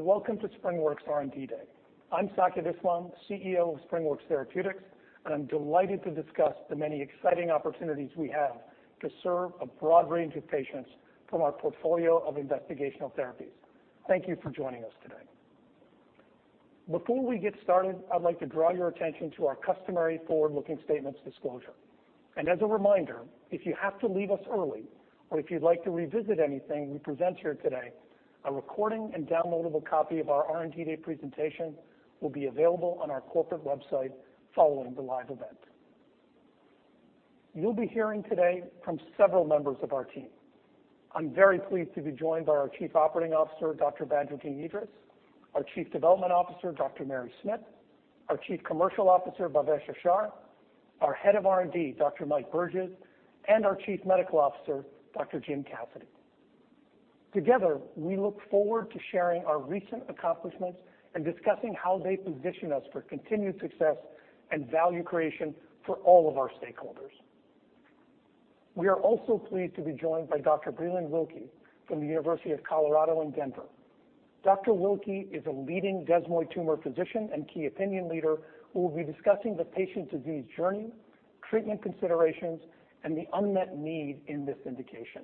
Welcome to SpringWorks R&D Day. I'm Saqib Islam, CEO of SpringWorks Therapeutics, and I'm delighted to discuss the many exciting opportunities we have to serve a broad range of patients from our portfolio of investigational therapies. Thank you for joining us today. Before we get started, I'd like to draw your attention to our customary forward-looking statements disclosure. As a reminder, if you have to leave us early or if you'd like to revisit anything we present here today, a recording and downloadable copy of our R&D Day presentation will be available on our corporate website following the live event. You'll be hearing today from several members of our team. I'm very pleased to be joined by our Chief Operating Officer, Dr. Badreddin Edris, our Chief Development Officer, Dr. Mary Smith, our Chief Commercial Officer, Bhavesh Ashar, our Head of R&D, Dr. Mike Burgess, and our Chief Medical Officer, Dr. Jim Cassidy. Together, we look forward to sharing our recent accomplishments and discussing how they position us for continued success and value creation for all of our stakeholders. We are also pleased to be joined by Dr. Breelyn Wilky from the University of Colorado in Denver. Dr. Wilky is a leading desmoid tumor physician and key opinion leader who will be discussing the patient's disease journey, treatment considerations, and the unmet need in this indication.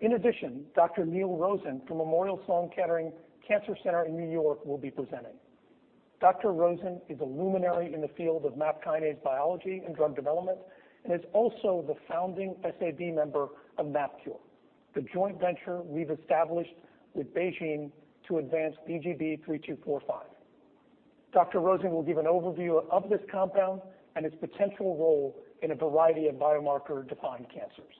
In addition, Dr. Neal Rosen from Memorial Sloan Kettering Cancer Center in New York will be presenting. Dr. Rosen is a luminary in the field of MAP kinase biology and drug development, and is also the founding SAB member of MapKure, the joint venture we've established with BeiGene to advance BGB-3245. Dr. Rosen will give an overview of this compound and its potential role in a variety of biomarker-defined cancers.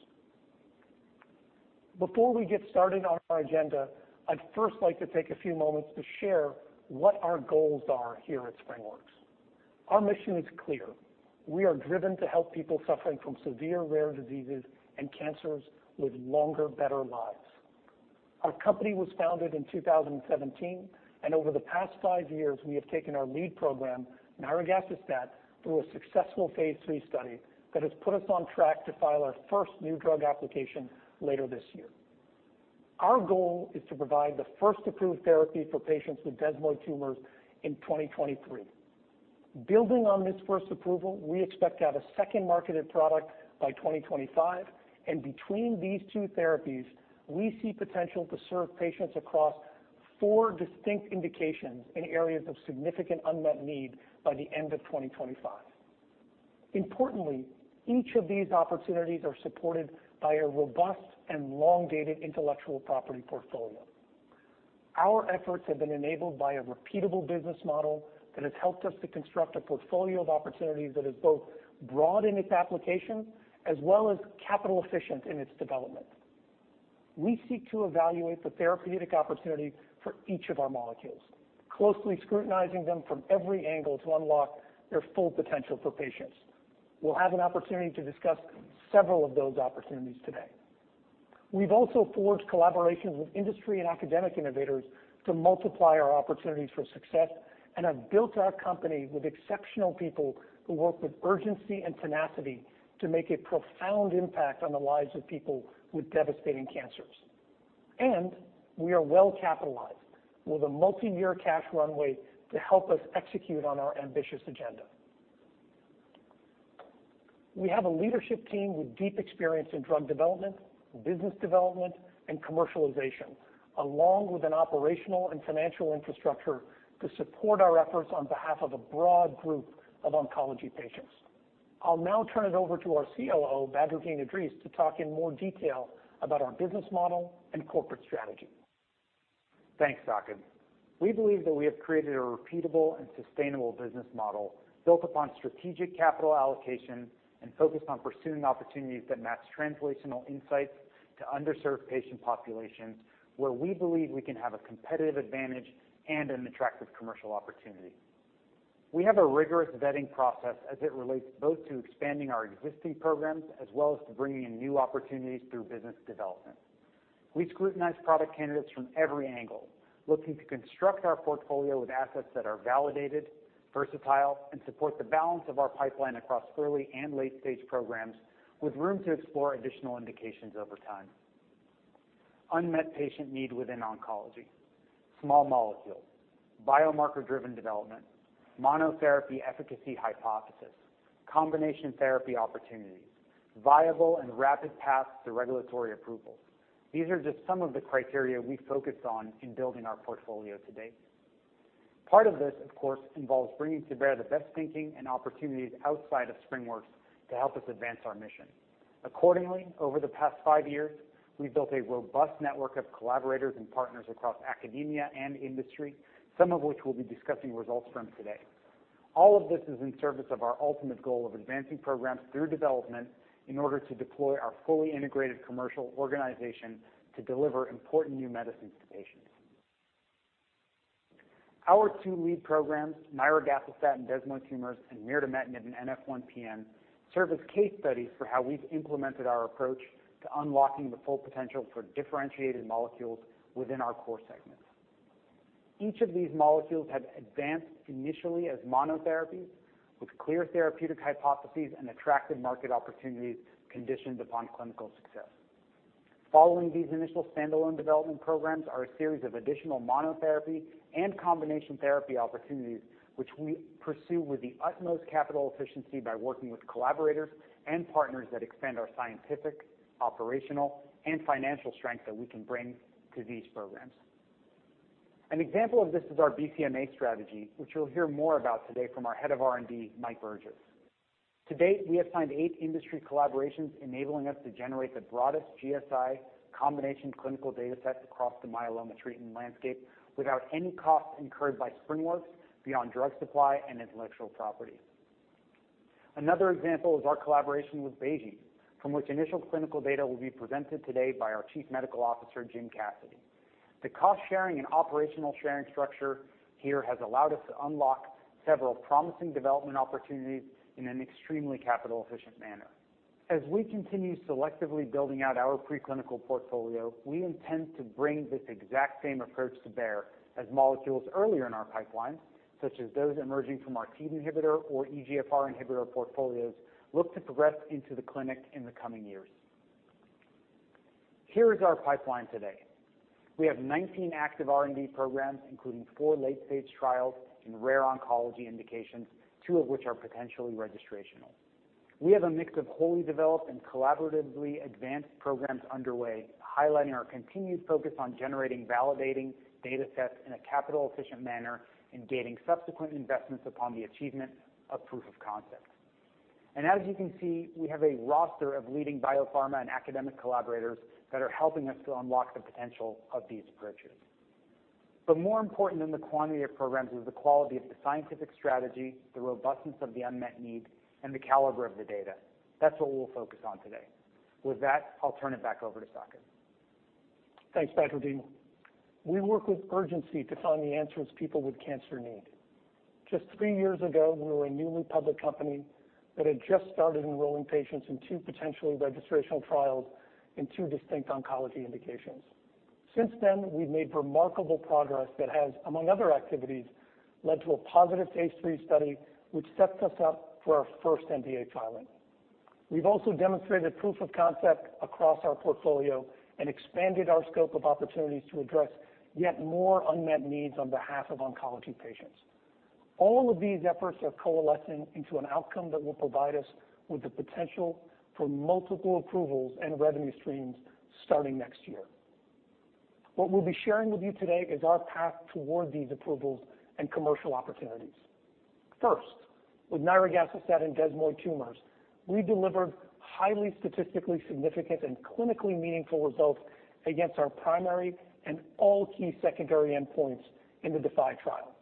Before we get started on our agenda, I'd first like to take a few moments to share what our goals are here at SpringWorks. Our mission is clear. We are driven to help people suffering from severe rare diseases and cancers live longer, better lives. Our company was founded in 2017, and over the past five years, we have taken our lead program, nirogacestat, through a successful phase III study that has put us on track to file our first new drug application later this year. Our goal is to provide the first approved therapy for patients with desmoid tumors in 2023. Building on this first approval, we expect to have a second marketed product by 2025, and between these two therapies, we see potential to serve patients across four distinct indications in areas of significant unmet need by the end of 2025. Importantly, each of these opportunities are supported by a robust and long-dated intellectual property portfolio. Our efforts have been enabled by a repeatable business model that has helped us to construct a portfolio of opportunities that is both broad in its application as well as capital efficient in its development. We seek to evaluate the therapeutic opportunity for each of our molecules, closely scrutinizing them from every angle to unlock their full potential for patients. We'll have an opportunity to discuss several of those opportunities today. We've also forged collaborations with industry and academic innovators to multiply our opportunities for success and have built our company with exceptional people who work with urgency and tenacity to make a profound impact on the lives of people with devastating cancers. We are well capitalized with a multi-year cash runway to help us execute on our ambitious agenda. We have a leadership team with deep experience in drug development, business development, and commercialization, along with an operational and financial infrastructure to support our efforts on behalf of a broad group of oncology patients. I'll now turn it over to our COO, Badreddin Edris, to talk in more detail about our business model and corporate strategy. Thanks, Saqib. We believe that we have created a repeatable and sustainable business model built upon strategic capital allocation and focused on pursuing opportunities that match translational insights to underserved patient populations where we believe we can have a competitive advantage and an attractive commercial opportunity. We have a rigorous vetting process as it relates both to expanding our existing programs as well as to bringing in new opportunities through business development. We scrutinize product candidates from every angle, looking to construct our portfolio with assets that are validated, versatile, and support the balance of our pipeline across early and late-stage programs with room to explore additional indications over time. Unmet patient need within oncology, small molecules, biomarker-driven development, monotherapy efficacy hypothesis, combination therapy opportunities, viable and rapid paths to regulatory approval. These are just some of the criteria we focused on in building our portfolio to date. Part of this, of course, involves bringing to bear the best thinking and opportunities outside of SpringWorks to help us advance our mission. Accordingly, over the past five years, we've built a robust network of collaborators and partners across academia and industry, some of which we'll be discussing results from today. All of this is in service of our ultimate goal of advancing programs through development in order to deploy our fully integrated commercial organization to deliver important new medicines to patients. Our two lead programs, nirogacestat in desmoid tumors and mirdametinib in NF1-PN, serve as case studies for how we've implemented our approach to unlocking the full potential for differentiated molecules within our core segments. Each of these molecules have advanced initially as monotherapies with clear therapeutic hypotheses and attractive market opportunities conditioned upon clinical success. Following these initial standalone development programs are a series of additional monotherapy and combination therapy opportunities, which we pursue with the utmost capital efficiency by working with collaborators and partners that expand our scientific, operational, and financial strength that we can bring to these programs. An example of this is our BCMA strategy, which you'll hear more about today from our Head of R&D, Mike Burgess. To date, we have signed eight industry collaborations enabling us to generate the broadest GSI combination clinical data sets across the myeloma treatment landscape without any cost incurred by SpringWorks beyond drug supply and intellectual property. Another example is our collaboration with BeiGene, from which initial clinical data will be presented today by our Chief Medical Officer, Jim Cassidy. The cost-sharing and operational sharing structure here has allowed us to unlock several promising development opportunities in an extremely capital-efficient manner. As we continue selectively building out our preclinical portfolio, we intend to bring this exact same approach to bear as molecules earlier in our pipeline, such as those emerging from our TEAD inhibitor or EGFR inhibitor portfolios look to progress into the clinic in the coming years. Here is our pipeline today. We have 19 active R&D programs, including four late-stage trials in rare oncology indications, two of which are potentially registrational. We have a mix of wholly developed and collaboratively advanced programs underway, highlighting our continued focus on generating validating data sets in a capital-efficient manner and gaining subsequent investments upon the achievement of proof of concept. As you can see, we have a roster of leading biopharma and academic collaborators that are helping us to unlock the potential of these approaches. More important than the quantity of programs is the quality of the scientific strategy, the robustness of the unmet need, and the caliber of the data. That's what we'll focus on today. With that, I'll turn it back over to Saqib. Thanks, Badreddin. We work with urgency to find the answers people with cancer need. Just three years ago, we were a newly public company that had just started enrolling patients in two potentially registrational trials in two distinct oncology indications. Since then, we've made remarkable progress that has, among other activities, led to a positive phase III study, which sets us up for our first NDA filing. We've also demonstrated proof of concept across our portfolio and expanded our scope of opportunities to address yet more unmet needs on behalf of oncology patients. All of these efforts are coalescing into an outcome that will provide us with the potential for multiple approvals and revenue streams starting next year. What we'll be sharing with you today is our path toward these approvals and commercial opportunities. First, with nirogacestat and desmoid tumors, we delivered highly statistically significant and clinically meaningful results against our primary and all key secondary endpoints in the DeFi trial,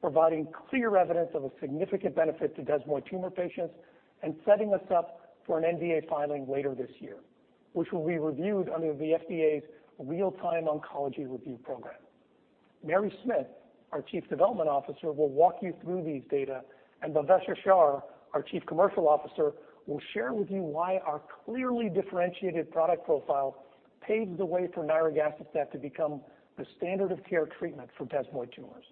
providing clear evidence of a significant benefit to desmoid tumor patients and setting us up for an NDA filing later this year, which will be reviewed under the FDA's Real-Time Oncology Review program. Mary Smith, our Chief Development Officer, will walk you through these data, and Bhavesh Ashar, our Chief Commercial Officer, will share with you why our clearly differentiated product profile paves the way for nirogacestat to become the standard of care treatment for desmoid tumors.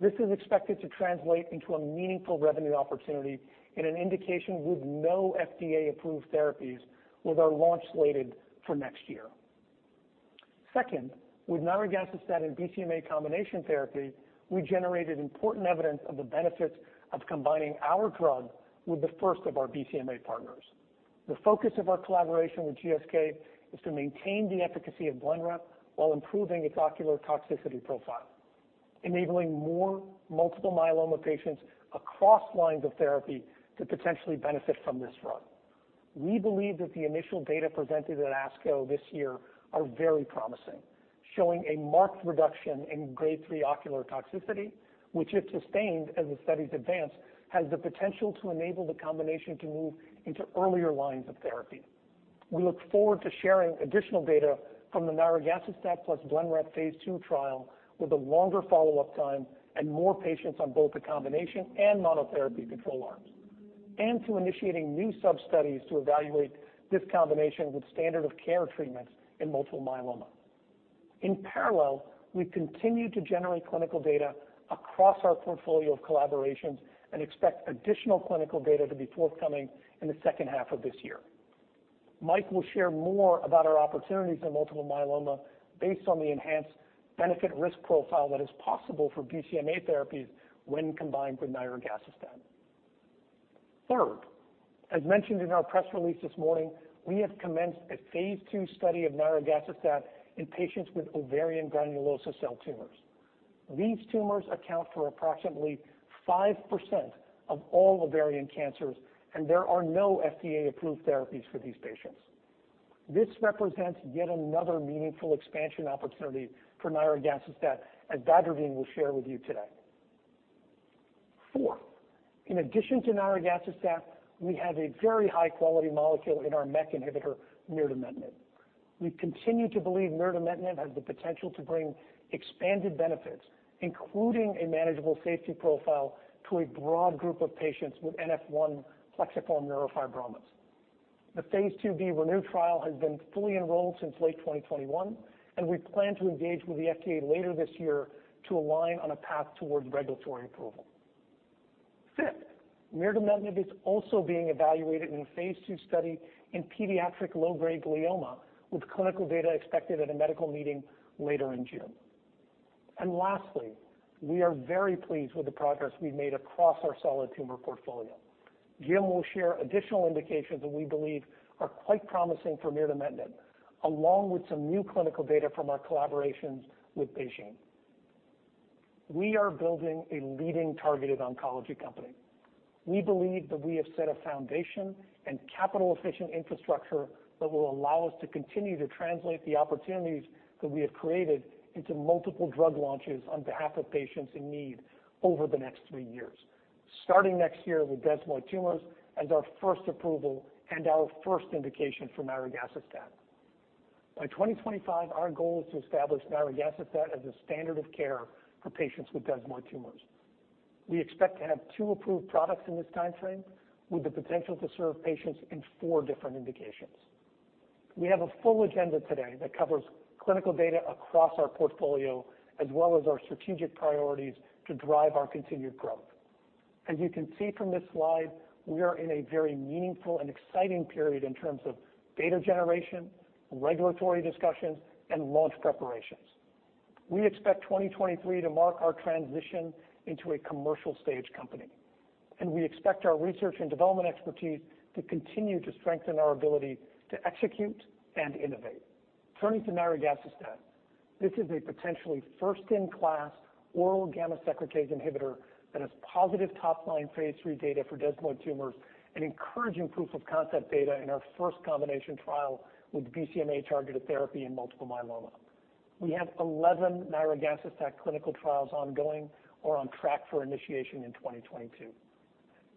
This is expected to translate into a meaningful revenue opportunity in an indication with no FDA-approved therapies with our launch slated for next year. Second, with nirogacestat and BCMA combination therapy, we generated important evidence of the benefits of combining our drug with the first of our BCMA partners. The focus of our collaboration with GSK is to maintain the efficacy of BLENREP while improving its ocular toxicity profile, enabling more multiple myeloma patients across lines of therapy to potentially benefit from this drug. We believe that the initial data presented at ASCO this year are very promising, showing a marked reduction in Grade 3 ocular toxicity, which if sustained as the studies advance, has the potential to enable the combination to move into earlier lines of therapy. We look forward to sharing additional data from the nirogacestat plus BLENREP phase II trial with a longer follow-up time and more patients on both the combination and monotherapy control arms, and to initiating new substudies to evaluate this combination with standard of care treatments in multiple myeloma. In parallel, we continue to generate clinical data across our portfolio of collaborations and expect additional clinical data to be forthcoming in the H2 of this year. Mike will share more about our opportunities in multiple myeloma based on the enhanced benefit risk profile that is possible for BCMA therapies when combined with nirogacestat. Third, as mentioned in our press release this morning, we have commenced a phase II study of nirogacestat in patients with ovarian granulosa cell tumors. These tumors account for approximately 5% of all ovarian cancers, and there are no FDA-approved therapies for these patients. This represents yet another meaningful expansion opportunity for nirogacestat, as Badreddin Edris will share with you today. Fourth, in addition to nirogacestat, we have a very high-quality molecule in our MEK inhibitor, mirdametinib. We continue to believe mirdametinib has the potential to bring expanded benefits, including a manageable safety profile to a broad group of patients with NF1 plexiform neurofibromas. The Phase IIb ReNeu trial has been fully enrolled since late 2021, and we plan to engage with the FDA later this year to align on a path towards regulatory approval. Fifth, mirdametinib is also being evaluated in a phase II study in pediatric low-grade glioma, with clinical data expected at a medical meeting later in June. Lastly, we are very pleased with the progress we've made across our solid tumor portfolio. Jim will share additional indications that we believe are quite promising for mirdametinib, along with some new clinical data from our collaborations with BeiGene. We are building a leading targeted oncology company. We believe that we have set a foundation and capital-efficient infrastructure that will allow us to continue to translate the opportunities that we have created into multiple drug launches on behalf of patients in need over the next three years, starting next year with desmoid tumors as our first approval and our first indication for nirogacestat. By 2025, our goal is to establish nirogacestat as a standard of care for patients with desmoid tumors. We expect to have two approved products in this time frame, with the potential to serve patients in four different indications. We have a full agenda today that covers clinical data across our portfolio, as well as our strategic priorities to drive our continued growth. As you can see from this slide, we are in a very meaningful and exciting period in terms of data generation, regulatory discussions, and launch preparations. We expect 2023 to mark our transition into a commercial-stage company, and we expect our research and development expertise to continue to strengthen our ability to execute and innovate. Turning to nirogacestat, this is a potentially first-in-class oral gamma secretase inhibitor that has positive top-line phase III data for desmoid tumors and encouraging proof-of-concept data in our first combination trial with BCMA-targeted therapy in multiple myeloma. We have 11 nirogacestat clinical trials ongoing or on track for initiation in 2022.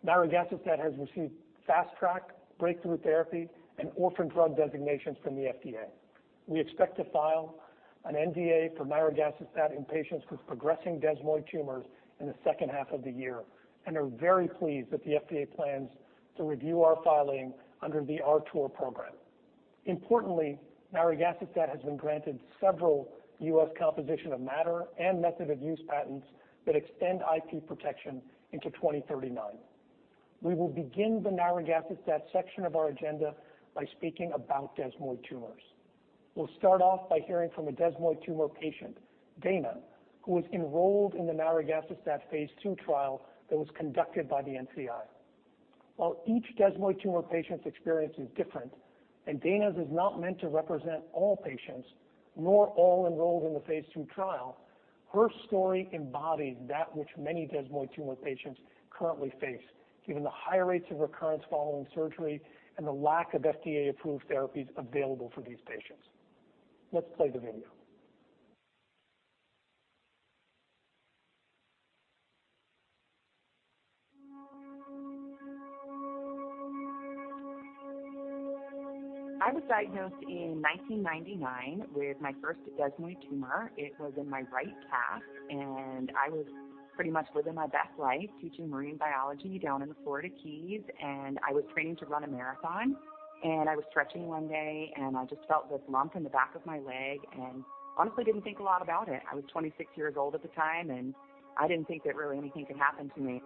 Nirogacestat has received Fast Track, Breakthrough Therapy, and Orphan Drug designations from the FDA. We expect to file an NDA for nirogacestat in patients with progressing desmoid tumors in the H2 of the year and are very pleased that the FDA plans to review our filing under the RTOR program. Importantly, nirogacestat has been granted several U.S. composition of matter and method of use patents that extend IP protection into 2039. We will begin the nirogacestat section of our agenda by speaking about desmoid tumors. We'll start off by hearing from a desmoid tumor patient, Dana, who was enrolled in the nirogacestat phase II trial that was conducted by the NCI. While each desmoid tumor patient's experience is different, and Dana's is not meant to represent all patients, nor all enrolled in the phase II trial, her story embodies that which many desmoid tumor patients currently face, given the high rates of recurrence following surgery and the lack of FDA-approved therapies available for these patients. Let's play the video. I was diagnosed in 1999 with my first desmoid tumor. It was in my right calf, and I was pretty much living my best life teaching marine biology down in the Florida Keys, and I was training to run a marathon. I was stretching one day, and I just felt this lump in the back of my leg, and honestly didn't think a lot about it. I was 26 years old at the time, and I didn't think that really anything could happen to me.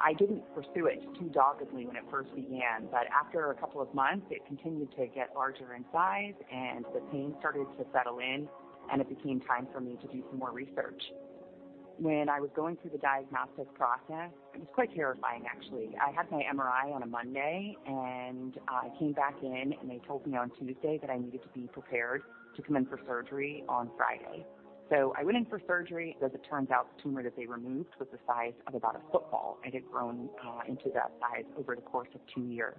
I didn't pursue it too doggedly when it first began, but after a couple of months, it continued to get larger in size and the pain started to settle in, and it became time for me to do some more research. When I was going through the diagnostic process, it was quite terrifying, actually. I had my MRI on a Monday, and I came back in, and they told me on Tuesday that I needed to be prepared to come in for surgery on Friday. I went in for surgery. As it turns out, the tumor that they removed was the size of about a football. It had grown into that size over the course of two years.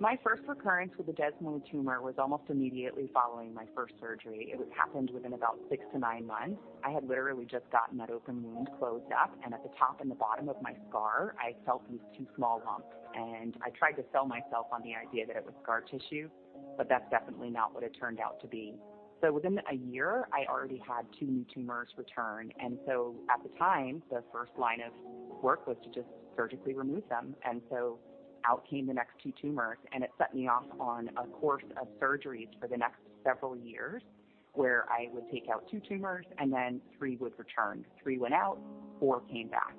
My first recurrence with a desmoid tumor was almost immediately following my first surgery. It happened within about six to nine months. I had literally just gotten that open wound closed up, and at the top and the bottom of my scar, I felt these two small lumps, and I tried to sell myself on the idea that it was scar tissue, but that's definitely not what it turned out to be. Within a year, I already had two new tumors return, and so at the time, the first line of work was to just surgically remove them. Out came the next two tumors, and it set me off on a course of surgeries for the next several years, where I would take out two tumors and then three would return. Three went out, four came back.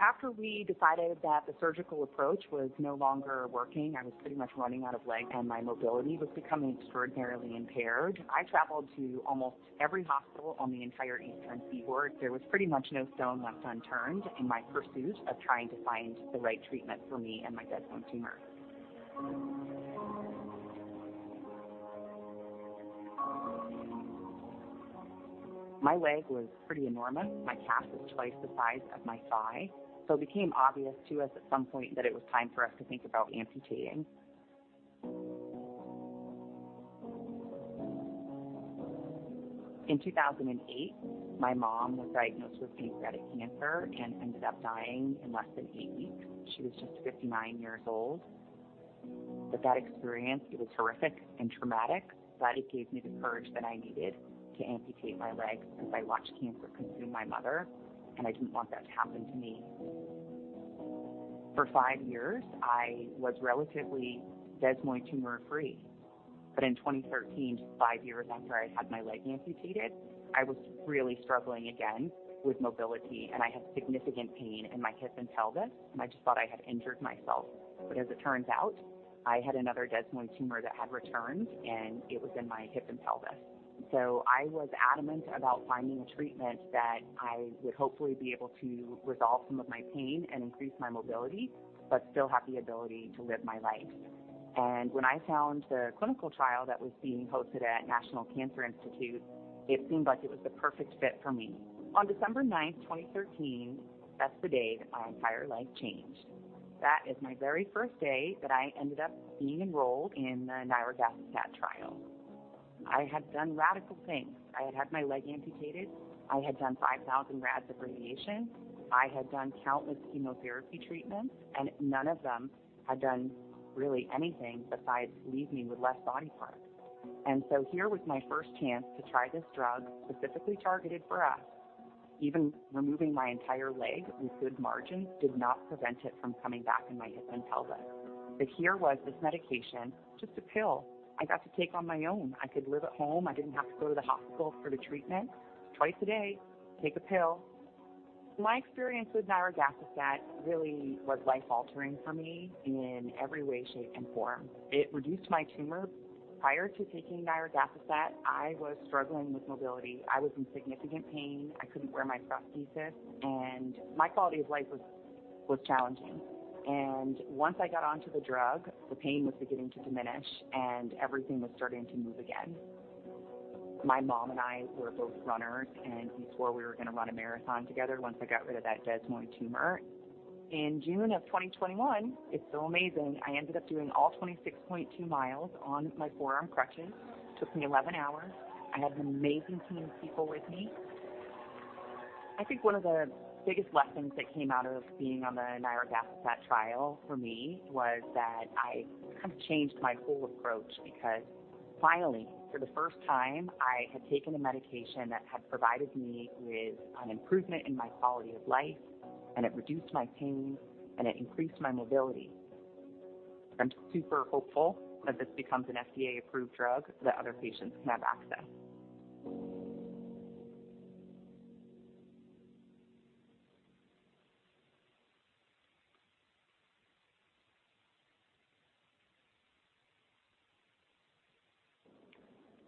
After we decided that the surgical approach was no longer working, I was pretty much running out of leg, and my mobility was becoming extraordinarily impaired. I traveled to almost every hospital on the entire Eastern Seaboard. There was pretty much no stone left unturned in my pursuit of trying to find the right treatment for me and my desmoid tumor. My leg was pretty enormous. My calf was twice the size of my thigh, so it became obvious to us at some point that it was time for us to think about amputating. In 2008, my mom was diagnosed with pancreatic cancer and ended up dying in less than eight weeks. She was just 59 years old. That experience, it was horrific and traumatic, but it gave me the courage that I needed to amputate my leg since I watched cancer consume my mother, and I didn't want that to happen to me. For five years, I was relatively desmoid tumor-free. In 2013, five years after I had my leg amputated, I was really struggling again with mobility, and I had significant pain in my hip and pelvis, and I just thought I had injured myself. As it turns out, I had another desmoid tumor that had returned, and it was in my hip and pelvis. I was adamant about finding a treatment that I would hopefully be able to resolve some of my pain and increase my mobility, but still have the ability to live my life. When I found the clinical trial that was being hosted at National Cancer Institute, it seemed like it was the perfect fit for me. On December 9th, 2013, that's the day that my entire life changed. That is my very first day that I ended up being enrolled in the nirogacestat trial. I had done radical things. I had had my leg amputated. I had done 5,000 rads of radiation. I had done countless chemotherapy treatments, and none of them had done really anything besides leave me with less body parts. Here was my first chance to try this drug specifically targeted for us. Even removing my entire leg with good margins did not prevent it from coming back in my hip and pelvis. But here was this medication, just a pill I got to take on my own. I could live at home. I didn't have to go to the hospital for the treatment. Twice a day, take a pill. My experience with nirogacestat really was life-altering for me in every way, shape, and form. It reduced my tumor. Prior to taking nirogacestat, I was struggling with mobility. I was in significant pain. I couldn't wear my prosthesis, and my quality of life was challenging. Once I got onto the drug, the pain was beginning to diminish and everything was starting to move again. My mom and I were both runners, and we swore we were gonna run a marathon together once I got rid of that desmoid tumor. In June of 2021, it's so amazing, I ended up doing all 26.2 miles on my forearm crutches. Took me 11 hours. I had an amazing team of people with me. I think one of the biggest lessons that came out of being on the nirogacestat trial for me was that I kind of changed my whole approach because finally, for the first time, I had taken a medication that had provided me with an improvement in my quality of life, and it reduced my pain, and it increased my mobility. I'm super hopeful that this becomes an FDA-approved drug that other patients can have access.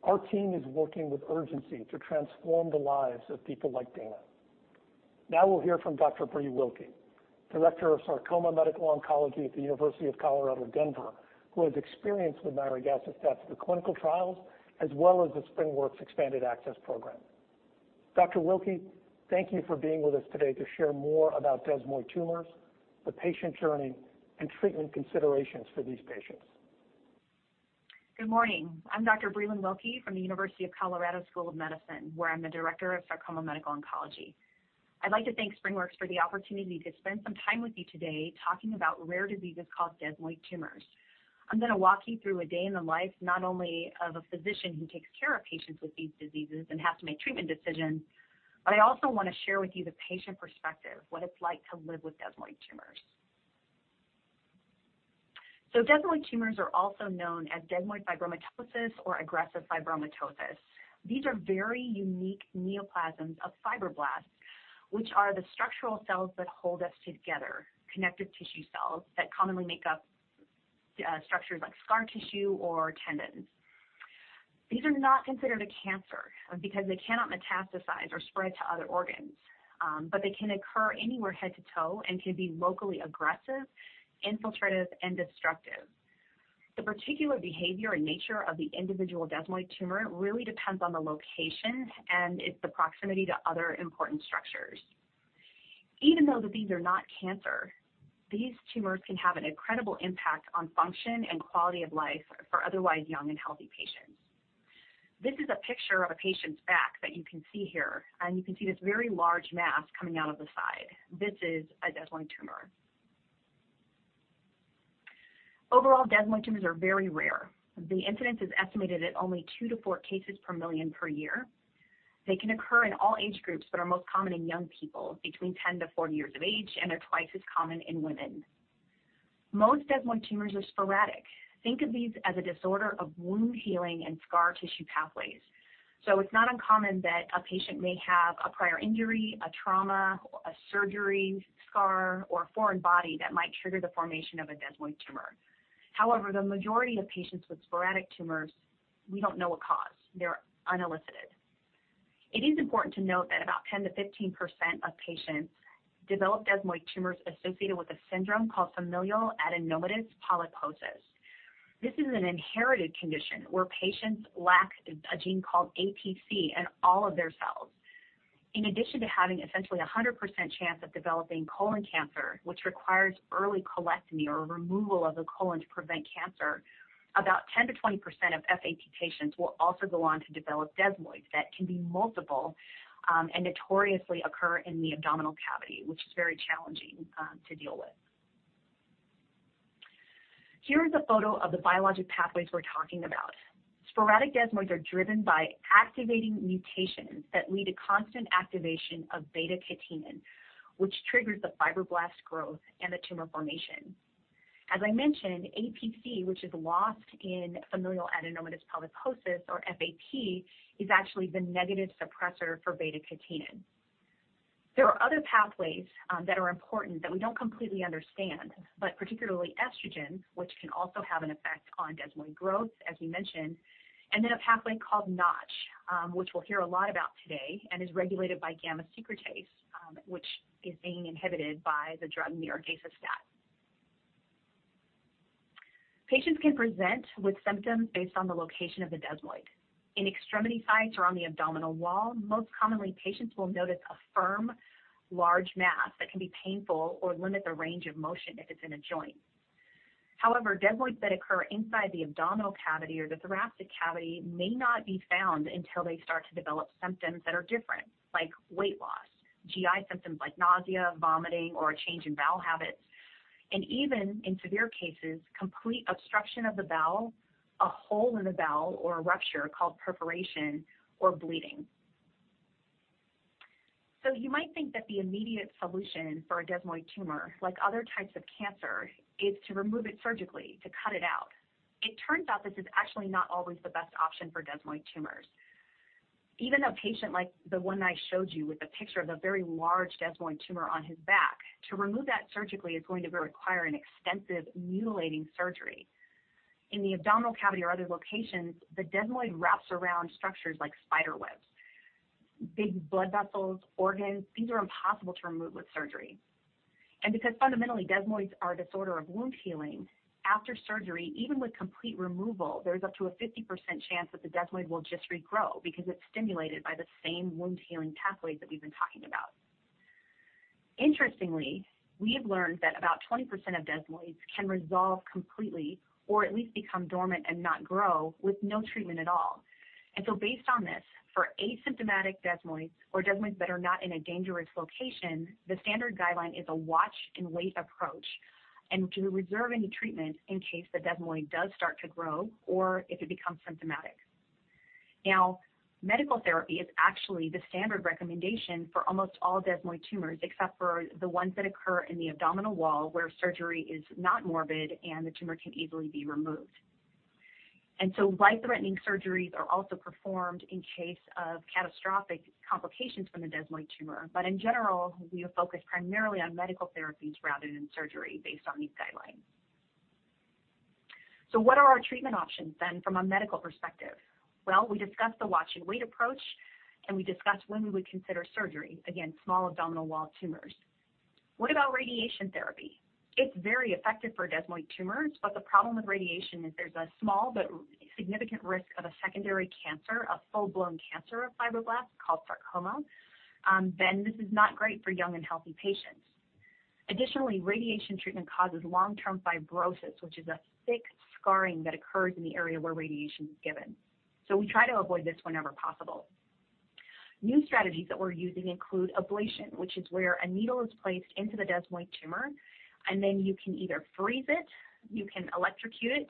Our team is working with urgency to transform the lives of people like Dana. Now we'll hear from Dr. Breelyn Wilky, Director of Sarcoma Medical Oncology at the University of Colorado, Denver, who has experience with nirogacestat through the clinical trials as well as the SpringWorks Expanded Access Program. Dr. Wilky, thank you for being with us today to share more about desmoid tumors, the patient journey, and treatment considerations for these patients. Good morning. I'm Dr. Breelyn Wilky from the University of Colorado School of Medicine, where I'm the Director of Sarcoma Medical Oncology. I'd like to thank SpringWorks for the opportunity to spend some time with you today talking about rare diseases called desmoid tumors. I'm gonna walk you through a day in the life not only of a physician who takes care of patients with these diseases and has to make treatment decisions, but I also wanna share with you the patient perspective, what it's like to live with desmoid tumors. Desmoid tumors are also known as desmoid fibromatosis or aggressive fibromatosis. These are very unique neoplasms of fibroblasts, which are the structural cells that hold us together, connective tissue cells that commonly make up structures like scar tissue or tendons. These are not considered a cancer because they cannot metastasize or spread to other organs. They can occur anywhere head to toe and can be locally aggressive, infiltrative, and destructive. The particular behavior and nature of the individual desmoid tumor really depends on the location and its proximity to other important structures. Even though that these are not cancer, these tumors can have an incredible impact on function and quality of life for otherwise young and healthy patients. This is a picture of a patient's back that you can see here, and you can see this very large mass coming out of the side. This is a desmoid tumor. Overall, desmoid tumors are very rare. The incidence is estimated at only two-four cases per million per year. They can occur in all age groups, but are most common in young people between 10-40 years of age, and they're twice as common in women. Most desmoid tumors are sporadic. Think of these as a disorder of wound healing and scar tissue pathways. It's not uncommon that a patient may have a prior injury, a trauma, a surgery scar, or a foreign body that might trigger the formation of a desmoid tumor. However, the majority of patients with sporadic tumors, we don't know a cause. They're unelicited. It is important to note that about 10%-15% of patients develop desmoid tumors associated with a syndrome called Familial Adenomatous Polyposis. This is an inherited condition where patients lack a gene called APC in all of their cells. In addition to having essentially a 100% chance of developing colon cancer, which requires early colectomy or removal of the colon to prevent cancer, about 10%-20% of FAP patients will also go on to develop desmoids that can be multiple, and notoriously occur in the abdominal cavity, which is very challenging to deal with. Here is a photo of the biologic pathways we're talking about. Sporadic desmoids are driven by activating mutations that lead to constant activation of beta-catenin, which triggers the fibroblast growth and the tumor formation. As I mentioned, APC, which is lost in familial adenomatous polyposis or FAP, is actually the negative suppressor for beta-catenin. There are other pathways that are important that we don't completely understand, but particularly estrogen, which can also have an effect on desmoid growth, as we mentioned, and then a pathway called Notch, which we'll hear a lot about today and is regulated by gamma secretase, which is being inhibited by the drug nirogacestat. Patients can present with symptoms based on the location of the desmoid. In extremity sites or on the abdominal wall, most commonly, patients will notice a firm, large mass that can be painful or limit the range of motion if it's in a joint. However, desmoids that occur inside the abdominal cavity or the thoracic cavity may not be found until they start to develop symptoms that are different, like weight loss, GI symptoms like nausea, vomiting, or a change in bowel habits, and even in severe cases, complete obstruction of the bowel, a hole in the bowel or a rupture called perforation or bleeding. You might think that the immediate solution for a desmoid tumor, like other types of cancer, is to remove it surgically, to cut it out. It turns out this is actually not always the best option for desmoid tumors. Even a patient like the one I showed you with the picture of the very large desmoid tumor on his back, to remove that surgically is going to require an extensive mutilating surgery. In the abdominal cavity or other locations, the desmoid wraps around structures like spider webs. Big blood vessels, organs, these are impossible to remove with surgery. Because fundamentally desmoids are a disorder of wound healing, after surgery, even with complete removal, there's up to a 50% chance that the desmoid will just regrow because it's stimulated by the same wound healing pathways that we've been talking about. Interestingly, we have learned that about 20% of desmoids can resolve completely or at least become dormant and not grow with no treatment at all. Based on this, for asymptomatic desmoids or desmoids that are not in a dangerous location, the standard guideline is a watch and wait approach, and to reserve any treatment in case the desmoid does start to grow or if it becomes symptomatic. Now, medical therapy is actually the standard recommendation for almost all desmoid tumors, except for the ones that occur in the abdominal wall where surgery is not morbid and the tumor can easily be removed. Life-threatening surgeries are also performed in case of catastrophic complications from the desmoid tumor. In general, we are focused primarily on medical therapies rather than surgery based on these guidelines. What are our treatment options then from a medical perspective? Well, we discussed the watch and wait approach, and we discussed when we would consider surgery. Again, small abdominal wall tumors. What about radiation therapy? It's very effective for desmoid tumors, but the problem with radiation is there's a small but significant risk of a secondary cancer, a full-blown cancer of fibroblasts called sarcoma. This is not great for young and healthy patients. Radiation treatment causes long-term fibrosis, which is a thick scarring that occurs in the area where radiation is given. We try to avoid this whenever possible. New strategies that we're using include ablation, which is where a needle is placed into the desmoid tumor, and then you can either freeze it, you can electrocute it,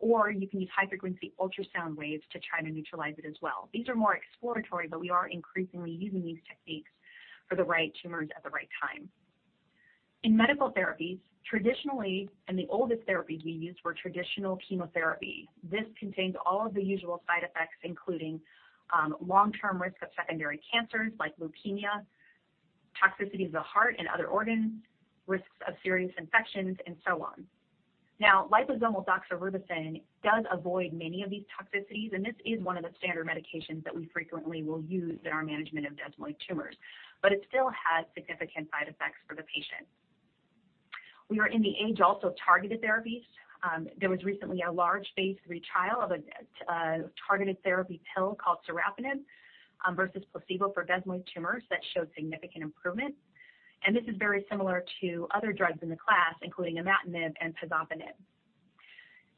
or you can use high-frequency ultrasound waves to try to neutralize it as well. These are more exploratory, but we are increasingly using these techniques for the right tumors at the right time. In medical therapies, the oldest therapies we used were traditional chemotherapy. This contained all of the usual side effects, including long-term risk of secondary cancers like leukemia, toxicity of the heart and other organs, risks of serious infections, and so on. Now, liposomal doxorubicin does avoid many of these toxicities, and this is one of the standard medications that we frequently will use in our management of desmoid tumors. It still has significant side effects for the patient. We are in the age also of targeted therapies. There was recently a large phase III trial of a targeted therapy pill called sorafenib versus placebo for desmoid tumors that showed significant improvement. This is very similar to other drugs in the class, including imatinib and pazopanib.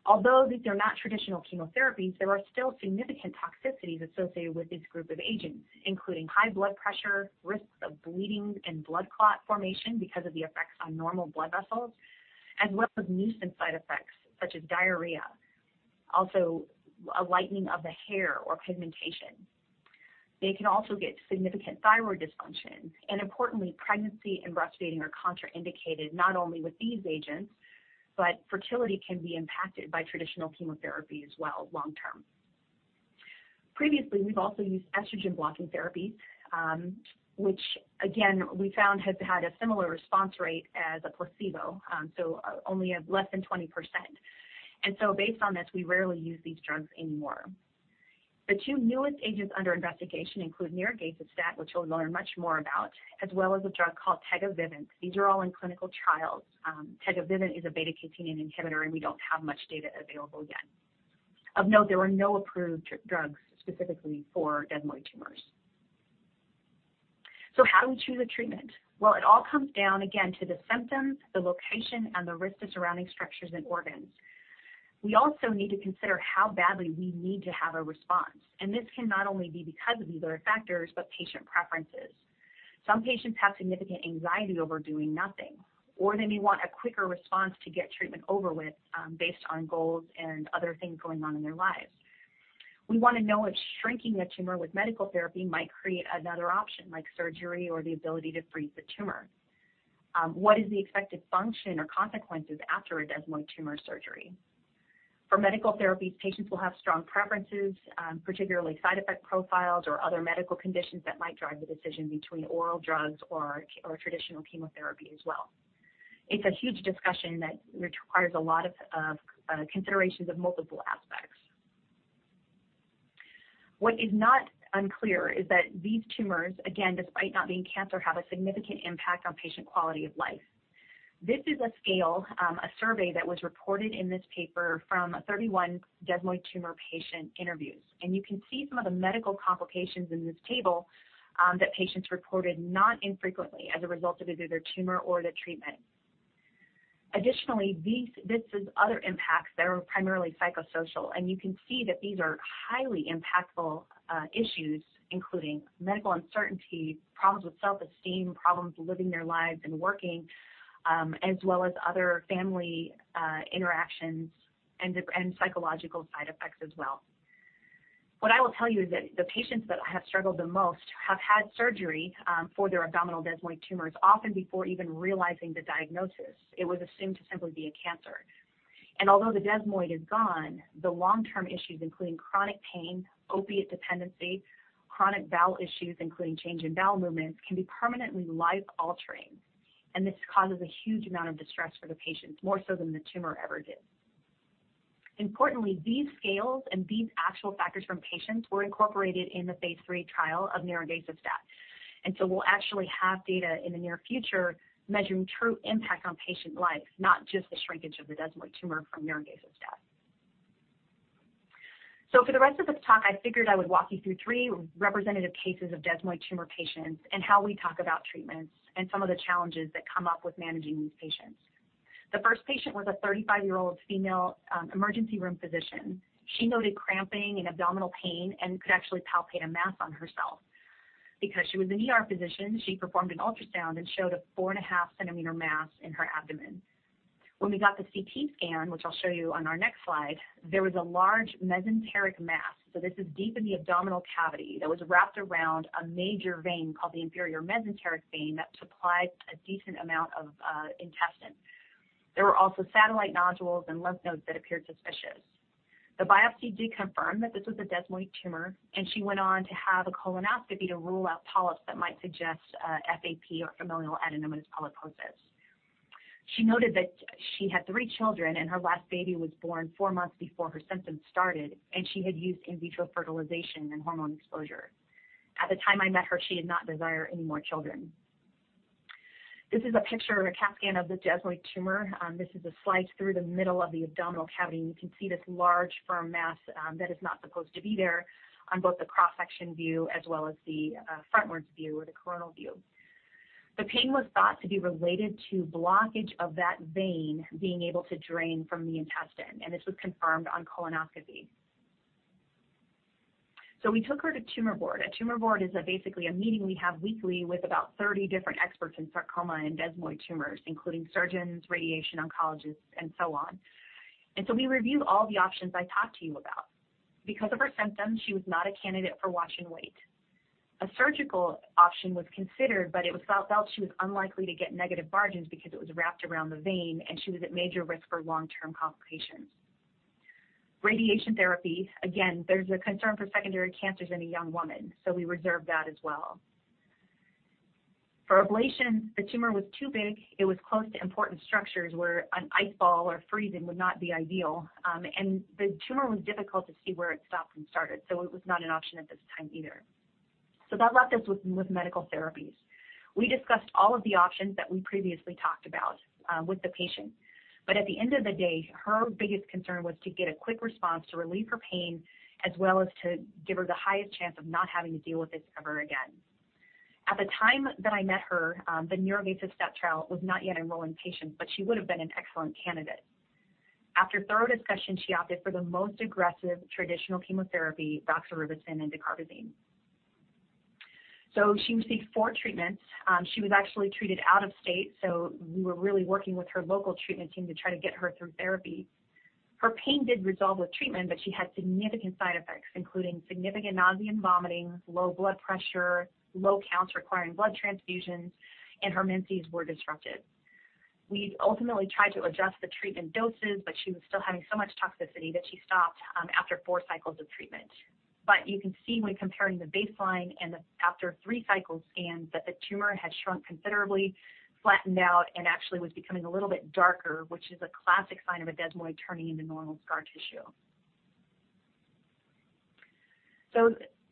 Although these are not traditional chemotherapies, there are still significant toxicities associated with this group of agents, including high blood pressure, risks of bleeding and blood clot formation because of the effects on normal blood vessels, as well as nuisance side effects such as diarrhea, also a lightening of the hair or pigmentation. They can also get significant thyroid dysfunction, and importantly, pregnancy and breastfeeding are contraindicated not only with these agents, but fertility can be impacted by traditional chemotherapy as well, long term. Previously, we've also used estrogen-blocking therapy, which again, we found has had a similar response rate as a placebo, so only less than 20%. Based on this, we rarely use these drugs anymore. The two newest agents under investigation include nirogacestat, which we'll learn much more about, as well as a drug called tegavivint. These are all in clinical trials. Tegavivint is a beta-catenin inhibitor, and we don't have much data available yet. Of note, there are no approved drugs specifically for desmoid tumors. How do we choose a treatment? Well, it all comes down again to the symptoms, the location, and the risk to surrounding structures and organs. We also need to consider how badly we need to have a response, and this can not only be because of these other factors, but patient preferences. Some patients have significant anxiety over doing nothing, or they may want a quicker response to get treatment over with, based on goals and other things going on in their lives. We want to know if shrinking a tumor with medical therapy might create another option like surgery or the ability to freeze the tumor. What is the expected function or consequences after a desmoid tumor surgery? For medical therapies, patients will have strong preferences, particularly side effect profiles or other medical conditions that might drive the decision between oral drugs or traditional chemotherapy as well. It's a huge discussion that requires a lot of considerations of multiple aspects. What is not unclear is that these tumors, again, despite not being cancer, have a significant impact on patient quality of life. This is a scale, a survey that was reported in this paper from 31 desmoid tumor patient interviews. You can see some of the medical complications in this table, that patients reported not infrequently as a result of either their tumor or the treatment. Additionally, this is other impacts that are primarily psychosocial, and you can see that these are highly impactful, issues, including medical uncertainty, problems with self-esteem, problems living their lives and working, as well as other family, interactions and psychological side effects as well. What I will tell you is that the patients that have struggled the most have had surgery, for their abdominal desmoid tumors, often before even realizing the diagnosis. It was assumed to simply be a cancer. Although the desmoid is gone, the long-term issues, including chronic pain, opiate dependency, chronic bowel issues, including change in bowel movements, can be permanently life-altering. This causes a huge amount of distress for the patients, more so than the tumor ever did. Importantly, these scales and these actual factors from patients were incorporated in the phase III trial of nirogacestat. We'll actually have data in the near future measuring true impact on patient life, not just the shrinkage of the desmoid tumor from nirogacestat. For the rest of this talk, I figured I would walk you through 3 representative cases of desmoid tumor patients and how we talk about treatments and some of the challenges that come up with managing these patients. The first patient was a 35-year-old female, emergency room physician. She noted cramping and abdominal pain and could actually palpate a mass on herself. Because she was an ER physician, she performed an ultrasound and showed a 4.5 cm mass in her abdomen. When we got the CT scan, which I'll show you on our next slide, there was a large mesenteric mass. This is deep in the abdominal cavity that was wrapped around a major vein called the inferior mesenteric vein that supplies a decent amount of intestine. There were also satellite nodules and lymph nodes that appeared suspicious. The biopsy did confirm that this was a desmoid tumor, and she went on to have a colonoscopy to rule out polyps that might suggest FAP or familial adenomatous polyposis. She noted that she had three children, and her last baby was born four months before her symptoms started, and she had used in vitro fertilization and hormone exposure. At the time I met her, she did not desire any more children. This is a picture of a CT scan of the desmoid tumor. This is a slice through the middle of the abdominal cavity, and you can see this large firm mass, that is not supposed to be there on both the cross-section view as well as the frontwards view or the coronal view. The pain was thought to be related to blockage of that vein being able to drain from the intestine, and this was confirmed on colonoscopy. We took her to tumor board. A tumor board is basically a meeting we have weekly with about 30 different experts in sarcoma and desmoid tumors, including surgeons, radiation oncologists, and so on. We review all the options I talked to you about. Because of her symptoms, she was not a candidate for watch and wait. A surgical option was considered, but it was thought that she was unlikely to get negative margins because it was wrapped around the vein, and she was at major risk for long-term complications. Radiation therapy, again, there's a concern for secondary cancers in a young woman, so we reserved that as well. For ablation, the tumor was too big. It was close to important structures where an ice ball or freezing would not be ideal. The tumor was difficult to see where it stopped and started, so it was not an option at this time either. That left us with medical therapies. We discussed all of the options that we previously talked about with the patient. At the end of the day, her biggest concern was to get a quick response to relieve her pain, as well as to give her the highest chance of not having to deal with this ever again. At the time that I met her, the nirogacestat trial was not yet enrolling patients, but she would have been an excellent candidate. After thorough discussion, she opted for the most aggressive traditional chemotherapy, doxorubicin and dacarbazine. She received four treatments. She was actually treated out of state, so we were really working with her local treatment team to try to get her through therapy. Her pain did resolve with treatment, but she had significant side effects, including significant nausea and vomiting, low blood pressure, low counts requiring blood transfusions, and her menses were disrupted. We ultimately tried to adjust the treatment doses, but she was still having so much toxicity that she stopped after four cycles of treatment. You can see when comparing the baseline and the after three cycle scans that the tumor had shrunk considerably, flattened out, and actually was becoming a little bit darker, which is a classic sign of a desmoid turning into normal scar tissue.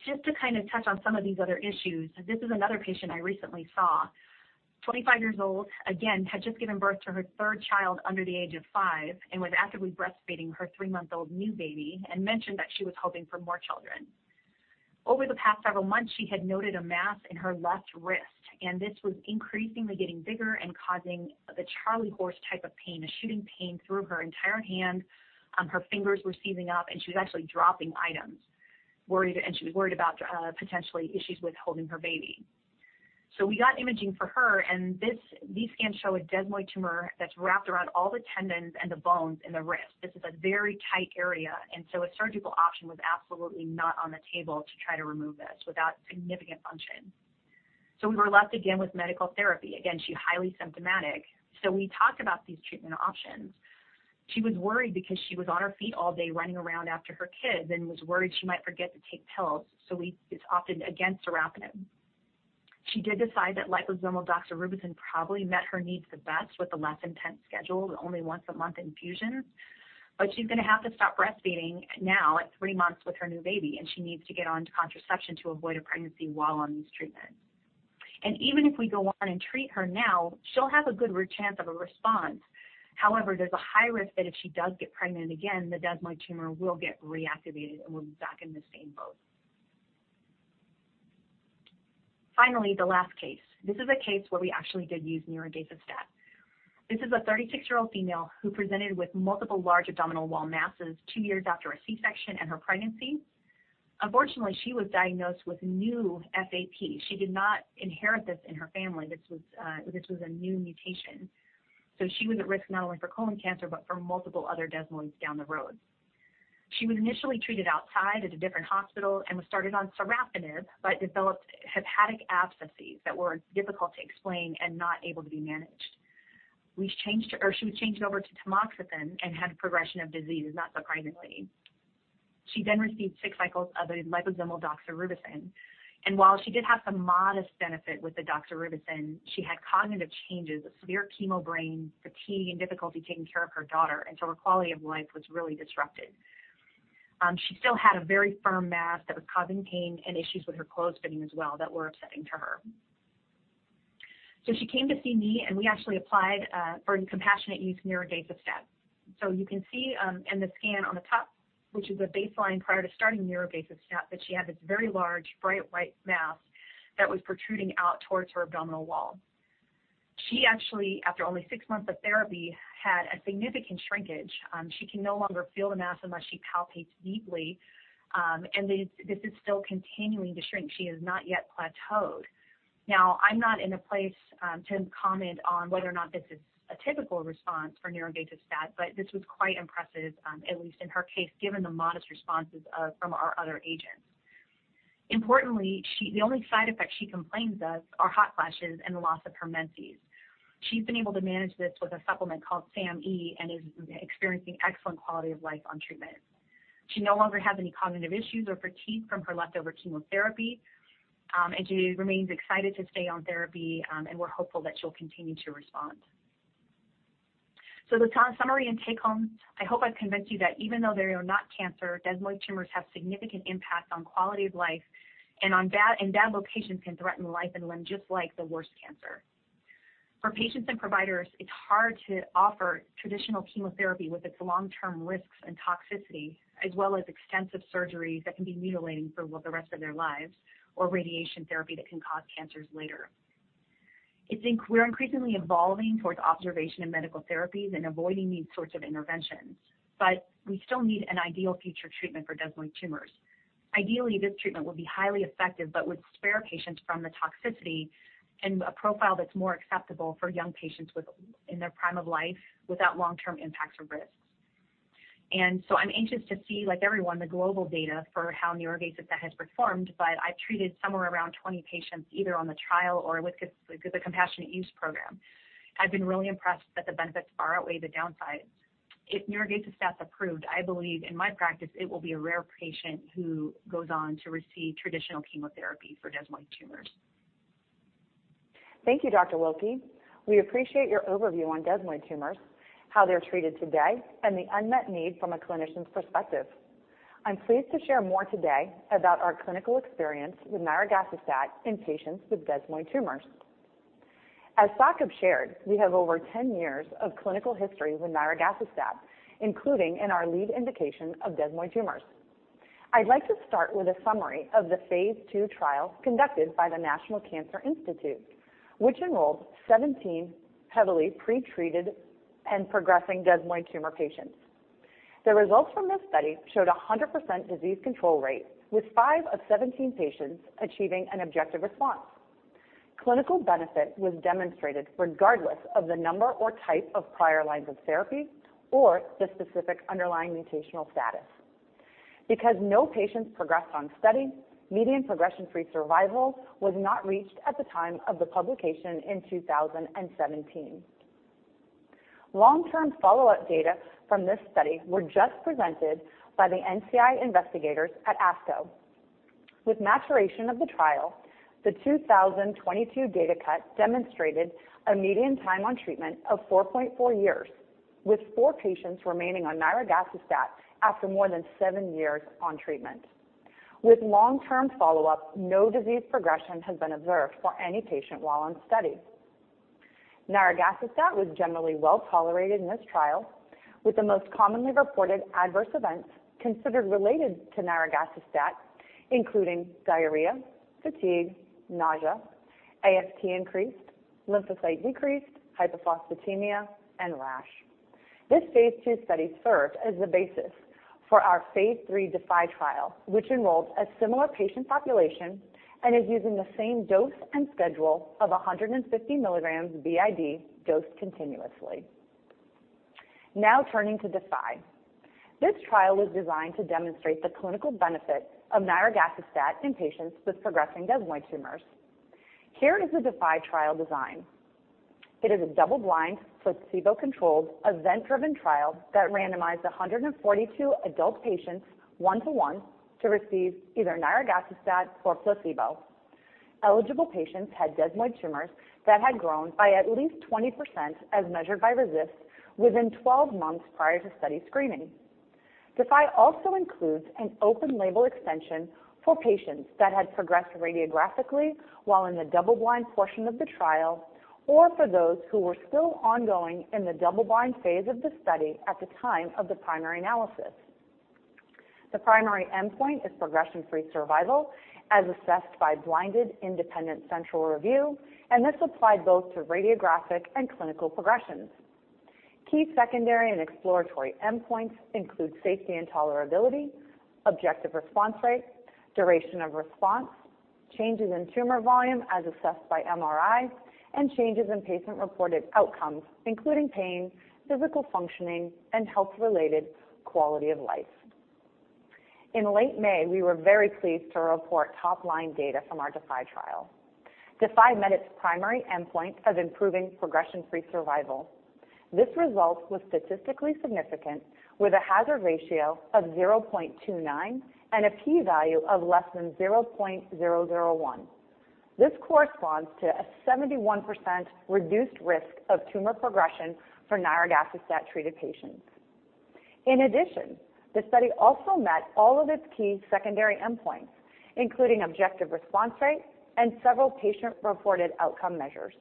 Just to kind of touch on some of these other issues, this is another patient I recently saw. 25 years old, again, had just given birth to her third child under the age of five and was actively breastfeeding her three-month-old new baby and mentioned that she was hoping for more children. Over the past several months, she had noted a mass in her left wrist, and this was increasingly getting bigger and causing the charley horse type of pain, a shooting pain through her entire hand. Her fingers were seizing up, and she was actually dropping items, worried and she was worried about potentially issues with holding her baby. We got imaging for her, and these scans show a desmoid tumor that's wrapped around all the tendons and the bones in the wrist. This is a very tight area, and a surgical option was absolutely not on the table to try to remove this without significant function. We were left again with medical therapy. Again, she's highly symptomatic. We talked about these treatment options. She was worried because she was on her feet all day running around after her kids and was worried she might forget to take pills, so just opted against sorafenib. She did decide that liposomal doxorubicin probably met her needs the best with a less intense schedule, the only once-a-month infusions. She's gonna have to stop breastfeeding now at three months with her new baby, and she needs to get onto contraception to avoid a pregnancy while on these treatments. Even if we go on and treat her now, she'll have a good chance of a response. However, there's a high risk that if she does get pregnant again, the desmoid tumor will get reactivated, and we'll be back in the same boat. Finally, the last case. This is a case where we actually did use nirogacestat. This is a 36-year-old female who presented with multiple large abdominal wall masses two years after a C-section and her pregnancy. Unfortunately, she was diagnosed with new FAP. She did not inherit this in her family. This was a new mutation. She was at risk not only for colon cancer but for multiple other desmoids down the road. She was initially treated outside at a different hospital and was started on sorafenib but developed hepatic abscesses that were difficult to explain and not able to be managed. She was changed over to tamoxifen and had progression of disease, not surprisingly. She received six cycles of a liposomal doxorubicin. While she did have some modest benefit with the doxorubicin, she had cognitive changes, severe chemo brain, fatigue, and difficulty taking care of her daughter, and so her quality of life was really disrupted. She still had a very firm mass that was causing pain and issues with her clothes fitting as well that were upsetting to her. She came to see me, and we actually applied for compassionate use nirogacestat. You can see in the scan on the top, which is a baseline prior to starting nirogacestat, that she had this very large, bright white mass that was protruding out towards her abdominal wall. She actually, after only six months of therapy, had a significant shrinkage. She can no longer feel the mass unless she palpates deeply. This is still continuing to shrink. She has not yet plateaued. Now, I'm not in a place to comment on whether or not this is a typical response for nirogacestat, but this was quite impressive, at least in her case, given the modest responses from our other agents. Importantly, the only side effects she complains of are hot flashes and the loss of her menses. She's been able to manage this with a supplement called SAMe and is experiencing excellent quality of life on treatment. She no longer has any cognitive issues or fatigue from her leftover chemotherapy, and she remains excited to stay on therapy, and we're hopeful that she'll continue to respond. The summary and take home, I hope I've convinced you that even though they are not cancer, desmoid tumors have significant impact on quality of life and in bad locations can threaten life and limb just like the worst cancer. For patients and providers, it's hard to offer traditional chemotherapy with its long-term risks and toxicity, as well as extensive surgeries that can be mutilating for the rest of their lives or radiation therapy that can cause cancers later. We're increasingly evolving towards observation and medical therapies and avoiding these sorts of interventions, but we still need an ideal future treatment for desmoid tumors. Ideally, this treatment will be highly effective but would spare patients from the toxicity and a profile that's more acceptable for young patients in their prime of life without long-term impacts or risks. I'm anxious to see, like everyone, the global data for how nirogacestat has performed, but I've treated somewhere around 20 patients either on the trial or with the compassionate use program. I've been really impressed that the benefits far outweigh the downsides. If nirogacestat's approved, I believe in my practice it will be a rare patient who goes on to receive traditional chemotherapy for desmoid tumors. Thank you, Dr. Wilky. We appreciate your overview on desmoid tumors, how they're treated today, and the unmet need from a clinician's perspective. I'm pleased to share more today about our clinical experience with nirogacestat in patients with desmoid tumors. As Saqib shared, we have over 10 years of clinical history with nirogacestat, including in our lead indication of desmoid tumors. I'd like to start with a summary of the phase II trial conducted by the National Cancer Institute, which enrolled 17 heavily pretreated and progressing desmoid tumor patients. The results from this study showed a 100% disease control rate, with five of 17 patients achieving an objective response. Clinical benefit was demonstrated regardless of the number or type of prior lines of therapy or the specific underlying mutational status. Because no patients progressed on study, median progression-free survival was not reached at the time of the publication in 2017. Long-term follow-up data from this study were just presented by the NCI investigators at ASCO. With maturation of the trial, the 2022 data cut demonstrated a median time on treatment of 4.4 years, with four patients remaining on nirogacestat after more than seven years on treatment. With long-term follow-up, no disease progression has been observed for any patient while on study. Nirogacestat was generally well-tolerated in this trial, with the most commonly reported adverse events considered related to nirogacestat, including diarrhea, fatigue, nausea, AST increased, lymphocyte decreased, hypophosphatemia, and rash. This phase II study served as the basis for our phase III DeFi trial, which enrolled a similar patient population and is using the same dose and schedule of 150 milligrams BID dosed continuously. Now turning to DeFi. This trial was designed to demonstrate the clinical benefit of nirogacestat in patients with progressing desmoid tumors. Here is the DeFi trial design. It is a double-blind, placebo-controlled, event-driven trial that randomized 142 adult patients 1:1 to receive either nirogacestat or placebo. Eligible patients had desmoid tumors that had grown by at least 20% as measured by RECIST within 12 months prior to study screening. DeFi also includes an open label extension for patients that had progressed radiographically while in the double-blind portion of the trial, or for those who were still ongoing in the double-blind phase of the study at the time of the primary analysis. The primary endpoint is progression-free survival as assessed by blinded independent central review, and this applied both to radiographic and clinical progressions. Key secondary and exploratory endpoints include safety and tolerability, objective response rate, duration of response, changes in tumor volume as assessed by MRI, and changes in patient-reported outcomes, including pain, physical functioning, and health-related quality of life. In late May, we were very pleased to report top-line data from our DeFi trial. DeFi met its primary endpoint of improving progression-free survival. This result was statistically significant with a hazard ratio of 0.29 and a P value of less than 0.001. This corresponds to a 71% reduced risk of tumor progression for nirogacestat treated patients. In addition, the study also met all of its key secondary endpoints, including objective response rate and several patient-reported outcome measures.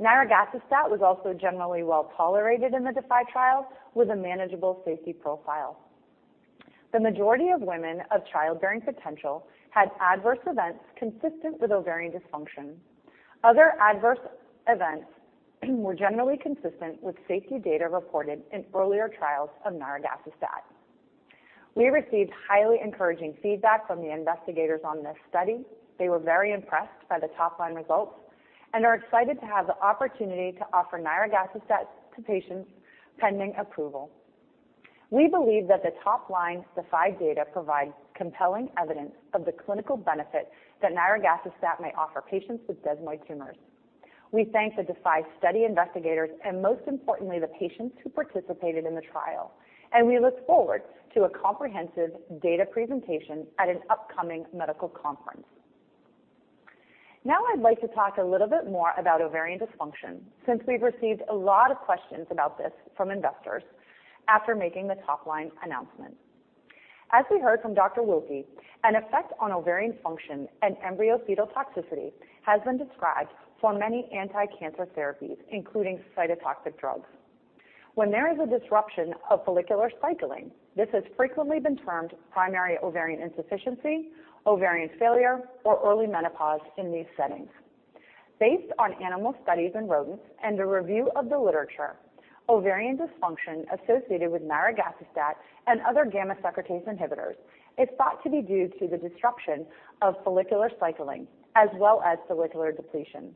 Nirogacestat was also generally well tolerated in the DeFi trial with a manageable safety profile. The majority of women of childbearing potential had adverse events consistent with ovarian dysfunction. Other adverse events were generally consistent with safety data reported in earlier trials of nirogacestat. We received highly encouraging feedback from the investigators on this study. They were very impressed by the top-line results and are excited to have the opportunity to offer nirogacestat to patients pending approval. We believe that the top-line DeFi data provides compelling evidence of the clinical benefit that nirogacestat may offer patients with desmoid tumors. We thank the DeFi study investigators and most importantly, the patients who participated in the trial, and we look forward to a comprehensive data presentation at an upcoming medical conference. Now I'd like to talk a little bit more about ovarian dysfunction since we've received a lot of questions about this from investors after making the top-line announcement. As we heard from Dr. Wilky, an effect on ovarian function and embryo fetal toxicity has been described for many anti-cancer therapies, including cytotoxic drugs. When there is a disruption of follicular cycling, this has frequently been termed primary ovarian insufficiency, ovarian failure, or early menopause in these settings. Based on animal studies in rodents and a review of the literature, ovarian dysfunction associated with nirogacestat and other gamma secretase inhibitors is thought to be due to the disruption of follicular cycling as well as follicular depletion.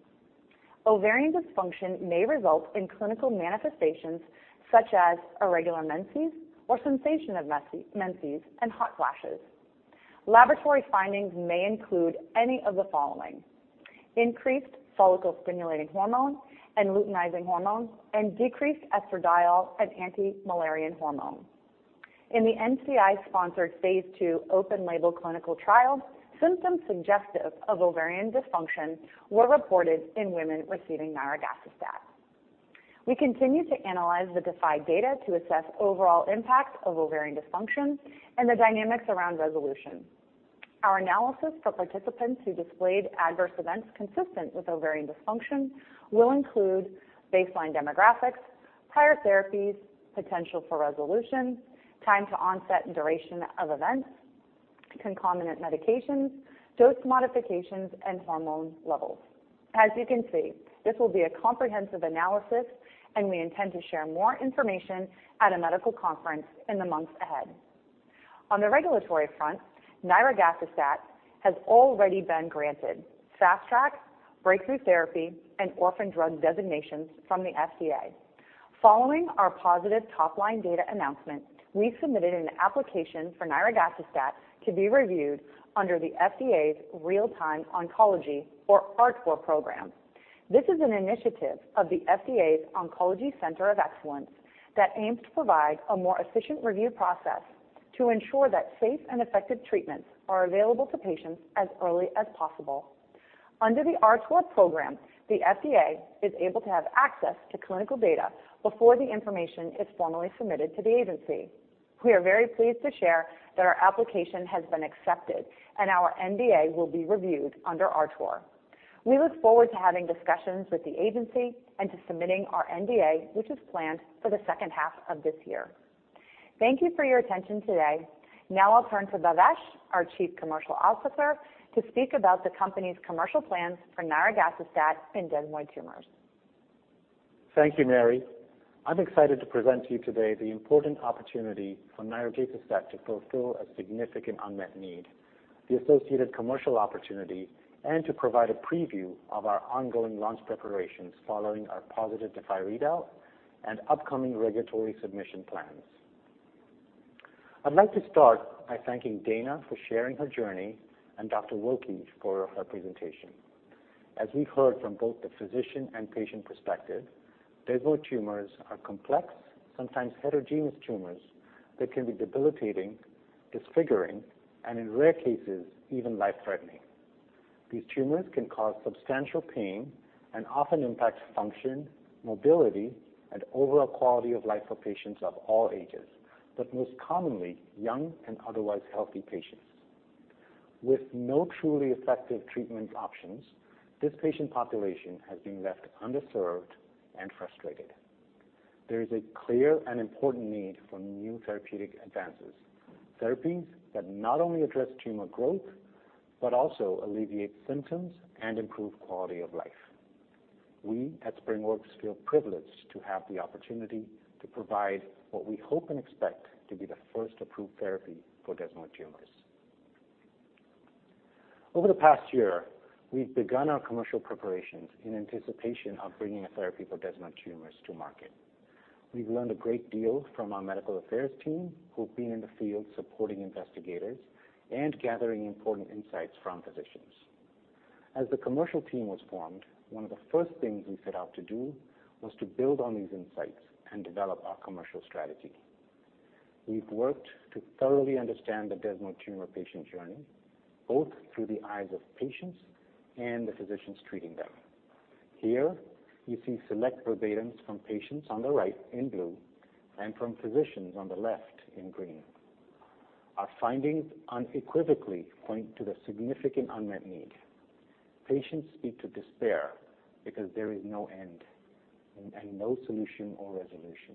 Ovarian dysfunction may result in clinical manifestations such as irregular menses or sensation of menses and hot flashes. Laboratory findings may include any of the following, increased follicle-stimulating hormone and luteinizing hormone and decreased estradiol and anti-Mullerian hormone. In the NCI-sponsored phase II open label clinical trial, symptoms suggestive of ovarian dysfunction were reported in women receiving nirogacestat. We continue to analyze the DeFi data to assess overall impact of ovarian dysfunction and the dynamics around resolution. Our analysis for participants who displayed adverse events consistent with ovarian dysfunction will include baseline demographics, prior therapies, potential for resolution, time to onset and duration of events, concomitant medications, dose modifications, and hormone levels. As you can see, this will be a comprehensive analysis, and we intend to share more information at a medical conference in the months ahead. On the regulatory front, nirogacestat has already been granted Fast Track, Breakthrough Therapy, and Orphan Drug designations from the FDA. Following our positive top-line data announcement, we submitted an application for nirogacestat to be reviewed under the FDA's Real-Time Oncology or RTOR program. This is an initiative of the FDA's Oncology Center of Excellence that aims to provide a more efficient review process to ensure that safe and effective treatments are available to patients as early as possible. Under the RTOR program, the FDA is able to have access to clinical data before the information is formally submitted to the agency. We are very pleased to share that our application has been accepted and our NDA will be reviewed under RTOR. We look forward to having discussions with the agency and to submitting our NDA, which is planned for the H2 of this year. Thank you for your attention today. Now I'll turn to Bhavesh, our Chief Commercial Officer, to speak about the company's commercial plans for nirogacestat in desmoid tumors. Thank you, Mary. I'm excited to present to you today the important opportunity for nirogacestat to fulfill a significant unmet need, the associated commercial opportunity, and to provide a preview of our ongoing launch preparations following our positive DeFi readout and upcoming regulatory submission plans. I'd like to start by thanking Dana for sharing her journey and Dr. Wilky for her presentation. As we heard from both the physician and patient perspective, desmoid tumors are complex, sometimes heterogeneous tumors that can be debilitating, disfiguring, and in rare cases, even life-threatening. These tumors can cause substantial pain and often impact function, mobility, and overall quality of life for patients of all ages, but most commonly young and otherwise healthy patients. With no truly effective treatment options, this patient population has been left underserved and frustrated. There is a clear and important need for new therapeutic advances, therapies that not only address tumor growth but also alleviate symptoms and improve quality of life. We at SpringWorks Therapeutics feel privileged to have the opportunity to provide what we hope and expect to be the first approved therapy for desmoid tumors. Over the past year, we've begun our commercial preparations in anticipation of bringing a therapy for desmoid tumors to market. We've learned a great deal from our medical affairs team, who've been in the field supporting investigators and gathering important insights from physicians. As the commercial team was formed, one of the first things we set out to do was to build on these insights and develop our commercial strategy. We've worked to thoroughly understand the desmoid tumor patient journey, both through the eyes of patients and the physicians treating them. Here you see select verbatims from patients on the right in blue and from physicians on the left in green. Our findings unequivocally point to the significant unmet need. Patients speak to despair because there is no end and no solution or resolution.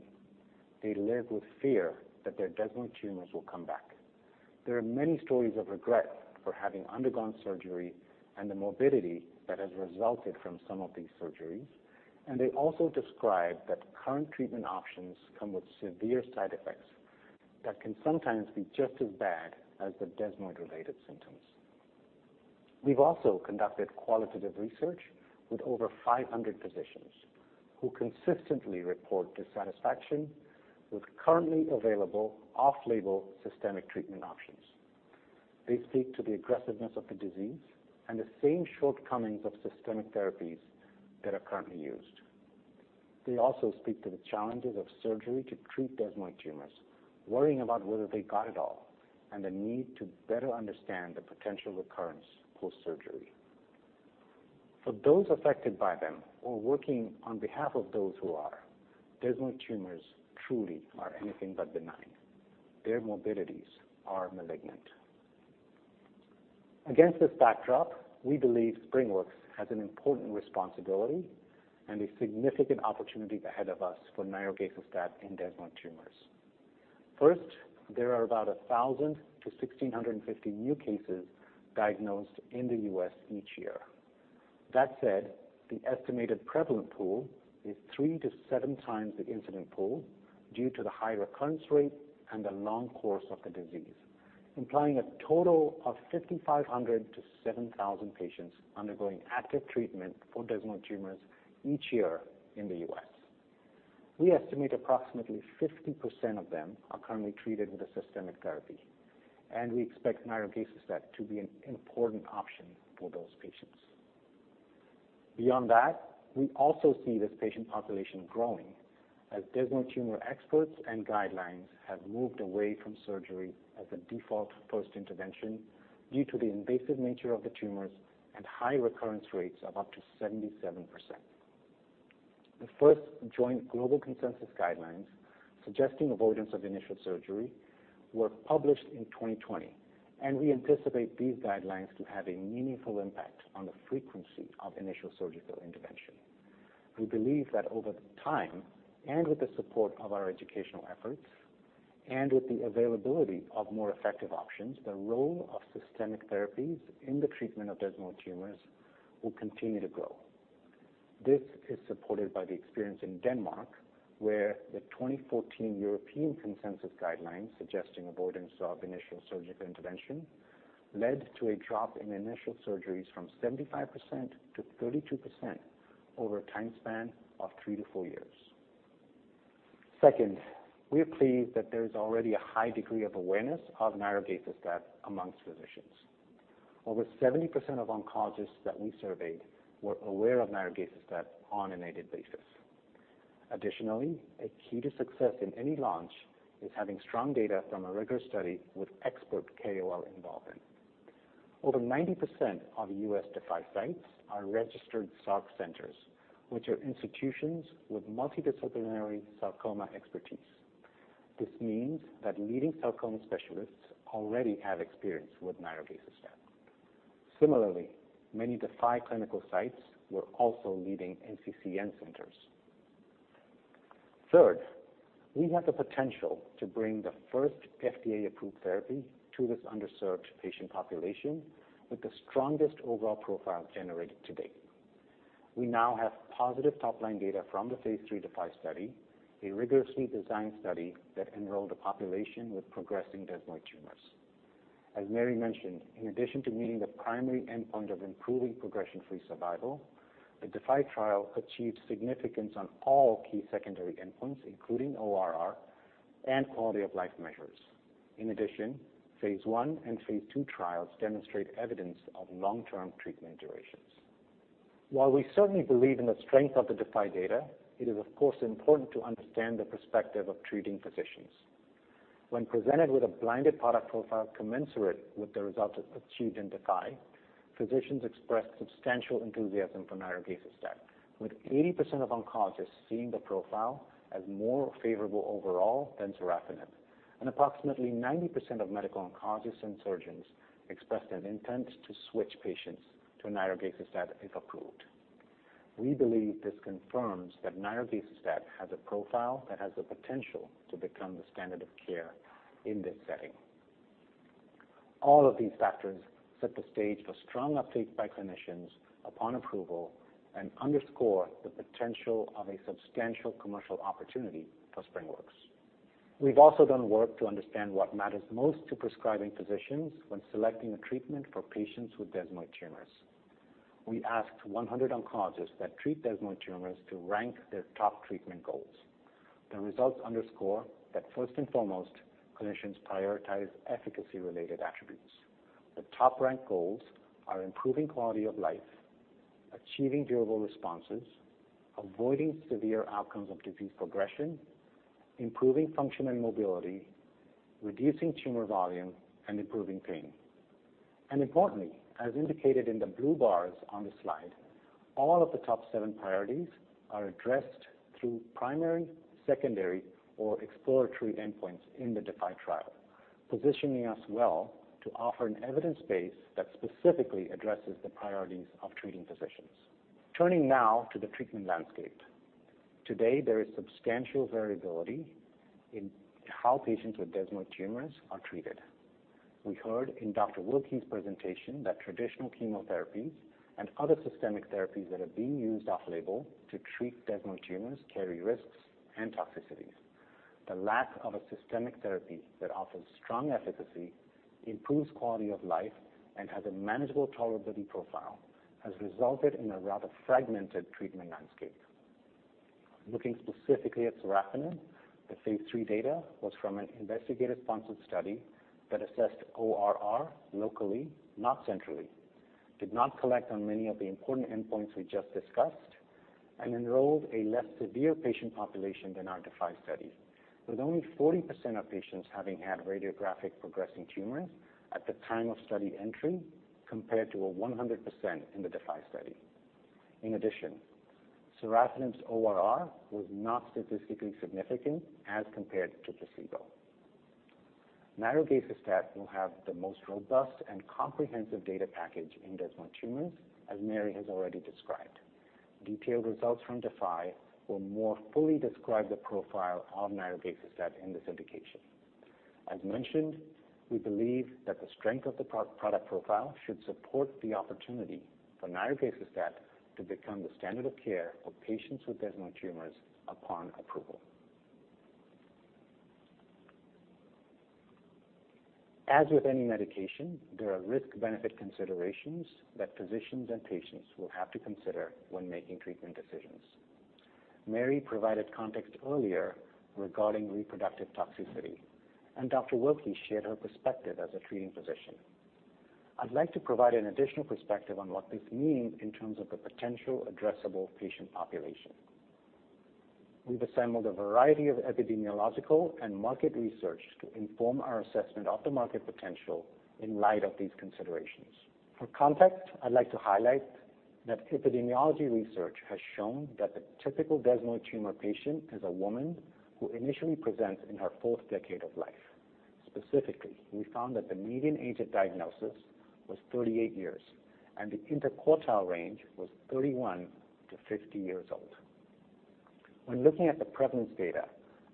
They live with fear that their desmoid tumors will come back. There are many stories of regret for having undergone surgery and the morbidity that has resulted from some of these surgeries, and they also describe that current treatment options come with severe side effects that can sometimes be just as bad as the desmoid-related symptoms. We've also conducted qualitative research with over 500 physicians who consistently report dissatisfaction with currently available off-label systemic treatment options. They speak to the aggressiveness of the disease and the same shortcomings of systemic therapies that are currently used. They also speak to the challenges of surgery to treat desmoid tumors, worrying about whether they got it all and the need to better understand the potential recurrence post-surgery. For those affected by them or working on behalf of those who are, desmoid tumors truly are anything but benign. Their morbidities are malignant. Against this backdrop, we believe SpringWorks Therapeutics has an important responsibility and a significant opportunity ahead of us for nirogacestat in desmoid tumors. First, there are about 1,000-1,650 new cases diagnosed in the U.S. each year. That said, the estimated prevalent pool is three-seven times the incident pool due to the high recurrence rate and the long course of the disease, implying a total of 5,500-7,000 patients undergoing active treatment for desmoid tumors each year in the U.S. We estimate approximately 50% of them are currently treated with a systemic therapy, and we expect nirogacestat to be an important option for those patients. Beyond that, we also see this patient population growing as desmoid tumor experts and guidelines have moved away from surgery as a default post-intervention due to the invasive nature of the tumors and high recurrence rates of up to 77%. The first joint global consensus guidelines suggesting avoidance of initial surgery were published in 2020, and we anticipate these guidelines to have a meaningful impact on the frequency of initial surgical intervention. We believe that over time, and with the support of our educational efforts and with the availability of more effective options, the role of systemic therapies in the treatment of desmoid tumors will continue to grow. This is supported by the experience in Denmark, where the 2014 European Consensus Guidelines suggesting avoidance of initial surgical intervention led to a drop in initial surgeries from 75% to 32% over a time span of three-four years. Second, we are pleased that there is already a high degree of awareness of nirogacestat among physicians. Over 70% of oncologists that we surveyed were aware of nirogacestat on an aided basis. Additionally, a key to success in any launch is having strong data from a rigorous study with expert KOL involvement. Over 90% of U.S. DeFi sites are registered sarcoma centers, which are institutions with multidisciplinary sarcoma expertise. This means that leading sarcoma specialists already have experience with nirogacestat. Similarly, many DeFi clinical sites were also leading NCCN centers. Third, we have the potential to bring the first FDA-approved therapy to this underserved patient population with the strongest overall profile generated to date. We now have positive top-line data from the phase III DeFi study, a rigorously designed study that enrolled a population with progressing desmoid tumors. As Mary mentioned, in addition to meeting the primary endpoint of improving progression-free survival, the DeFi trial achieved significance on all key secondary endpoints, including ORR and quality of life measures. In addition, phase I and phase II trials demonstrate evidence of long-term treatment durations. While we certainly believe in the strength of the DeFi data, it is of course important to understand the perspective of treating physicians. When presented with a blinded product profile commensurate with the results achieved in DeFi, physicians expressed substantial enthusiasm for nirogacestat, with 80% of oncologists seeing the profile as more favorable overall than sorafenib. Approximately 90% of medical oncologists and surgeons expressed an intent to switch patients to nirogacestat if approved. We believe this confirms that nirogacestat has a profile that has the potential to become the standard of care in this setting. All of these factors set the stage for strong uptake by clinicians upon approval and underscore the potential of a substantial commercial opportunity for SpringWorks Therapeutics. We've also done work to understand what matters most to prescribing physicians when selecting a treatment for patients with desmoid tumors. We asked 100 oncologists that treat desmoid tumors to rank their top treatment goals. The results underscore that first and foremost, clinicians prioritize efficacy-related attributes. The top-ranked goals are improving quality of life, achieving durable responses, avoiding severe outcomes of disease progression, improving function and mobility, reducing tumor volume, and improving pain. Importantly, as indicated in the blue bars on the slide, all of the top seven priorities are addressed through primary, secondary, or exploratory endpoints in the DeFi trial, positioning us well to offer an evidence base that specifically addresses the priorities of treating physicians. Turning now to the treatment landscape. Today, there is substantial variability in how patients with desmoid tumors are treated. We heard in Dr. Wilky's presentation that traditional chemotherapies and other systemic therapies that are being used off-label to treat desmoid tumors carry risks and toxicities. The lack of a systemic therapy that offers strong efficacy, improves quality of life, and has a manageable tolerability profile has resulted in a rather fragmented treatment landscape. Looking specifically at sorafenib, the phase III data was from an investigator-sponsored study that assessed ORR locally, not centrally, did not collect on many of the important endpoints we just discussed, and enrolled a less severe patient population than our DeFi study, with only 40% of patients having had radiographic progressing tumors at the time of study entry, compared to 100% in the DeFi study. In addition, sorafenib's ORR was not statistically significant as compared to placebo. Nirogacestat will have the most robust and comprehensive data package in desmoid tumors, as Mary has already described. Detailed results from DeFi will more fully describe the profile of nirogacestat in this indication. As mentioned, we believe that the strength of the product profile should support the opportunity for nirogacestat to become the standard of care for patients with desmoid tumors upon approval. As with any medication, there are risk-benefit considerations that physicians and patients will have to consider when making treatment decisions. Mary provided context earlier regarding reproductive toxicity, and Dr. Wilky shared her perspective as a treating physician. I'd like to provide an additional perspective on what this means in terms of the potential addressable patient population. We've assembled a variety of epidemiological and market research to inform our assessment of the market potential in light of these considerations. For context, I'd like to highlight that epidemiology research has shown that the typical desmoid tumor patient is a woman who initially presents in her fourth decade of life. Specifically, we found that the median age at diagnosis was 38 years, and the interquartile range was 31-50 years old. When looking at the prevalence data,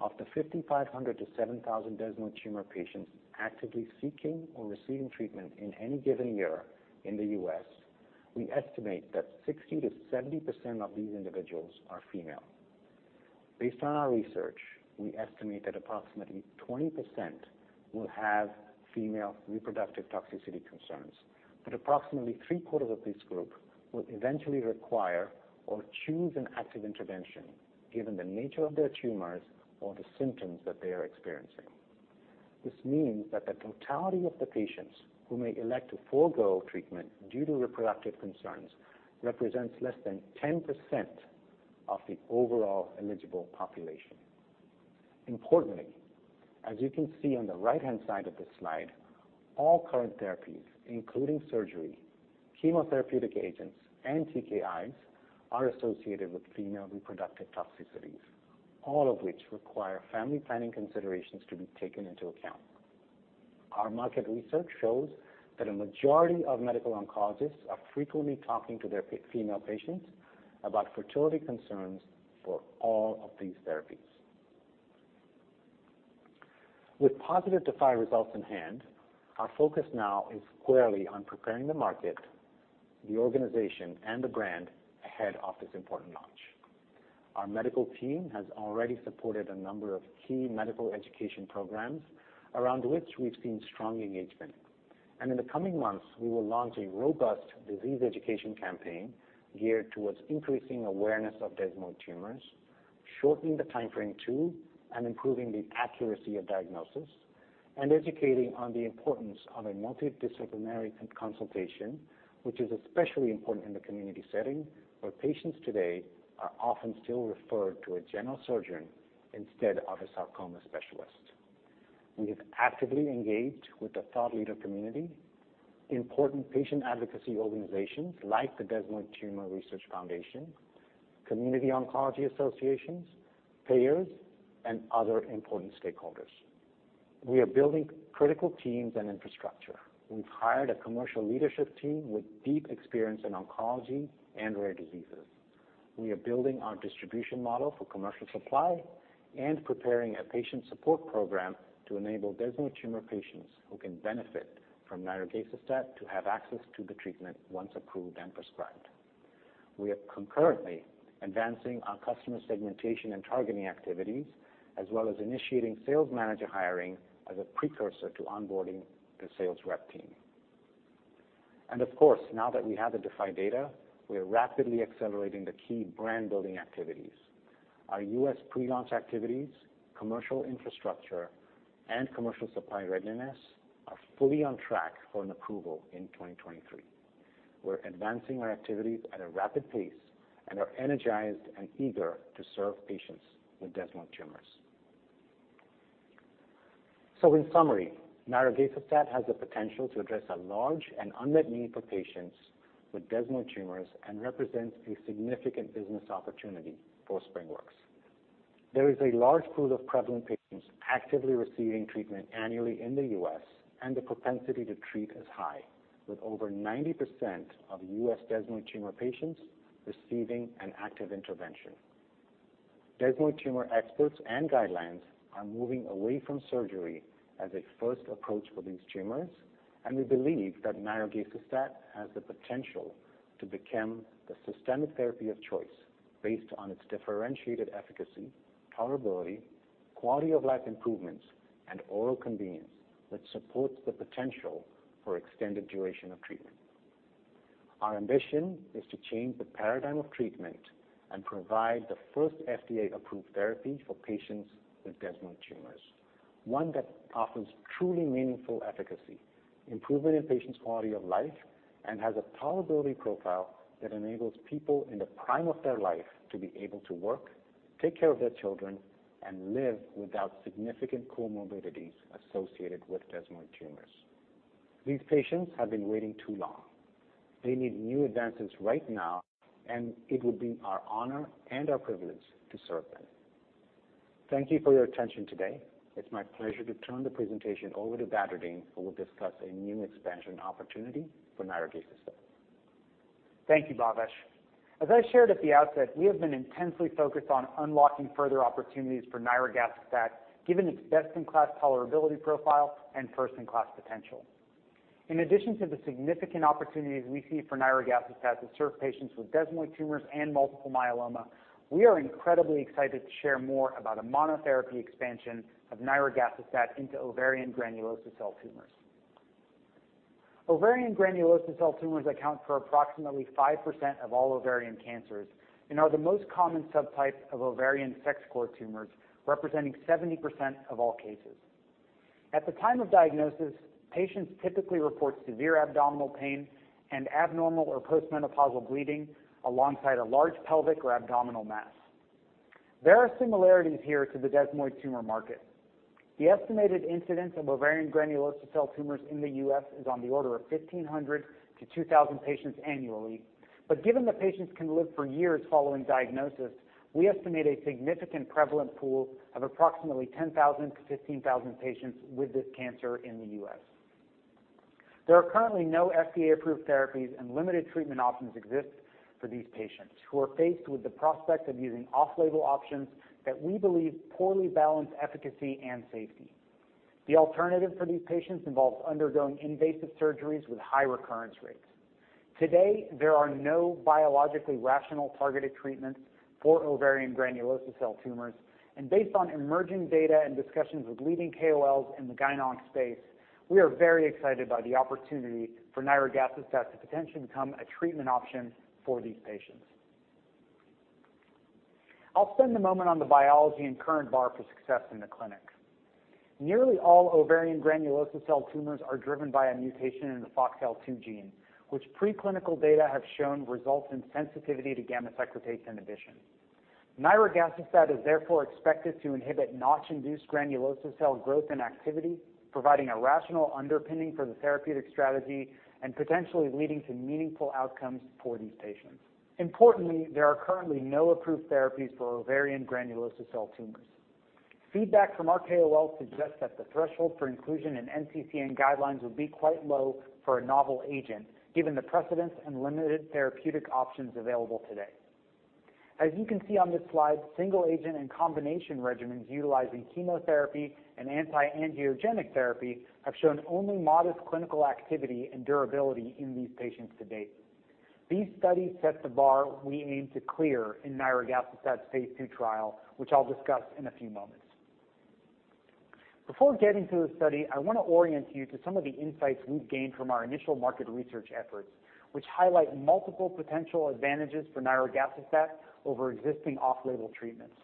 of the 5,500-7,000 desmoid tumor patients actively seeking or receiving treatment in any given year in the U.S., we estimate that 60%-70% of these individuals are female. Based on our research, we estimate that approximately 20% will have female reproductive toxicity concerns, but approximately three-quarters of this group will eventually require or choose an active intervention given the nature of their tumors or the symptoms that they are experiencing. This means that the totality of the patients who may elect to forego treatment due to reproductive concerns represents less than 10% of the overall eligible population. Importantly, as you can see on the right-hand side of this slide, all current therapies, including surgery, chemotherapeutic agents, and TKIs, are associated with female reproductive toxicities. All of which require family planning considerations to be taken into account. Our market research shows that a majority of medical oncologists are frequently talking to their female patients about fertility concerns for all of these therapies. With positive DeFi results in hand, our focus now is squarely on preparing the market, the organization, and the brand ahead of this important launch. Our medical team has already supported a number of key medical education programs around which we've seen strong engagement. In the coming months, we will launch a robust disease education campaign geared towards increasing awareness of desmoid tumors, shortening the timeframe to, and improving the accuracy of diagnosis, and educating on the importance of a multidisciplinary consultation, which is especially important in the community setting, where patients today are often still referred to a general surgeon instead of a sarcoma specialist. We have actively engaged with the thought leader community, important patient advocacy organizations like the Desmoid Tumor Research Foundation, community oncology associations, payers, and other important stakeholders. We are building critical teams and infrastructure. We've hired a commercial leadership team with deep experience in oncology and rare diseases. We are building our distribution model for commercial supply and preparing a patient support program to enable desmoid tumor patients who can benefit from nirogacestat to have access to the treatment once approved and prescribed. We are concurrently advancing our customer segmentation and targeting activities, as well as initiating sales manager hiring as a precursor to onboarding the sales rep team. Of course, now that we have the DeFi data, we are rapidly accelerating the key brand-building activities. Our US pre-launch activities, commercial infrastructure, and commercial supply readiness are fully on track for an approval in 2023. We're advancing our activities at a rapid pace and are energized and eager to serve patients with desmoid tumors. In summary, nirogacestat has the potential to address a large and unmet need for patients with desmoid tumors and represents a significant business opportunity for SpringWorks. There is a large pool of prevalent patients actively receiving treatment annually in the US, and the propensity to treat is high, with over 90% of US desmoid tumor patients receiving an active intervention. Desmoid tumor experts and guidelines are moving away from surgery as a first approach for these tumors, and we believe that nirogacestat has the potential to become the systemic therapy of choice based on its differentiated efficacy, tolerability, quality of life improvements, and oral convenience that supports the potential for extended duration of treatment. Our ambition is to change the paradigm of treatment and provide the first FDA-approved therapy for patients with desmoid tumors, one that offers truly meaningful efficacy, improving a patient's quality of life, and has a tolerability profile that enables people in the prime of their life to be able to work, take care of their children, and live without significant comorbidities associated with desmoid tumors. These patients have been waiting too long. They need new advances right now, and it would be our honor and our privilege to serve them. Thank you for your attention today. It's my pleasure to turn the presentation over to Badreddin Edris, who will discuss a new expansion opportunity for nirogacestat. Thank you, Bhavesh. As I shared at the outset, we have been intensely focused on unlocking further opportunities for nirogacestat, given its best-in-class tolerability profile and first-in-class potential. In addition to the significant opportunities we see for nirogacestat to serve patients with desmoid tumors and multiple myeloma, we are incredibly excited to share more about a monotherapy expansion of nirogacestat into ovarian granulosa cell tumors. Ovarian granulosa cell tumors account for approximately 5% of all ovarian cancers and are the most common subtype of ovarian sex cord tumors, representing 70% of all cases. At the time of diagnosis, patients typically report severe abdominal pain and abnormal or post-menopausal bleeding alongside a large pelvic or abdominal mass. There are similarities here to the desmoid tumor market. The estimated incidence of ovarian granulosa cell tumors in the US is on the order of 1,500-2,000 patients annually. Given that patients can live for years following diagnosis, we estimate a significant prevalent pool of approximately 10,000-15,000 patients with this cancer in the U.S. There are currently no FDA-approved therapies, and limited treatment options exist for these patients who are faced with the prospect of using off-label options that we believe poorly balance efficacy and safety. The alternative for these patients involves undergoing invasive surgeries with high recurrence rates. Today, there are no biologically rational targeted treatments for ovarian granulosa cell tumors, and based on emerging data and discussions with leading KOLs in the gynonc space, we are very excited by the opportunity for nirogacestat to potentially become a treatment option for these patients. I'll spend a moment on the biology and current bar for success in the clinic. Nearly all ovarian granulosa cell tumors are driven by a mutation in the FOXL2 gene, which preclinical data have shown results in sensitivity to gamma secretase inhibition. Nirogacestat is therefore expected to inhibit Notch-induced granulosa cell growth and activity, providing a rational underpinning for the therapeutic strategy and potentially leading to meaningful outcomes for these patients. Importantly, there are currently no approved therapies for ovarian granulosa cell tumors. Feedback from our KOLs suggests that the threshold for inclusion in NCCN guidelines would be quite low for a novel agent, given the precedents and limited therapeutic options available today. As you can see on this slide, single agent and combination regimens utilizing chemotherapy and anti-angiogenic therapy have shown only modest clinical activity and durability in these patients to date. These studies set the bar we aim to clear in nirogacestat phase II trial, which I'll discuss in a few moments. Before getting to the study, I wanna orient you to some of the insights we've gained from our initial market research efforts, which highlight multiple potential advantages for nirogacestat over existing off-label treatments.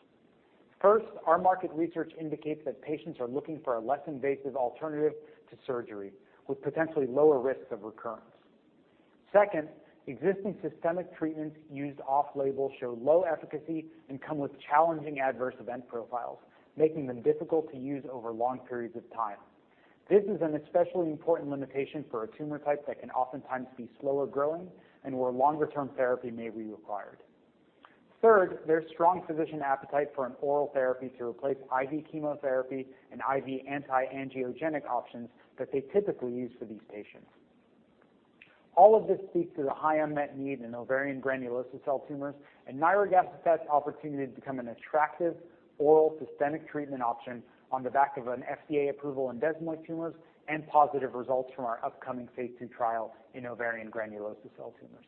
First, our market research indicates that patients are looking for a less invasive alternative to surgery with potentially lower risks of recurrence. Second, existing systemic treatments used off-label show low efficacy and come with challenging adverse event profiles, making them difficult to use over long periods of time. This is an especially important limitation for a tumor type that can oftentimes be slower growing and where longer-term therapy may be required. Third, there's strong physician appetite for an oral therapy to replace IV chemotherapy and IV anti-angiogenic options that they typically use for these patients. All of this speaks to the high unmet need in ovarian granulosa cell tumors and nirogacestat's opportunity to become an attractive oral systemic treatment option on the back of an FDA approval in desmoid tumors and positive results from our upcoming phase II trial in ovarian granulosa cell tumors.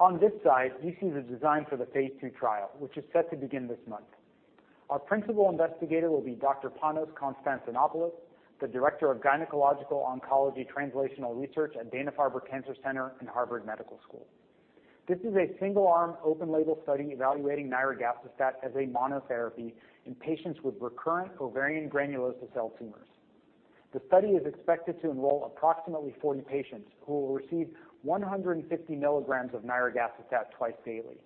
On this side, you see the design for the phase II trial, which is set to begin this month. Our principal investigator will be Dr. Panagiotis Konstantinopoulos, the Director of Gynecologic Oncology Translational Research at Dana-Farber Cancer Institute and Harvard Medical School. This is a single-arm open label study evaluating nirogacestat as a monotherapy in patients with recurrent ovarian granulosa cell tumors. The study is expected to enroll approximately 40 patients who will receive 150 milligrams of nirogacestat twice daily.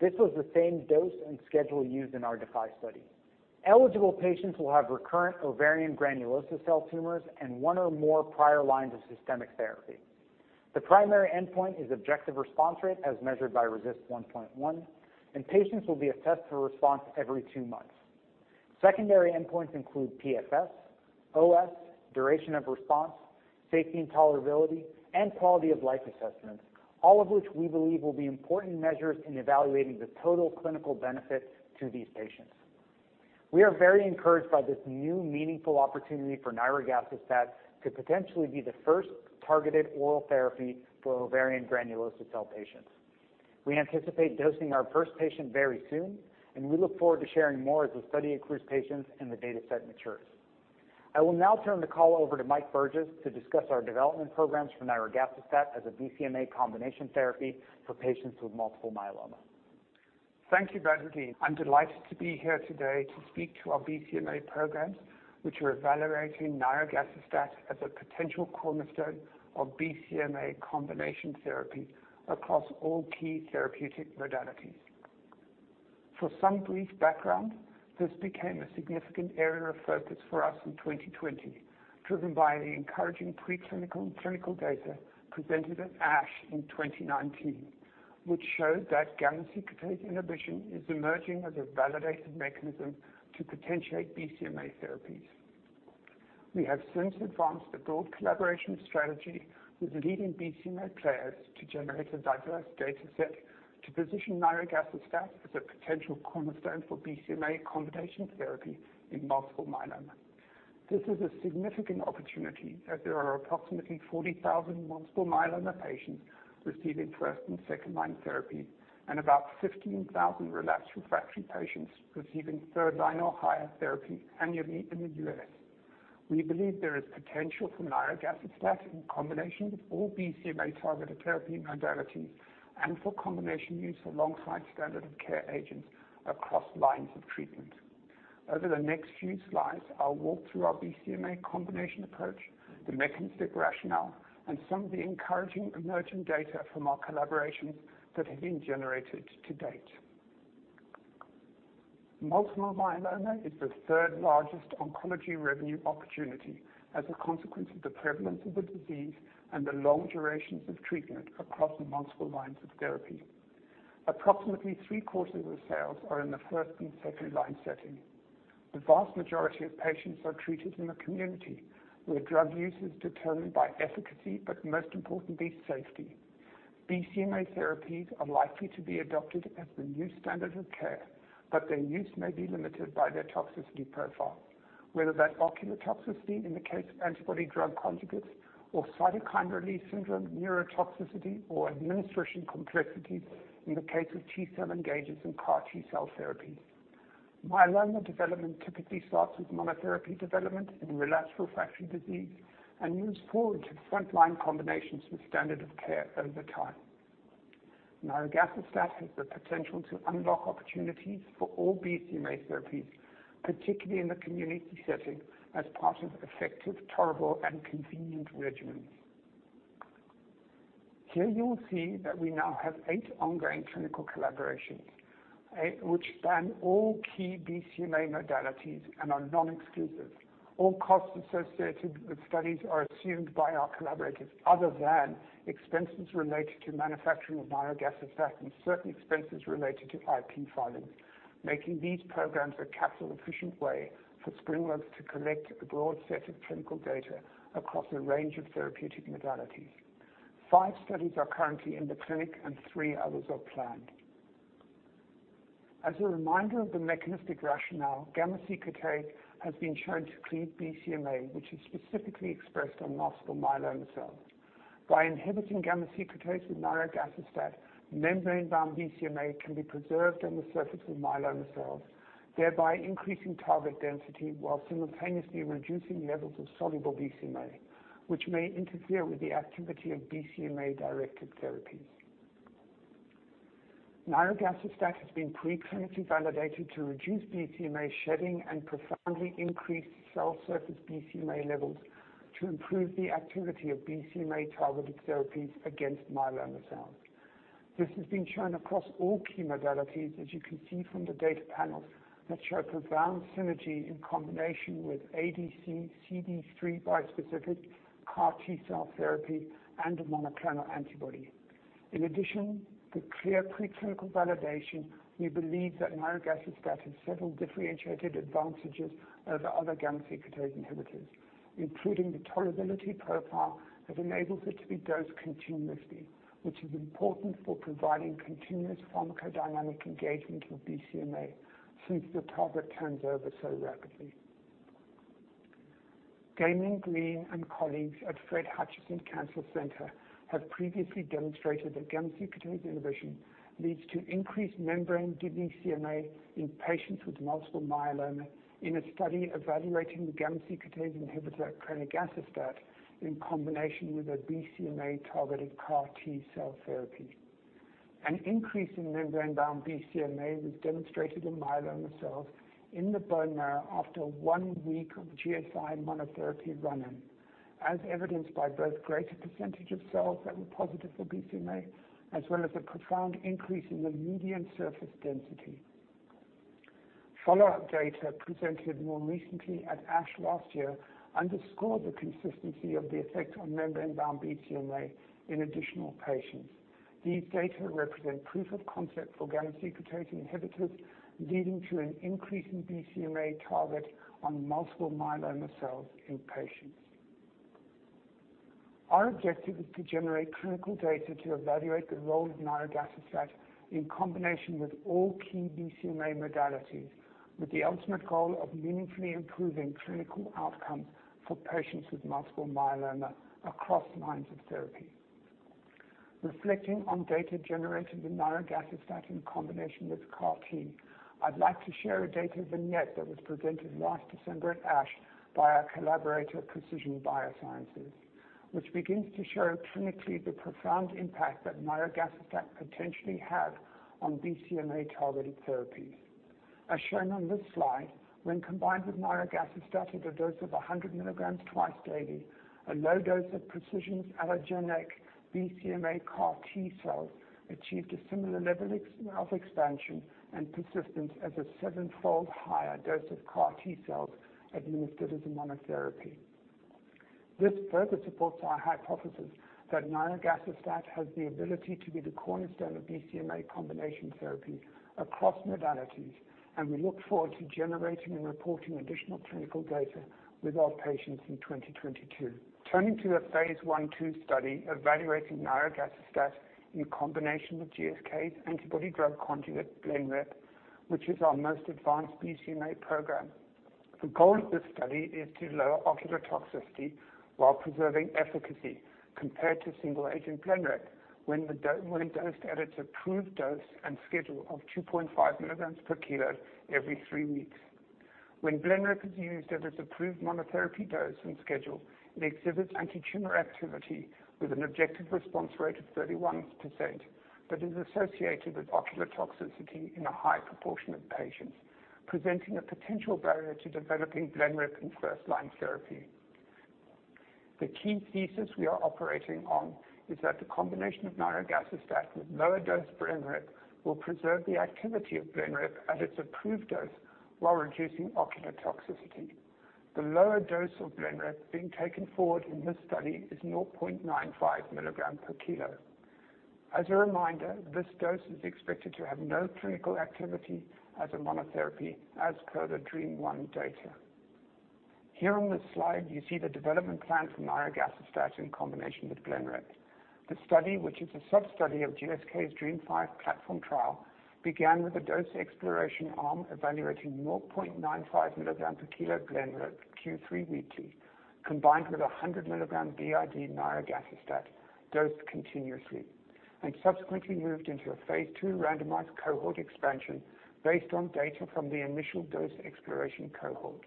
This was the same dose and schedule used in our DeFi study. Eligible patients will have recurrent ovarian granulosa cell tumors and one or more prior lines of systemic therapy. The primary endpoint is objective response rate as measured by RECIST 1.1, and patients will be assessed for response every two months. Secondary endpoints include PFS, OS, duration of response, safety and tolerability, and quality of life assessments, all of which we believe will be important measures in evaluating the total clinical benefit to these patients. We are very encouraged by this new meaningful opportunity for nirogacestat to potentially be the first targeted oral therapy for ovarian granulosa cell patients. We anticipate dosing our first patient very soon, and we look forward to sharing more as the study accrues patients and the data set matures. I will now turn the call over to Mike Burgess to discuss our development programs for nirogacestat as a BCMA combination therapy for patients with multiple myeloma. Thank you, Badreddin. I'm delighted to be here today to speak to our BCMA programs, which are evaluating nirogacestat as a potential cornerstone of BCMA combination therapy across all key therapeutic modalities. For some brief background, this became a significant area of focus for us in 2020, driven by the encouraging preclinical and clinical data presented at ASH in 2019, which showed that gamma secretase inhibition is emerging as a validated mechanism to potentiate BCMA therapies. We have since advanced a broad collaboration strategy with leading BCMA players to generate a diverse data set to position nirogacestat as a potential cornerstone for BCMA combination therapy in multiple myeloma. This is a significant opportunity as there are approximately 40,000 multiple myeloma patients receiving first and second-line therapy and about 15,000 relapsed refractory patients receiving third-line or higher therapy annually in the U.S. We believe there is potential for nirogacestat in combination with all BCMA-targeted therapy modalities and for combination use alongside standard of care agents across lines of treatment. Over the next few slides, I'll walk through our BCMA combination approach, the mechanistic rationale, and some of the encouraging emerging data from our collaborations that have been generated to date. Multiple myeloma is the third-largest oncology revenue opportunity as a consequence of the prevalence of the disease and the long durations of treatment across multiple lines of therapy. Approximately three-quarters of the sales are in the first- and second-line setting. The vast majority of patients are treated in the community, where drug use is determined by efficacy, but most importantly, safety. BCMA therapies are likely to be adopted as the new standard of care, but their use may be limited by their toxicity profile, whether that's ocular toxicity in the case of antibody drug conjugates or cytokine release syndrome neurotoxicity or administration complexities in the case of T-cell engagers and CAR T-cell therapies. Myeloma development typically starts with monotherapy development in relapsed refractory disease and moves forward to frontline combinations with standard of care over time. Nirogacestat has the potential to unlock opportunities for all BCMA therapies, particularly in the community setting as part of effective, tolerable, and convenient regimens. Here you will see that we now have eight ongoing clinical collaborations, which span all key BCMA modalities and are non-interventional. All costs associated with studies are assumed by our collaborators other than expenses related to manufacturing of nirogacestat and certain expenses related to IP filings, making these programs a capital-efficient way for SpringWorks to collect a broad set of clinical data across a range of therapeutic modalities. Five studies are currently in the clinic, and three others are planned. As a reminder of the mechanistic rationale, gamma-secretase has been shown to cleave BCMA, which is specifically expressed on multiple myeloma cells. By inhibiting gamma-secretase with nirogacestat, membrane-bound BCMA can be preserved on the surface of myeloma cells, thereby increasing target density while simultaneously reducing levels of soluble BCMA, which may interfere with the activity of BCMA-directed therapies. Nirogacestat has been pre-clinically validated to reduce BCMA shedding and profoundly increase cell surface BCMA levels to improve the activity of BCMA-targeted therapies against myeloma cells. This has been shown across all key modalities, as you can see from the data panels that show profound synergy in combination with ADC, CD3 bispecific, CAR T-cell therapy, and a monoclonal antibody. In addition to clear preclinical validation, we believe that nirogacestat has several differentiated advantages over other gamma-secretase inhibitors, including the tolerability profile that enables it to be dosed continuously, which is important for providing continuous pharmacodynamic engagement with BCMA since the target turns over so rapidly. Damian Green and colleagues at Fred Hutchinson Cancer Center have previously demonstrated that gamma-secretase inhibition leads to increased membrane BCMA in patients with multiple myeloma in a study evaluating the gamma-secretase inhibitor crenigacestat in combination with a BCMA-targeted CAR T-cell therapy. An increase in membrane-bound BCMA was demonstrated in myeloma cells in the bone marrow after one week of GSI monotherapy run-in, as evidenced by both greater percentage of cells that were positive for BCMA, as well as a profound increase in the median surface density. Follow-up data presented more recently at ASH last year underscored the consistency of the effect on membrane-bound BCMA in additional patients. These data represent proof of concept for gamma-secretase inhibitors, leading to an increase in BCMA target on multiple myeloma cells in patients. Our objective is to generate clinical data to evaluate the role of nirogacestat in combination with all key BCMA modalities, with the ultimate goal of meaningfully improving clinical outcomes for patients with multiple myeloma across lines of therapy. Reflecting on data generated with nirogacestat in combination with CAR-T, I'd like to share a data vignette that was presented last December at ASH by our collaborator, Precision BioSciences, which begins to show clinically the profound impact that nirogacestat potentially had on BCMA-targeted therapies. As shown on this slide, when combined with nirogacestat at a dose of 100 milligrams twice daily, a low dose of Precision's allogeneic BCMA CAR T-cells achieved a similar level of expansion and persistence as a seven-fold higher dose of CAR T-cells administered as a monotherapy. This further supports our hypothesis that nirogacestat has the ability to be the cornerstone of BCMA combination therapy across modalities, and we look forward to generating and reporting additional clinical data with our patients in 2022. Turning to a phase I and II study evaluating nirogacestat in combination with GSK's antibody-drug conjugate, BLENREP, which is our most advanced BCMA program. The goal of this study is to lower ocular toxicity while preserving efficacy compared to single-agent BLENREP when dosed at its approved dose and schedule of 2.5 milligrams per kilogram every three weeks. When BLENREP is used at its approved monotherapy dose and schedule, it exhibits antitumor activity with an objective response rate of 31% that is associated with ocular toxicity in a high proportion of patients, presenting a potential barrier to developing BLENREP in first-line therapy. The key thesis we are operating on is that the combination of nirogacestat with lower-dose BLENREP will preserve the activity of BLENREP at its approved dose while reducing ocular toxicity. The lower dose of BLENREP being taken forward in this study is 0.95 milligrams per kilo. As a reminder, this dose is expected to have no clinical activity as a monotherapy, as per the DREAMM-1 data. Here on this slide, you see the development plan for nirogacestat in combination with BLENREP. The study, which is a sub-study of GSK's DREAMM-5 platform trial, began with a dose exploration arm evaluating 0.95 milligrams per kilo BLENREP Q-3 weekly, combined with a 100-milligram BID nirogacestat dosed continuously and subsequently moved into a phase II randomized cohort expansion based on data from the initial dose exploration cohort.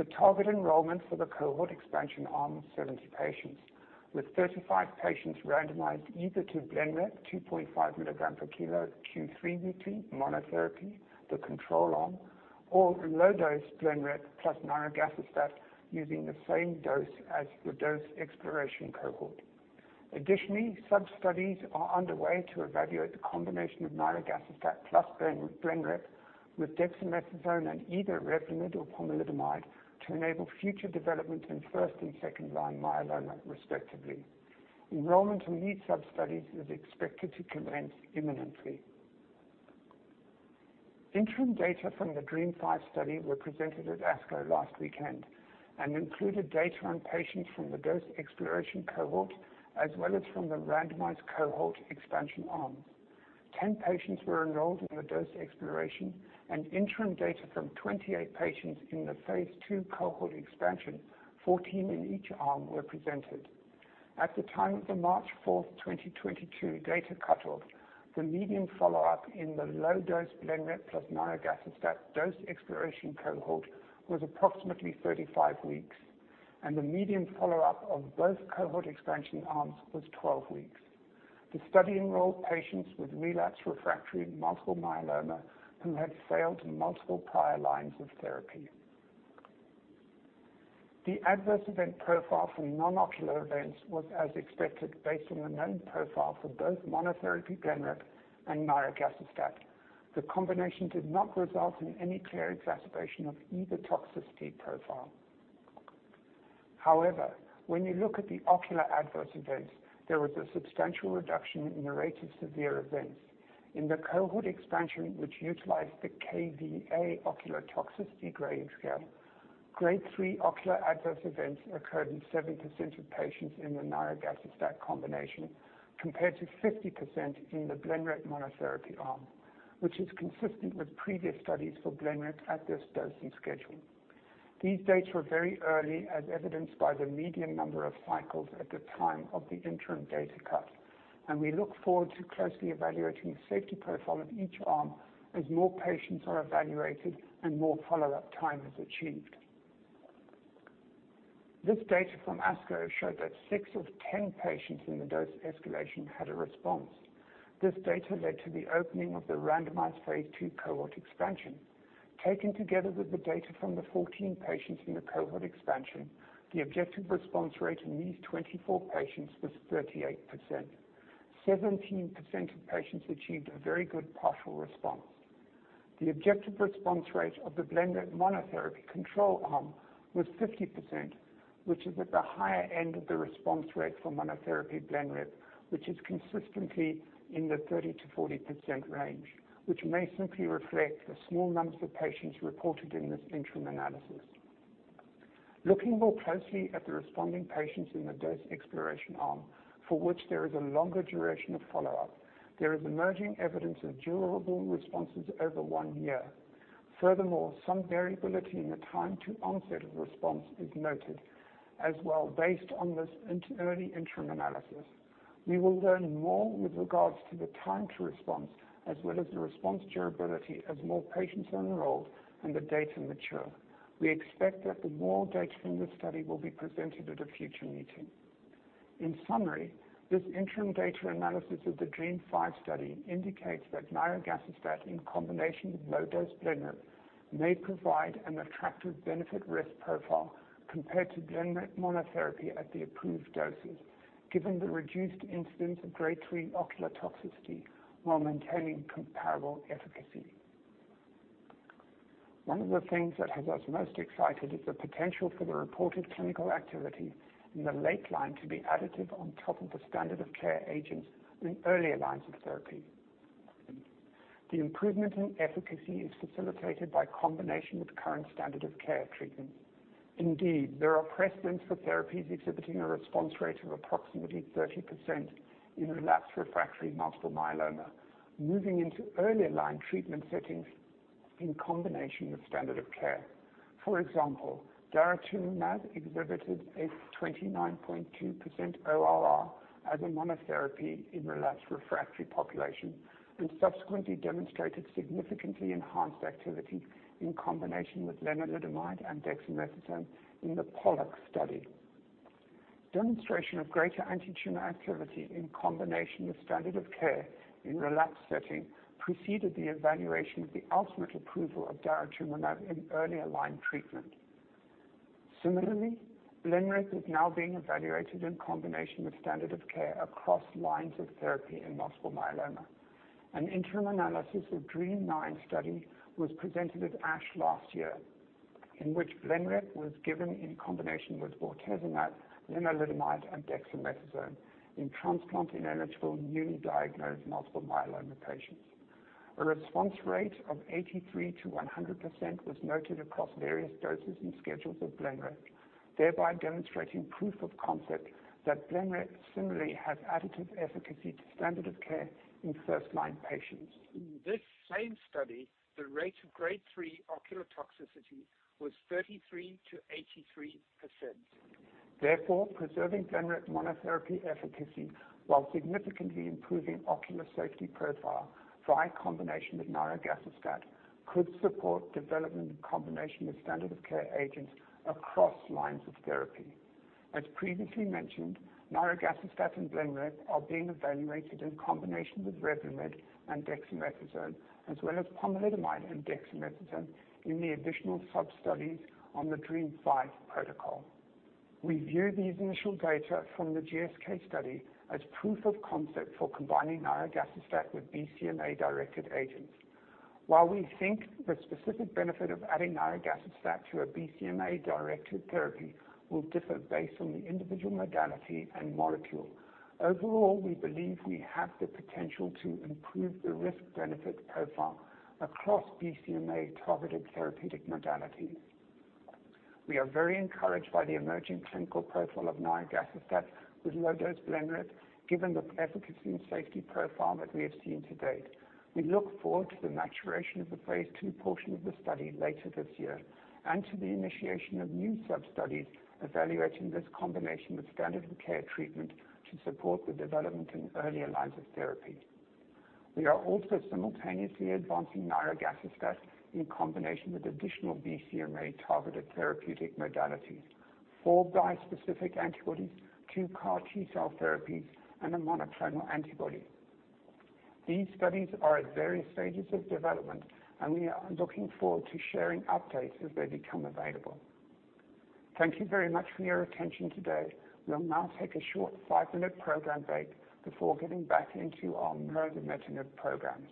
The target enrollment for the cohort expansion arm is 70 patients, with 35 patients randomized either to BLENREP 2.5 mg/kg Q3 weekly monotherapy, the control arm, or low-dose BLENREP plus nirogacestat using the same dose as the dose exploration cohort. Sub-studies are underway to evaluate the combination of nirogacestat plus BLENREP with dexamethasone and either Revlimid or pomalidomide to enable future development in first- and second-line myeloma, respectively. Enrollment in these sub-studies is expected to commence imminently. Interim data from the DREAMM-5 study were presented at ASCO last weekend and included data on patients from the dose exploration cohort, as well as from the randomized cohort expansion arms. 10 patients were enrolled in the dose exploration and interim data from 28 patients in the phase II cohort expansion, 14 in each arm were presented. At the time of the March 4th, 2022 data cut-off, the median follow-up in the low-dose BLENREP plus nirogacestat dose exploration cohort was approximately 35 weeks, and the median follow-up of both cohort expansion arms was 12 weeks. The study enrolled patients with relapsed refractory multiple myeloma who had failed multiple prior lines of therapy. The adverse event profile for non-ocular events was as expected, based on the known profile for both monotherapy BLENREP and nirogacestat. The combination did not result in any clear exacerbation of either toxicity profile. However, when you look at the ocular adverse events, there was a substantial reduction in the rate of severe events. In the cohort expansion, which utilized the KVA ocular toxicity grading scale, grade 3 ocular adverse events occurred in 7% of patients in the nirogacestat combination, compared to 50% in the BLENREP monotherapy arm, which is consistent with previous studies for BLENREP at this dosing schedule. These data were very early, as evidenced by the median number of cycles at the time of the interim data cut, and we look forward to closely evaluating the safety profile in each arm as more patients are evaluated and more follow-up time is achieved. This data from ASCO showed that six of 10 patients in the dose escalation had a response. This data led to the opening of the randomized phase II cohort expansion. Taken together with the data from the 14 patients in the cohort expansion, the objective response rate in these 24 patients was 38%. 17% of patients achieved a very good partial response. The objective response rate of the BLENREP monotherapy control arm was 50%, which is at the higher end of the response rate for monotherapy BLENREP, which is consistently in the 30%-40% range, which may simply reflect the small numbers of patients reported in this interim analysis. Looking more closely at the responding patients in the dose exploration arm, for which there is a longer duration of follow-up, there is emerging evidence of durable responses over one year. Furthermore, some variability in the time to onset of response is noted as well, based on this early interim analysis. We will learn more with regards to the time to response as well as the response durability as more patients are enrolled and the data mature. We expect that the more data from this study will be presented at a future meeting. In summary, this interim data analysis of the DREAMM-5 study indicates that nirogacestat in combination with low-dose BLENREP may provide an attractive benefit-risk profile compared to BLENREP monotherapy at the approved doses, given the reduced incidence of grade 3 ocular toxicity while maintaining comparable efficacy. One of the things that has us most excited is the potential for the reported clinical activity in the late-line to be additive on top of the standard of care agents in earlier lines of therapy. The improvement in efficacy is facilitated by combination with current standard of care treatments. Indeed, there are precedents for therapies exhibiting a response rate of approximately 30% in relapsed refractory multiple myeloma, moving into earlier line treatment settings in combination with standard of care. For example, daratumumab exhibited a 29.2% ORR as a monotherapy in relapsed refractory population and subsequently demonstrated significantly enhanced activity in combination with lenalidomide and dexamethasone in the POLLUX study. Demonstration of greater antitumor activity in combination with standard of care in relapsed setting preceded the evaluation of the ultimate approval of daratumumab in earlier line treatment. Similarly, BLENREP is now being evaluated in combination with standard of care across lines of therapy in multiple myeloma. An interim analysis of DREAMM-9 study was presented at ASH last year, in which BLENREP was given in combination with bortezomib, lenalidomide, and dexamethasone in transplant-ineligible, newly diagnosed multiple myeloma patients. A response rate of 83%-100% was noted across various doses and schedules of BLENREP, thereby demonstrating proof of concept that BLENREP similarly has additive efficacy to standard of care in first-line patients. In this same study, the rate of grade 3 ocular toxicity was 33%-83%. Therefore, preserving BLENREP monotherapy efficacy while significantly improving ocular safety profile via combination with nirogacestat could support development in combination with standard of care agents across lines of therapy. As previously mentioned, nirogacestat and BLENREP are being evaluated in combination with Revlimid and dexamethasone, as well as pomalidomide and dexamethasone in the additional sub-studies on the DREAMM-5 protocol. We view these initial data from the GSK study as proof of concept for combining nirogacestat with BCMA-directed agents. While we think the specific benefit of adding nirogacestat to a BCMA-directed therapy will differ based on the individual modality and molecule, overall, we believe we have the potential to improve the risk-benefit profile across BCMA-targeted therapeutic modalities. We are very encouraged by the emerging clinical profile of nirogacestat with low-dose lenalidomide, given the efficacy and safety profile that we have seen to date. We look forward to the maturation of the phase II portion of the study later this year and to the initiation of new substudies evaluating this combination with standard of care treatment to support the development in earlier lines of therapy. We are also simultaneously advancing nirogacestat in combination with additional BCMA-targeted therapeutic modalities, four bispecific antibodies, two CAR T-cell therapies, and a monoclonal antibody. These studies are at various stages of development, and we are looking forward to sharing updates as they become available. Thank you very much for your attention today. We'll now take a short five-minute program break before getting back into our nirogacestat programs.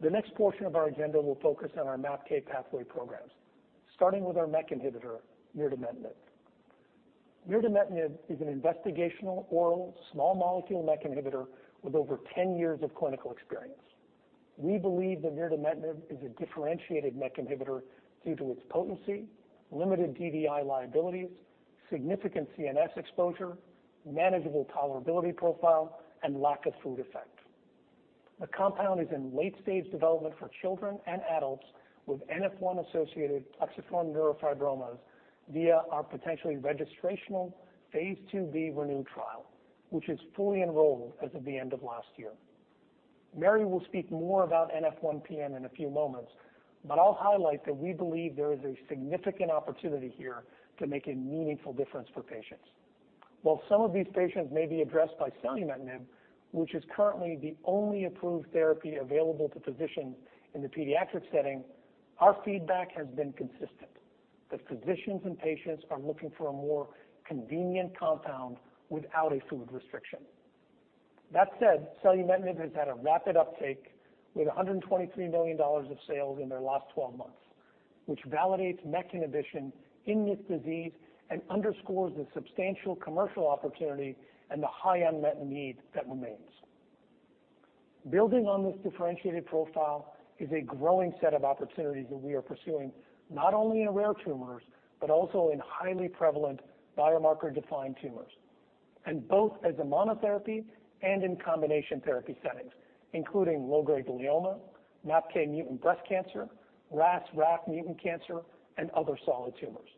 The next portion of our agenda will focus on our MAPK pathway programs, starting with our MEK inhibitor, mirdametinib. Mirdametinib is an investigational oral small molecule MEK inhibitor with over 10 years of clinical experience. We believe that mirdametinib is a differentiated MEK inhibitor due to its potency, limited DDI liabilities, significant CNS exposure, manageable tolerability profile and lack of food effect. The compound is in late-stage development for children and adults with NF1-associated plexiform neurofibromas via our potentially registrational phase II-b ReNeu trial, which is fully enrolled as of the end of last year. Mary will speak more about NF1-PN in a few moments, but I'll highlight that we believe there is a significant opportunity here to make a meaningful difference for patients. While some of these patients may be addressed by selumetinib, which is currently the only approved therapy available to physicians in the pediatric setting, our feedback has been consistent that physicians and patients are looking for a more convenient compound without a food restriction. That said, selumetinib has had a rapid uptake with $123 million of sales in their last twelve months, which validates MEK inhibition in this disease and underscores the substantial commercial opportunity and the high unmet need that remains. Building on this differentiated profile is a growing set of opportunities that we are pursuing not only in rare tumors, but also in highly prevalent biomarker-defined tumors, and both as a monotherapy and in combination therapy settings, including low-grade glioma, MAPK mutant breast cancer, RAS/RAF mutant cancer and other solid tumors.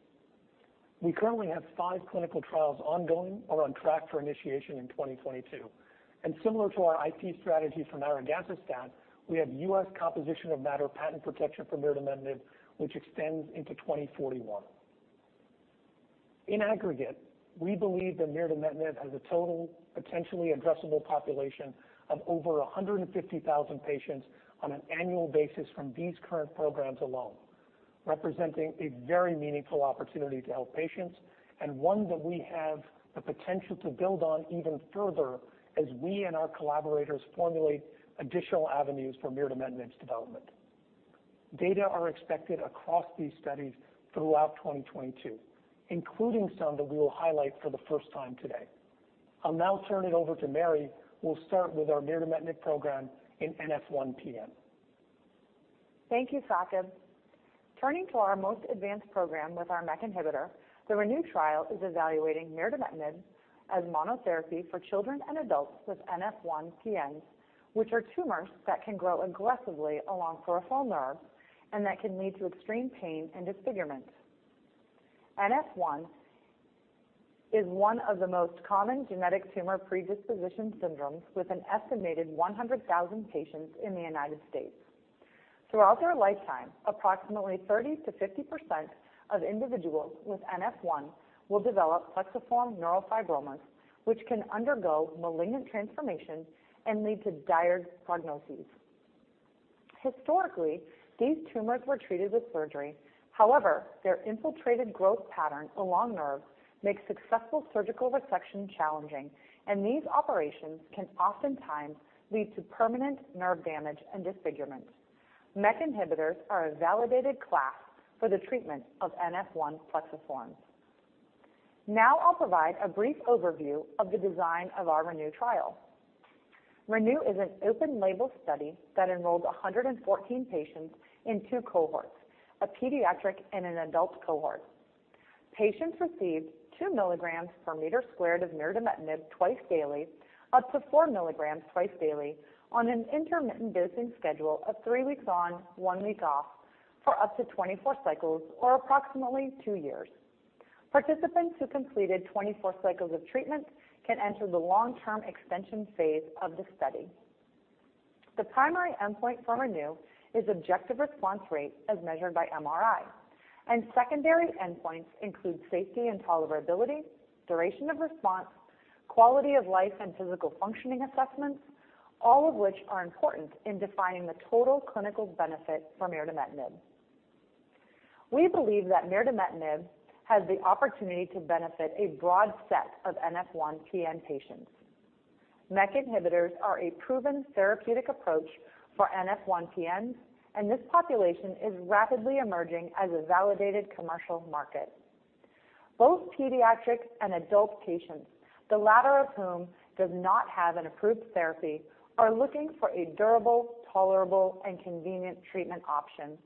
We currently have five clinical trials ongoing or on track for initiation in 2022, and similar to our IP strategy for nirogacestat, we have U.S. composition of matter patent protection for mirdametinib, which extends into 2041. In aggregate, we believe that mirdametinib has a total potentially addressable population of over 150,000 patients on an annual basis from these current programs alone, representing a very meaningful opportunity to help patients and one that we have the potential to build on even further as we and our collaborators formulate additional avenues for mirdametinib's development. Data are expected across these studies throughout 2022, including some that we will highlight for the first time today. I'll now turn it over to Mary, who will start with our mirdametinib program in NF1-PN. Thank you, Saqib. Turning to our most advanced program with our MEK inhibitor, the ReNeu trial is evaluating mirdametinib as monotherapy for children and adults with NF1-PNs, which are tumors that can grow aggressively along peripheral nerves and that can lead to extreme pain and disfigurement. NF1 is one of the most common genetic tumor predisposition syndromes, with an estimated 100,000 patients in the United States. Throughout their lifetime, approximately 30%-50% of individuals with NF1 will develop plexiform neurofibromas, which can undergo malignant transformation and lead to dire prognoses. Historically, these tumors were treated with surgery. However, their infiltrated growth pattern along nerves makes successful surgical resection challenging, and these operations can oftentimes lead to permanent nerve damage and disfigurement. MEK inhibitors are a validated class for the treatment of NF1 plexiforms. Now I'll provide a brief overview of the design of our ReNeu trial. ReNeu is an open label study that enrolled 114 patients in two cohorts, a pediatric and an adult cohort. Patients received 2 mg/m² of mirdametinib twice daily, up to 4 mg twice daily on an intermittent dosing schedule of three weeks on, one week off for up to 24 cycles or approximately two years. Participants who completed 24 cycles of treatment can enter the long-term extension phase of the study. The primary endpoint for ReNeu is objective response rate as measured by MRI, and secondary endpoints include safety and tolerability, duration of response, quality of life, and physical functioning assessments, all of which are important in defining the total clinical benefit for mirdametinib. We believe that mirdametinib has the opportunity to benefit a broad set of NF1-PN patients. MEK inhibitors are a proven therapeutic approach for NF1-PNs, and this population is rapidly emerging as a validated commercial market. Both pediatric and adult patients, the latter of whom does not have an approved therapy, are looking for a durable, tolerable and convenient treatment option.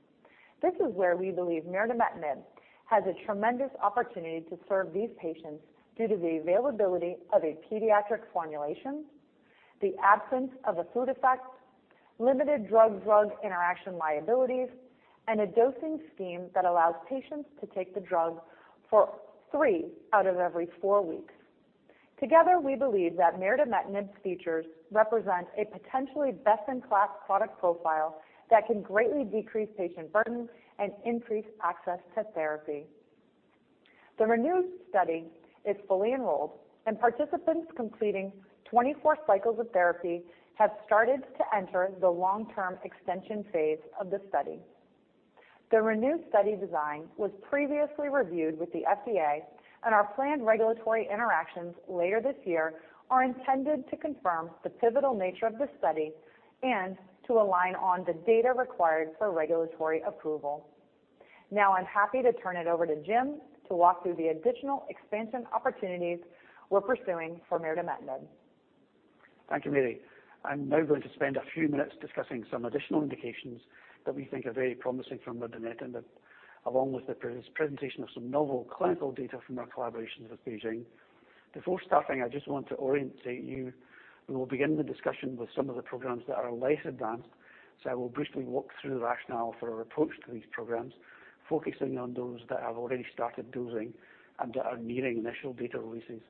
This is where we believe mirdametinib has a tremendous opportunity to serve these patients due to the availability of a pediatric formulation, the absence of a food effect, limited drug-drug interaction liabilities, and a dosing scheme that allows patients to take the drug for three out of every four weeks. Together, we believe that mirdametinib's features represent a potentially best-in-class product profile that can greatly decrease patient burden and increase access to therapy. The ReNeu study is fully enrolled and participants completing 24 cycles of therapy have started to enter the long-term extension phase of the study. The ReNeu study design was previously reviewed with the FDA and our planned regulatory interactions later this year are intended to confirm the pivotal nature of the study and to align on the data required for regulatory approval. Now I'm happy to turn it over to Jim to walk through the additional expansion opportunities we're pursuing for mirdametinib. Thank you, Mary. I'm now going to spend a few minutes discussing some additional indications that we think are very promising for mirdametinib, along with the presentation of some novel clinical data from our collaborations with BeiGene. Before starting, I just want to orientate you. We will begin the discussion with some of the programs that are less advanced. I will briefly walk through the rationale for our approach to these programs, focusing on those that have already started dosing and that are nearing initial data releases,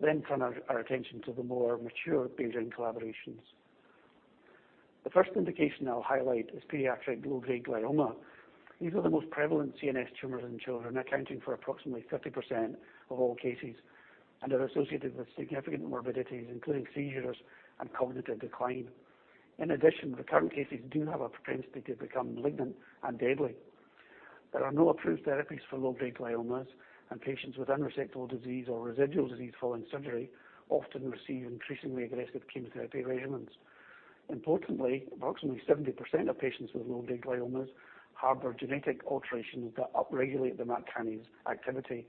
then turn our attention to the more mature BeiGene collaborations. The first indication I'll highlight is pediatric low-grade glioma. These are the most prevalent CNS tumors in children, accounting for approximately 30% of all cases and are associated with significant morbidities, including seizures and cognitive decline. In addition, the current cases do have a propensity to become malignant and deadly. There are no approved therapies for low-grade gliomas, and patients with unresectable disease or residual disease following surgery often receive increasingly aggressive chemotherapy regimens. Importantly, approximately 70% of patients with low-grade gliomas harbor genetic alterations that upregulate the MAP kinase activity,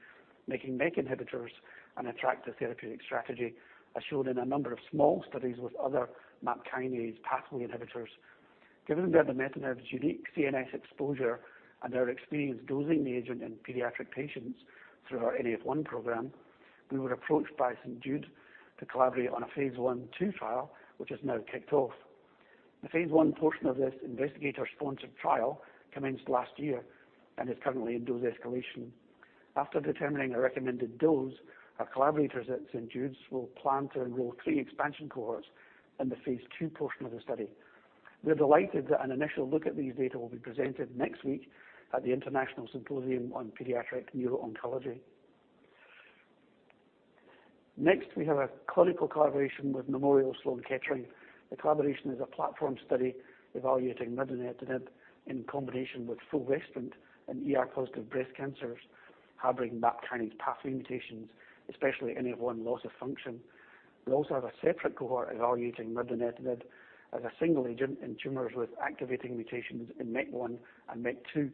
making MEK inhibitors an attractive therapeutic strategy, as shown in a number of small studies with other MAP kinase pathway inhibitors. Given mirdametinib's unique CNS exposure and our experience dosing the agent in pediatric patients through our NF1 program, we were approached by St. Jude to collaborate on a phase I, phase II trial, which has now kicked off. The phase I portion of this investigator-sponsored trial commenced last year and is currently in dose escalation. After determining a recommended dose, our collaborators at St. Jude's will plan to enroll three expansion cohorts in the phase II portion of the study. We're delighted that an initial look at these data will be presented next week at the International Symposium on Pediatric Neuro-Oncology. Next, we have a clinical collaboration with Memorial Sloan Kettering. The collaboration is a platform study evaluating mirdametinib in combination with fulvestrant in ER-positive breast cancers harboring MAP kinase pathway mutations, especially NF1 loss of function. We also have a separate cohort evaluating mirdametinib as a single agent in tumors with activating mutations in MEK1 and MEK2.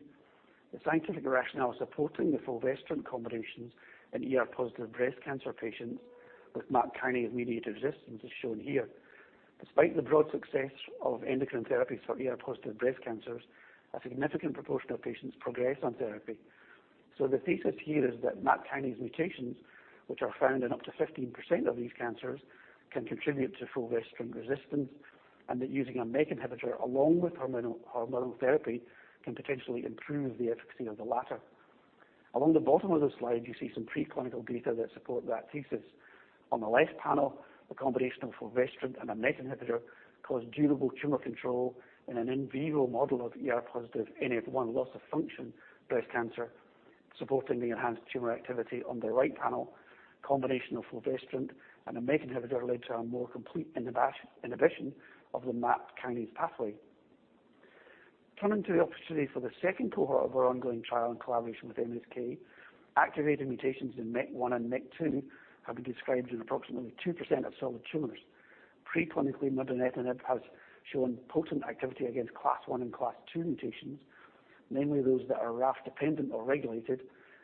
The scientific rationale supporting the fulvestrant combinations in ER-positive breast cancer patients with MAP kinase-mediated resistance is shown here. Despite the broad success of endocrine therapies for ER-positive breast cancers, a significant proportion of patients progress on therapy. The thesis here is that MAP kinase mutations, which are found in up to 15% of these cancers, can contribute to fulvestrant resistance and that using a MEK inhibitor along with hormonal therapy can potentially improve the efficacy of the latter. Along the bottom of the slide, you see some preclinical data that support that thesis. On the left panel, the combination of fulvestrant and a MEK inhibitor cause durable tumor control in an in vivo model of ER-positive NF1 loss of function breast cancer, supporting the enhanced tumor activity. On the right panel, combination of fulvestrant and a MEK inhibitor lead to a more complete inhibition of the MAP kinase pathway. Turning to the opportunity for the second cohort of our ongoing trial and collaboration with MSK, activating mutations in MEK1 and MEK2 have been described in approximately 2% of solid tumors. Preclinically, mirdametinib has shown potent activity against class one and class two mutations, namely those that are RAF-dependent or regulated,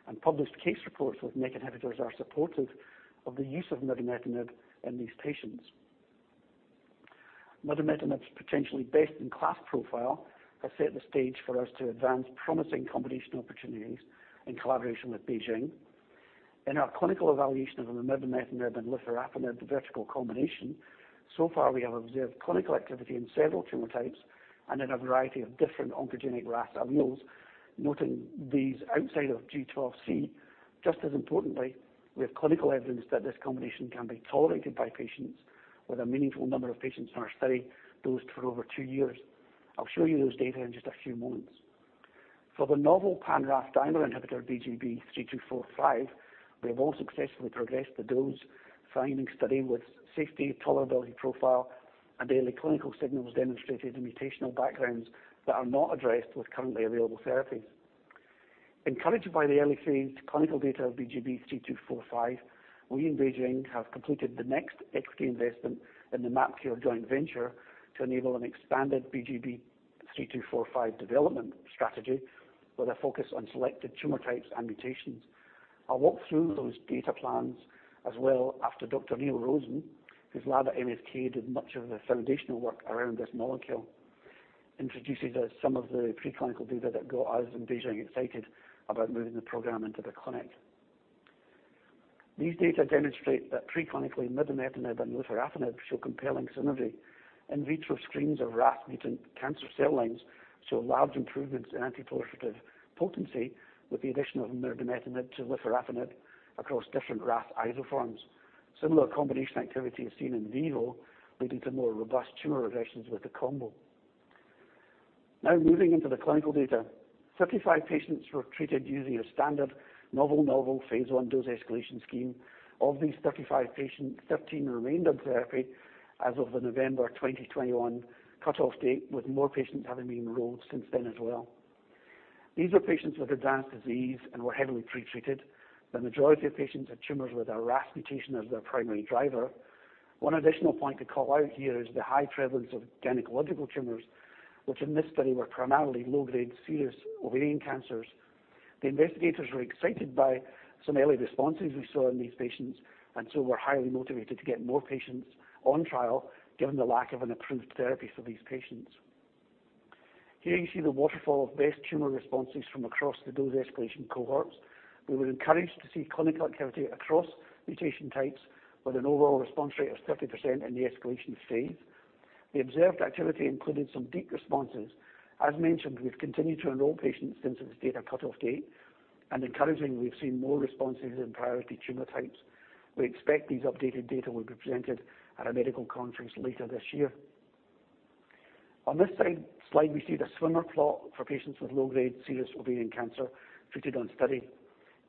and published case reports with MEK inhibitors are supportive of the use of mirdametinib in these patients. Mirdametinib's potentially best-in-class profile has set the stage for us to advance promising combination opportunities in collaboration with BeiGene. In our clinical evaluation of the mirdametinib and lifirafenib, the vertical combination, so far we have observed clinical activity in several tumor types and in a variety of different oncogenic RAF alleles, noting these outside of G12C. Just as importantly, we have clinical evidence that this combination can be tolerated by patients with a meaningful number of patients in our study dosed for over two years. I'll show you those data in just a few moments. For the novel pan-RAF dimer inhibitor, BGB-3245, we have all successfully progressed the dose finding study with safety tolerability profile and early clinical signals demonstrated in mutational backgrounds that are not addressed with currently available therapies. Encouraged by the early-phase clinical data of BGB-3245, we in Beijing have completed the next equity investment in the MapKure joint venture to enable an expanded BGB-3245 development strategy with a focus on selected tumor types and mutations. I'll walk through those data plans as well after Dr. Neal Rosen, whose lab at MSK did much of the foundational work around this molecule, introduces some of the preclinical data that got us and Beijing excited about moving the program into the clinic. These data demonstrate that preclinically mirdametinib and lifirafenib show compelling synergy. In vitro screens of RAF mutant cancer cell lines show large improvements in anti-proliferative potency with the addition of mirdametinib to lifirafenib across different RAF isoforms. Similar combination activity is seen in vivo, leading to more robust tumor regressions with the combo. Now moving into the clinical data. 35 patients were treated using a standard novel-novel phase I dose escalation scheme. Of these 35 patients, 13 remained on therapy as of the November 2021 cutoff date, with more patients having been enrolled since then as well. These were patients with advanced disease and were heavily pre-treated. The majority of patients had tumors with a RAS mutation as their primary driver. One additional point to call out here is the high prevalence of gynecological tumors, which in this study were primarily low-grade serous ovarian cancers. The investigators were excited by some early responses we saw in these patients, and so we're highly motivated to get more patients on trial given the lack of an approved therapy for these patients. Here you see the waterfall of best tumor responses from across the dose escalation cohorts. We were encouraged to see clinical activity across mutation types with an overall response rate of 30% in the escalation phase. The observed activity included some deep responses. As mentioned, we've continued to enroll patients since this data cutoff date, and encouragingly, we've seen more responses in priority tumor types. We expect these updated data will be presented at a medical conference later this year. On this slide, we see the swimmer plot for patients with low-grade serous ovarian cancer treated on study.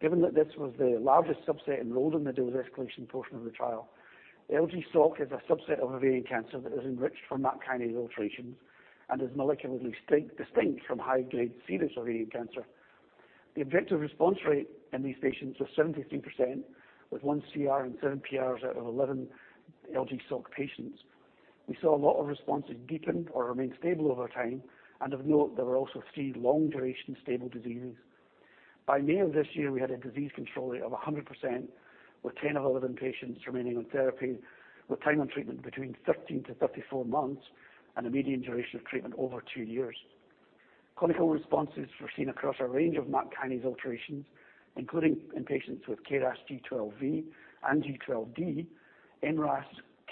Given that this was the largest subset enrolled in the dose escalation portion of the trial, LG-SOC is a subset of ovarian cancer that is enriched for MAP kinase alterations and is molecularly strictly distinct from high-grade serous ovarian cancer. The objective response rate in these patients was 73%, with one CR and seven PRs out of 11 LG-SOC patients. We saw a lot of responses deepened or remained stable over time, and of note, there were also three long-duration stable diseases. By May of this year, we had a disease control rate of 100%, with 10 of 11 patients remaining on therapy, with time on treatment between 13-34 months and a median duration of treatment over two years. Clinical responses were seen across a range of MAP kinase alterations, including in patients with KRAS G12V and G12D, NRAS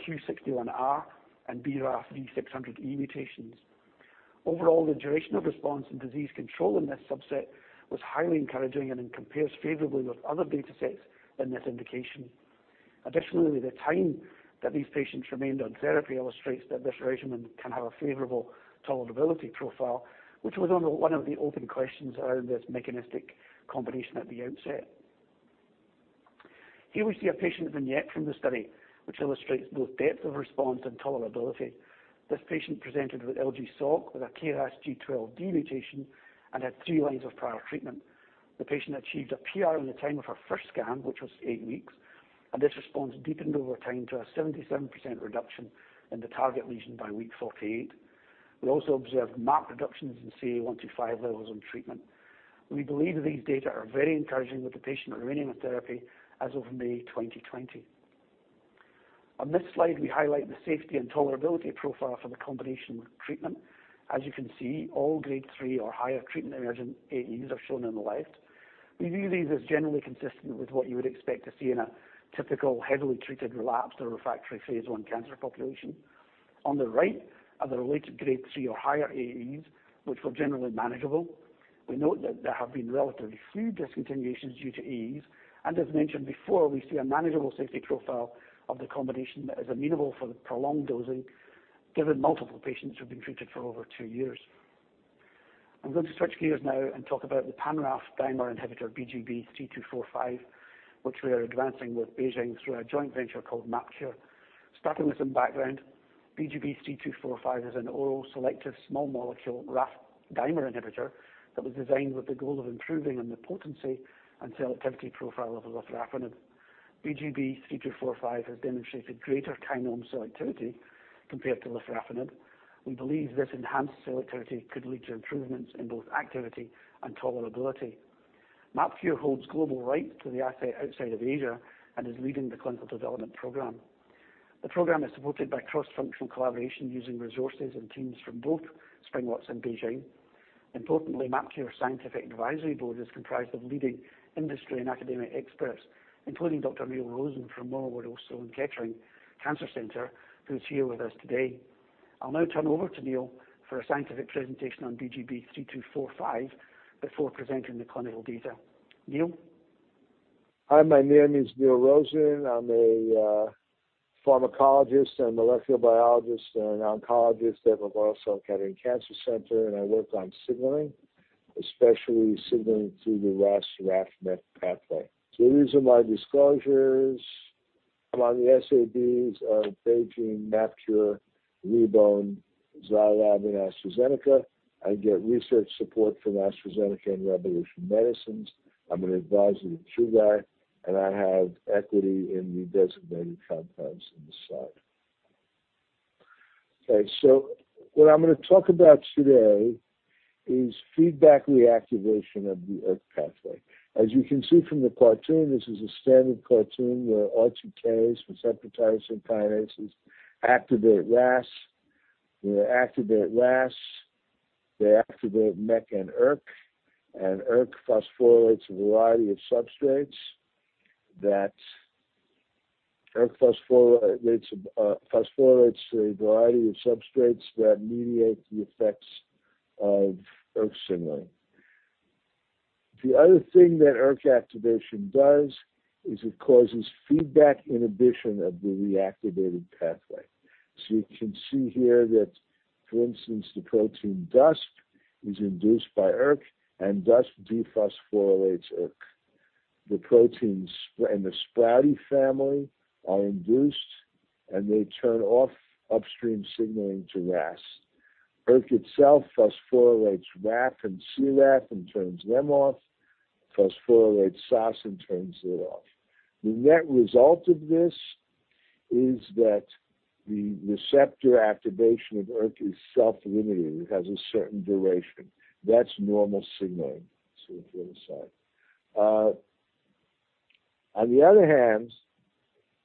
Q61R, and BRAF V600E mutations. Overall, the duration of response and disease control in this subset was highly encouraging and it compares favorably with other data sets in this indication. Additionally, the time that these patients remained on therapy illustrates that this regimen can have a favorable tolerability profile, which was one of the open questions around this mechanistic combination at the outset. Here we see a patient vignette from the study which illustrates both depth of response and tolerability. This patient presented with LG-SOC with a KRAS G12D mutation and had three lines of prior treatment. The patient achieved a PR in the time of her first scan, which was eight weeks, and this response deepened over time to a 77% reduction in the target lesion by week 48. We also observed marked reductions in CA-125 levels on treatment. We believe these data are very encouraging, with the patient remaining on therapy as of May 2020. On this slide, we highlight the safety and tolerability profile for the combination treatment. As you can see, all grade three or higher treatment-emergent AEs are shown on the left. We view these as generally consistent with what you would expect to see in a typical heavily-treated, relapsed, or refractory phase I cancer population. On the right are the related grade three or higher AEs, which were generally manageable. We note that there have been relatively few discontinuations due to AEs, and as mentioned before, we see a manageable safety profile of the combination that is amenable for the prolonged dosing, given multiple patients who have been treated for over two years. I'm going to switch gears now and talk about the pan-RAF dimer inhibitor BGB-3245, which we are advancing with BeiGene through a joint venture called MapKure. Starting with some background, BGB-3245 is an oral selective small molecule RAF dimer inhibitor that was designed with the goal of improving on the potency and selectivity profile of lifirafenib. BGB-3245 has demonstrated greater kinome selectivity compared to lifirafenib. We believe this enhanced selectivity could lead to improvements in both activity and tolerability. MapKure holds global rights to the asset outside of Asia and is leading the clinical development program. The program is supported by cross-functional collaboration using resources and teams from both SpringWorks and BeiGene. Importantly, MapKure Scientific Advisory Board is comprised of leading industry and academic experts, including Dr. Neal Rosen from Memorial Sloan Kettering Cancer Center, who is here with us today. I'll now turn over to Neal for a scientific presentation on BGB-3245 before presenting the clinical data. Neal? Hi, my name is Neal Rosen. I'm a pharmacologist and molecular biologist and oncologist at Memorial Sloan Kettering Cancer Center, and I work on signaling, especially signaling through the RAS RAF MEK pathway. These are my disclosures. I'm on the SABs of BeiGene, MapKure, Ribon Therapeutics, Zai Lab, and AstraZeneca. I get research support from AstraZeneca and Revolution Medicines. I'm an advisor to Chugai, and I have equity in the designated compounds in this slide. Okay. What I'm gonna talk about today is feedback reactivation of the ERK pathway. As you can see from the cartoon, this is a standard cartoon where RTKs, receptor tyrosine kinases, activate RAS. They activate RAS, they activate MEK and ERK, and ERK phosphorylates a variety of substrates that ERK phosphorylates a variety of substrates that mediate the effects of ERK signaling. The other thing that ERK activation does is it causes feedback inhibition of the reactivated pathway. You can see here that, for instance, the protein DUSP is induced by ERK, and DUSP dephosphorylates ERK. The proteins in the Sprouty family are induced, and they turn off upstream signaling to RAS. ERK itself phosphorylates RAF and CRAF and turns them off, phosphorylates SOS and turns it off. The net result of this is that the receptor activation of ERK is self-limiting. It has a certain duration. That's normal signaling. See the other side. On the other hand,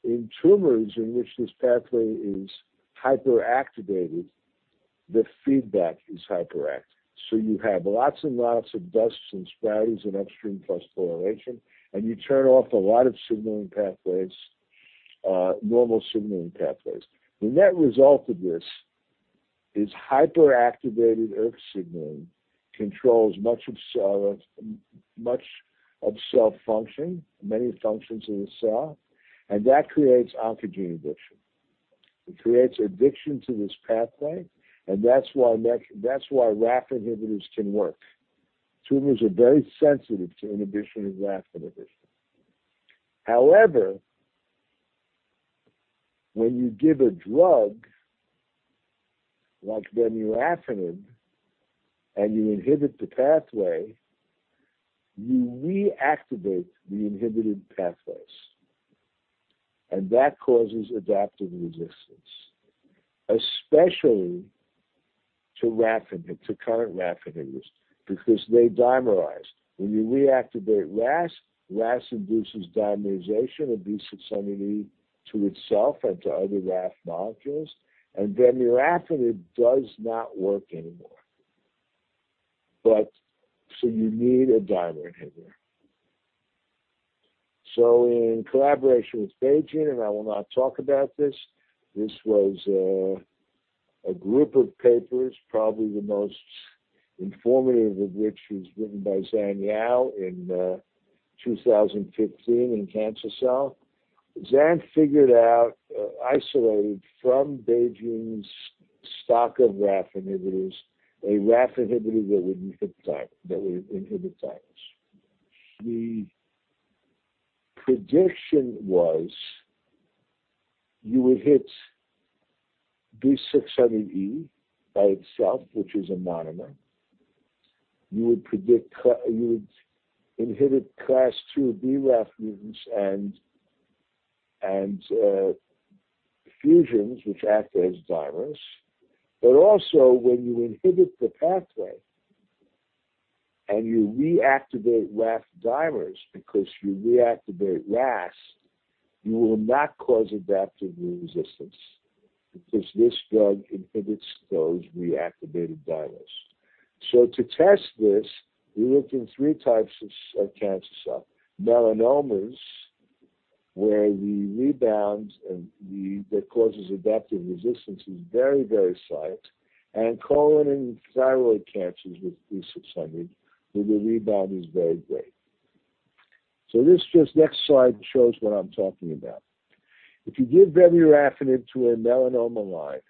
in tumors in which this pathway is hyperactivated, the feedback is hyperactive. You have lots and lots of DUSPs and Sproutys and upstream phosphorylation, and you turn off a lot of signaling pathways, normal signaling pathways. The net result of this is hyperactivated ERK signaling controls much of cell function, many functions in the cell, and that creates oncogene addiction. It creates addiction to this pathway, and that's why RAF inhibitors can work. Tumors are very sensitive to inhibition of RAF inhibitors. However, when you give a drug, like vemurafenib, and you inhibit the pathway, you reactivate the inhibited pathways, and that causes adaptive resistance, especially to current RAF inhibitors because they dimerize. When you reactivate RAS induces dimerization of BRAF V600E to itself and to other RAF molecules, and vemurafenib does not work anymore. You need a dimer inhibitor. In collaboration with BeiGene, I will not talk about this. This was a group of papers, probably the most informative of which was written by Zan Yao in 2015 in Cancer Cell. Zan figured out, isolated from BeiGene's stock of RAF inhibitors, a RAF inhibitor that would inhibit dimers. The prediction was you would hit BRAF V600E by itself, which is a monomer. You would predict you would inhibit class two BRAF mutants and fusions which act as dimers. But also, when you inhibit the pathway and you reactivate RAF dimers because you reactivate RAS, you will not cause adaptive resistance because this drug inhibits those reactivated dimers. To test this, we looked in three types of cancer cell. Melanomas, where the rebound that causes adaptive resistance is very, very slight. Colon and thyroid cancers with BRAF V600, where the rebound is very great. This just next slide shows what I'm talking about. If you give vemurafenib to a melanoma line,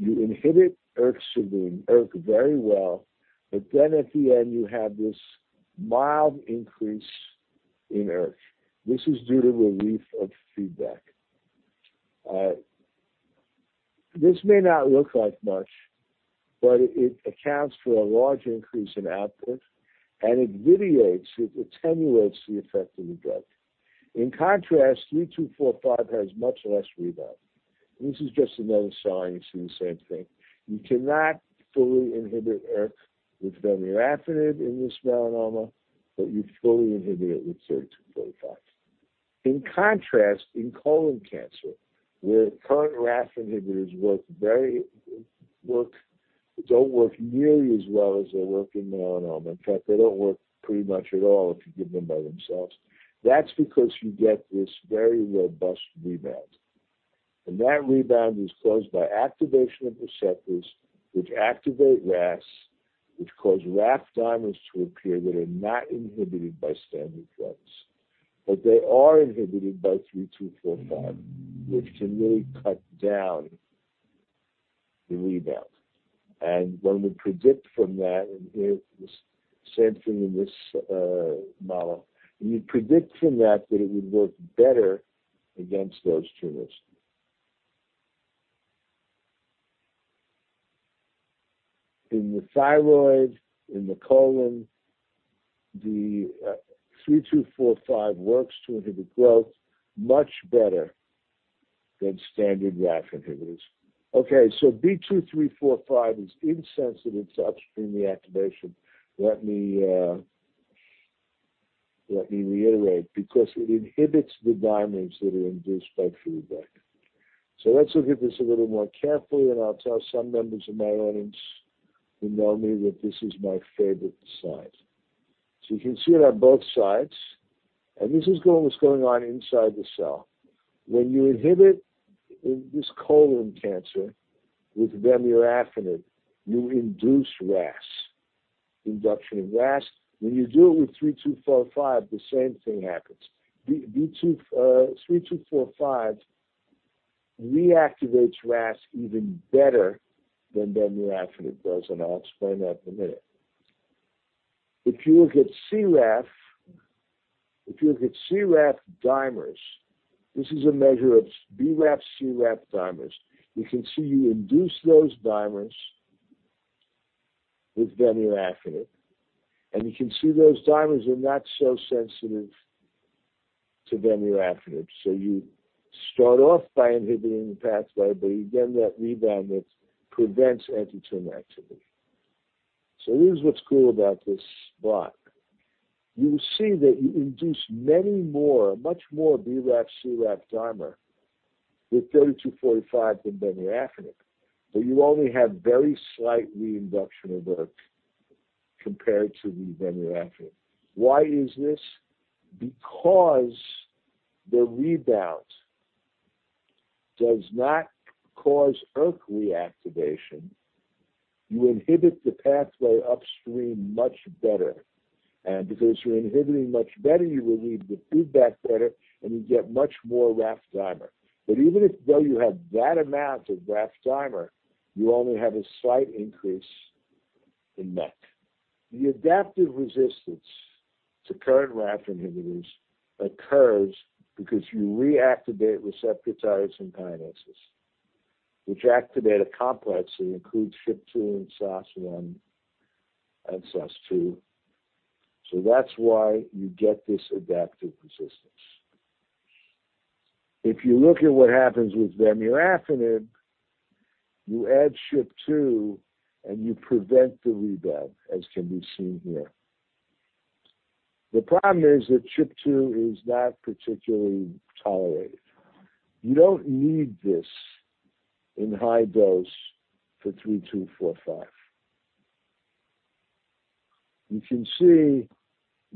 you inhibit ERK signaling, ERK very well, but then at the end, you have this mild increase in ERK. This is due to relief of feedback. This may not look like much, but it accounts for a large increase in output, and it vitiates, it attenuates the effect of the drug. In contrast, 3245 has much less rebound. This is just another sign you see the same thing. You cannot fully inhibit ERK with vemurafenib in this melanoma, but you fully inhibit it with 3245. In contrast, in colon cancer, where current RAF inhibitors don't work nearly as well as they work in melanoma. In fact, they don't work pretty much at all if you give them by themselves. That's because you get this very robust rebound. That rebound is caused by activation of receptors which activate RAS, which cause RAF dimers to appear that are not inhibited by standard drugs. They are inhibited by 3245, which can really cut down the rebound. One would predict from that, and here it is same thing in this model, and you'd predict from that that it would work better against those tumors. In the thyroid, in the colon, 3245 works to inhibit growth much better than standard RAF inhibitors. Okay, BGB-3245 is insensitive to upstream reactivation. Let me reiterate because it inhibits the dimers that are induced by feedback. Let's look at this a little more carefully, and I'll tell some members of my audience who know me that this is my favorite slide. You can see it on both sides. This is what's going on inside the cell. When you inhibit this colon cancer with vemurafenib, you induce RAS, induction of RAS. When you do it with BGB-3245, the same thing happens. The BGB-3245 reactivates RAS even better than vemurafenib does, and I'll explain that in a minute. If you look at CRAF, if you look at CRAF dimers, this is a measure of BRAF, CRAF dimers. You can see you induce those dimers with vemurafenib, and you can see those dimers are not so sensitive to vemurafenib. You start off by inhibiting the pathway, but you get that rebound that prevents anti-tumor activity. Here's what's cool about this block. You see that you induce many more, much more BRAF, CRAF dimer with BGB-3245 than vemurafenib, but you only have very slight reinduction of ERK compared to the vemurafenib. Why is this? Because the rebound does not cause ERK reactivation. You inhibit the pathway upstream much better. Because you're inhibiting much better, you relieve the feedback better, and you get much more RAF dimer. But though you have that amount of RAF dimer, you only have a slight increase in MEK. The adaptive resistance to current RAF inhibitors occurs because you reactivate receptor tyrosine kinases, which activate a complex that includes SHP2 and SOS1 and SOS2. That's why you get this adaptive resistance. If you look at what happens with vemurafenib, you add SHP2, and you prevent the rebound, as can be seen here. The problem is that SHP2 is not particularly tolerated. You don't need this in high dose for 3245. You can see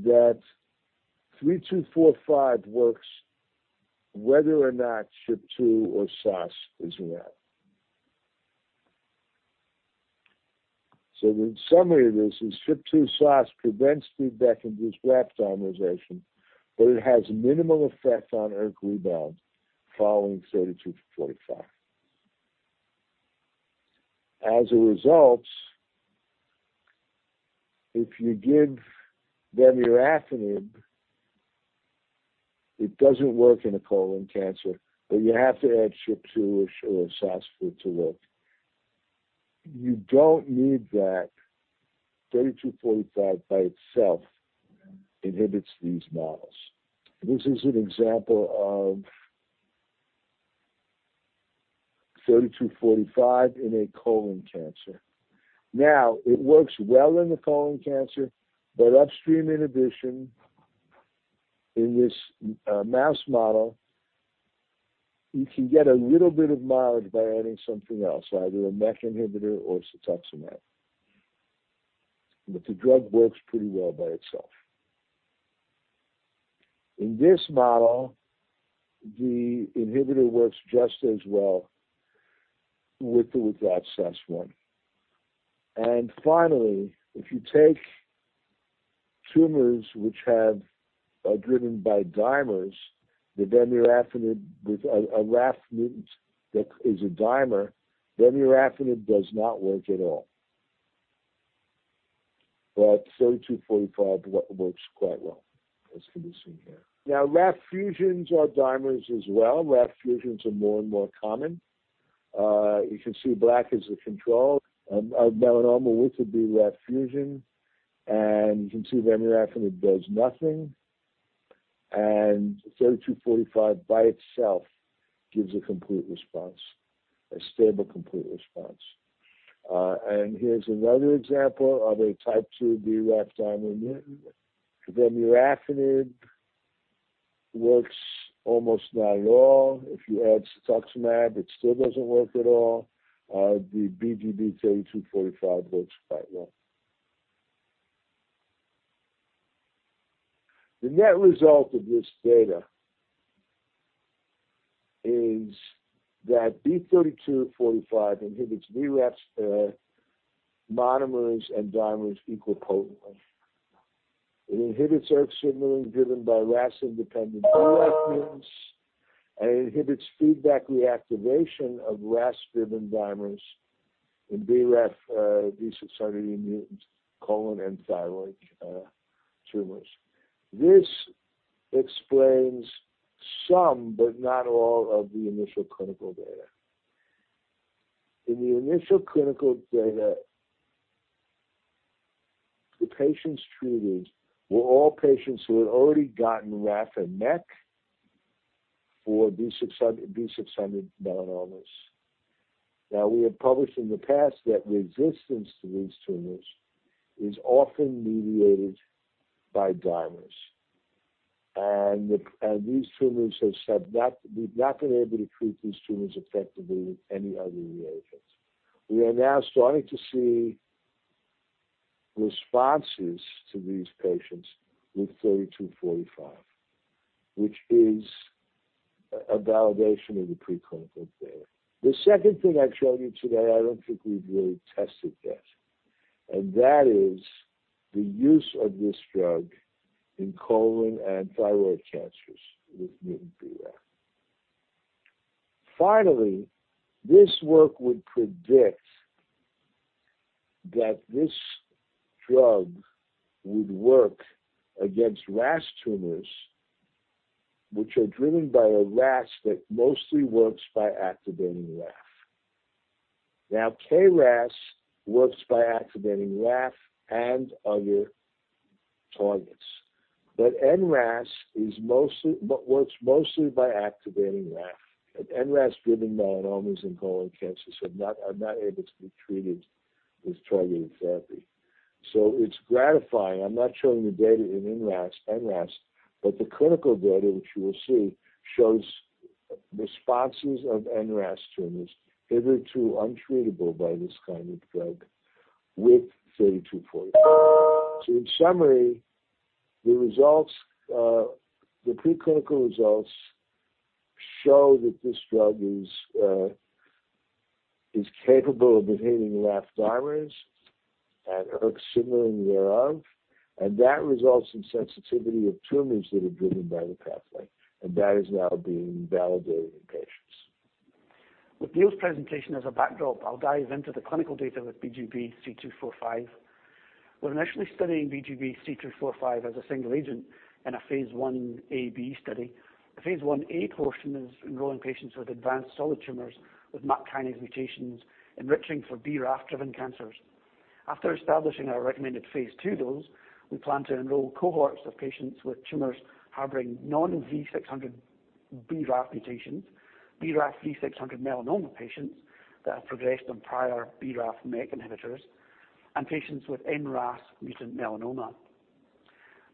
that 3245 works whether or not SHP2 or SOS is in there. The summary of this is SHP2, SOS prevents feedback-induced RAF dimerization, but it has minimal effect on ERK rebound following 3245. As a result, if you give vemurafenib, it doesn't work in a colon cancer, but you have to add SHP2 or SOS for it to work. You don't need that. 3245 by itself inhibits these models. This is an example of 3245 in a colon cancer. Now, it works well in the colon cancer, but upstream inhibition in this mouse model, you can get a little bit of mileage by adding something else, either a MEK inhibitor or cetuximab. The drug works pretty well by itself. In this model, the inhibitor works just as well with or without SOS1. Finally, if you take tumors which are driven by dimers, the vemurafenib with a RAF mutant that is a dimer, vemurafenib does not work at all. BGB-3245 works quite well, as can be seen here. Now, RAF fusions are dimers as well. RAF fusions are more and more common. You can see black is the control of melanoma with the BRAF fusion. You can see vemurafenib does nothing. BGB-3245 by itself gives a complete response, a stable complete response. Here's another example of a type two BRAF dimer mutant. Vemurafenib works almost not at all. If you add cetuximab, it still doesn't work at all. The BGB-3245 works quite well. The net result of this data is that BGB-3245 inhibits BRAF monomers and dimers equipotently. It inhibits ERK signaling driven by RAS-independent BRAF mutants, and it inhibits feedback reactivation of RAS-driven dimers in BRAF V600E mutants, colon and thyroid tumors. This explains some but not all of the initial clinical data. In the initial clinical data, the patients treated were all patients who had already gotten RAF and MEK for V600 V600 melanomas. Now, we have published in the past that resistance to these tumors is often mediated by dimers. These tumors, we have not been able to treat these tumors effectively with any other regimens. We are now starting to see responses in these patients with BGB-3245, which is a validation of the preclinical data. The second thing I showed you today, I don't think we've really tested yet, and that is the use of this drug in colon and thyroid cancers with mutant BRAF. Finally, this work would predict that this drug would work against RAS tumors, which are driven by a RAS that mostly works by activating RAF. Now, KRAS works by activating RAF and other targets. But NRAS mostly works by activating RAF. NRAS-driven melanomas and colon cancers are not able to be treated with targeted therapy. It's gratifying. I'm not showing the data in NRAS, but the clinical data, which you will see, shows responses of NRAS tumors hitherto untreatable by this kind of drug with BGB-3245. In summary, the results, the preclinical results show that this drug is capable of inhibiting RAF dimers and ERK similarly thereof, and that results in sensitivity of tumors that are driven by the pathway, and that is now being validated in patients. With Neal's presentation as a backdrop, I'll dive into the clinical data with BGB-3245. We're initially studying BGB-3245 as a single agent in a phase I A/B study. The phase I A portion is enrolling patients with advanced solid tumors with MAP kinase mutations, enriching for BRAF-driven cancers. After establishing our recommended phase II dose, we plan to enroll cohorts of patients with tumors harboring non-V600 BRAF mutations, BRAF V600 melanoma patients that have progressed on prior BRAF/MEK inhibitors, and patients with NRAS-mutant melanoma.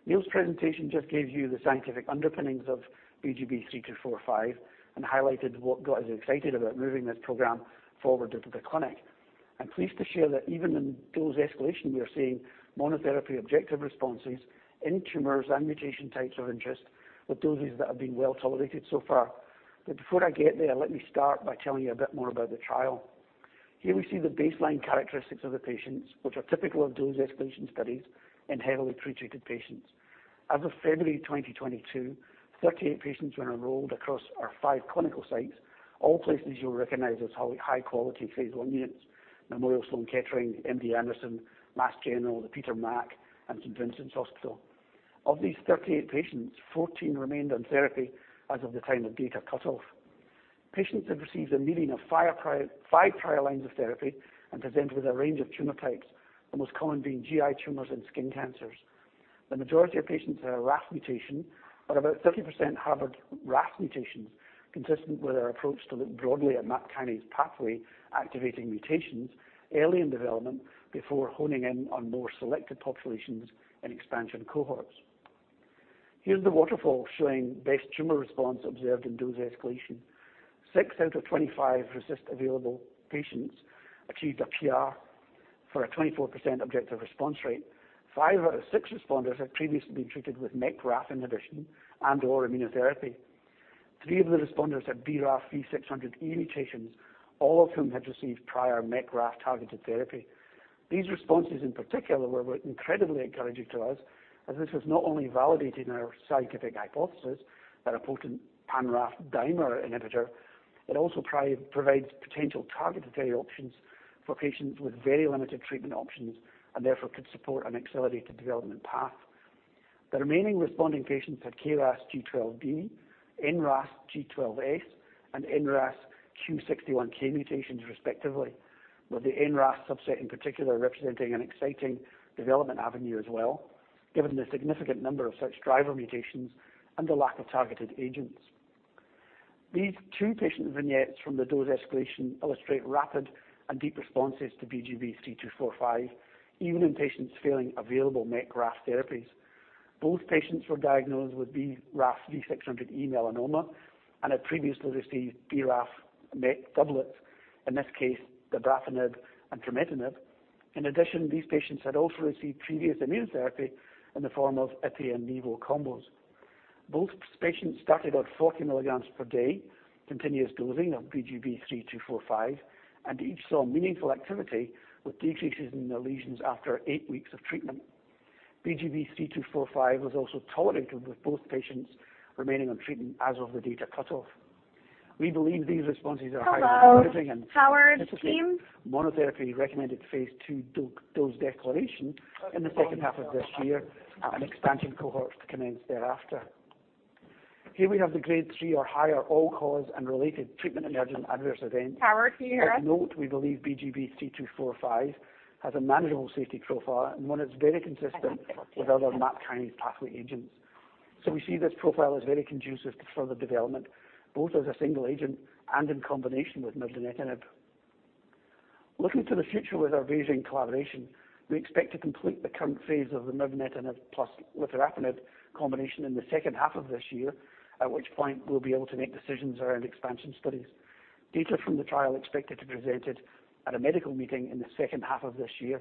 Neal's presentation just gave you the scientific underpinnings of BGB-3245 and highlighted what got us excited about moving this program forward into the clinic. I'm pleased to share that even in dose escalation, we are seeing monotherapy objective responses in tumors and mutation types of interest with doses that have been well-tolerated so far. Before I get there, let me start by telling you a bit more about the trial. Here we see the baseline characteristics of the patients, which are typical of dose-escalation studies in heavily pretreated patients. As of February 2022, 38 patients were enrolled across our five clinical sites, all places you'll recognize as high quality phase I units, Memorial Sloan Kettering Cancer Center, MD Anderson, Mass General, the Peter MacCallum Cancer Centre, and St. Vincent's Hospital. Of these 38 patients, 14 remained on therapy as of the time of data cutoff. Patients have received a median of five prior lines of therapy and present with a range of tumor types, the most common being GI tumors and skin cancers. The majority of patients have a RAF mutation, but about 30% have a RAS mutation, consistent with our approach to look broadly at MAP kinase pathway-activating mutations early in development before honing in on more selected populations and expansion cohorts. Here's the waterfall showing best tumor response observed in dose escalation. Six out of 25 refractory patients achieved a PR for a 24% objective response rate. Five out of 6 responders had previously been treated with MEK/RAF inhibition and/or immunotherapy. Three of the responders had BRAF V600E mutations, all of whom had received prior MEK/RAF-targeted therapy. These responses, in particular, were incredibly encouraging to us as this has not only validated our scientific hypothesis that a potent pan-RAF dimer inhibitor, it also provides potential targeted therapy options for patients with very limited treatment options and therefore could support an accelerated development path. The remaining responding patients had KRAS G12D, NRAS G12S, and NRAS Q61K mutations respectively, with the NRAS subset in particular representing an exciting development avenue as well, given the significant number of such driver mutations and the lack of targeted agents. These two patient vignettes from the dose escalation illustrate rapid and deep responses to BGB-3245, even in patients failing available MEK/RAF therapies. Both patients were diagnosed with BRAF V600E melanoma and had previously received BRAF/MEK doublets, in this case, dabrafenib and trametinib. In addition, these patients had also received previous immunotherapy in the form of ipi and nivo combos. Both patients started on 40 milligrams per day, continuous dosing of BGB-3245, and each saw meaningful activity with decreases in their lesions after eight weeks of treatment. BGB-3245 was also tolerated, with both patients remaining on treatment as of the data cutoff. We believe these responses are highly encouraging and. Hello, Howard's team. Monotherapy recommended phase II dose declaration in the H2 of this year and expansion cohorts to commence thereafter. Here we have the grade three or higher all-cause and related treatment-emergent adverse events. Howard, can you hear us? Of note, we believe BGB-3245 has a manageable safety profile and one that's very consistent with other MAP kinase pathway agents. We see this profile as very conducive to further development, both as a single agent and in combination with mirdametinib. Looking to the future with our BeiGene collaboration, we expect to complete the current phase of the mirdametinib plus lifirafenib combination in the H2 of this year, at which point we'll be able to make decisions around expansion studies. Data from the trial expected to be presented at a medical meeting in the H2 of this year.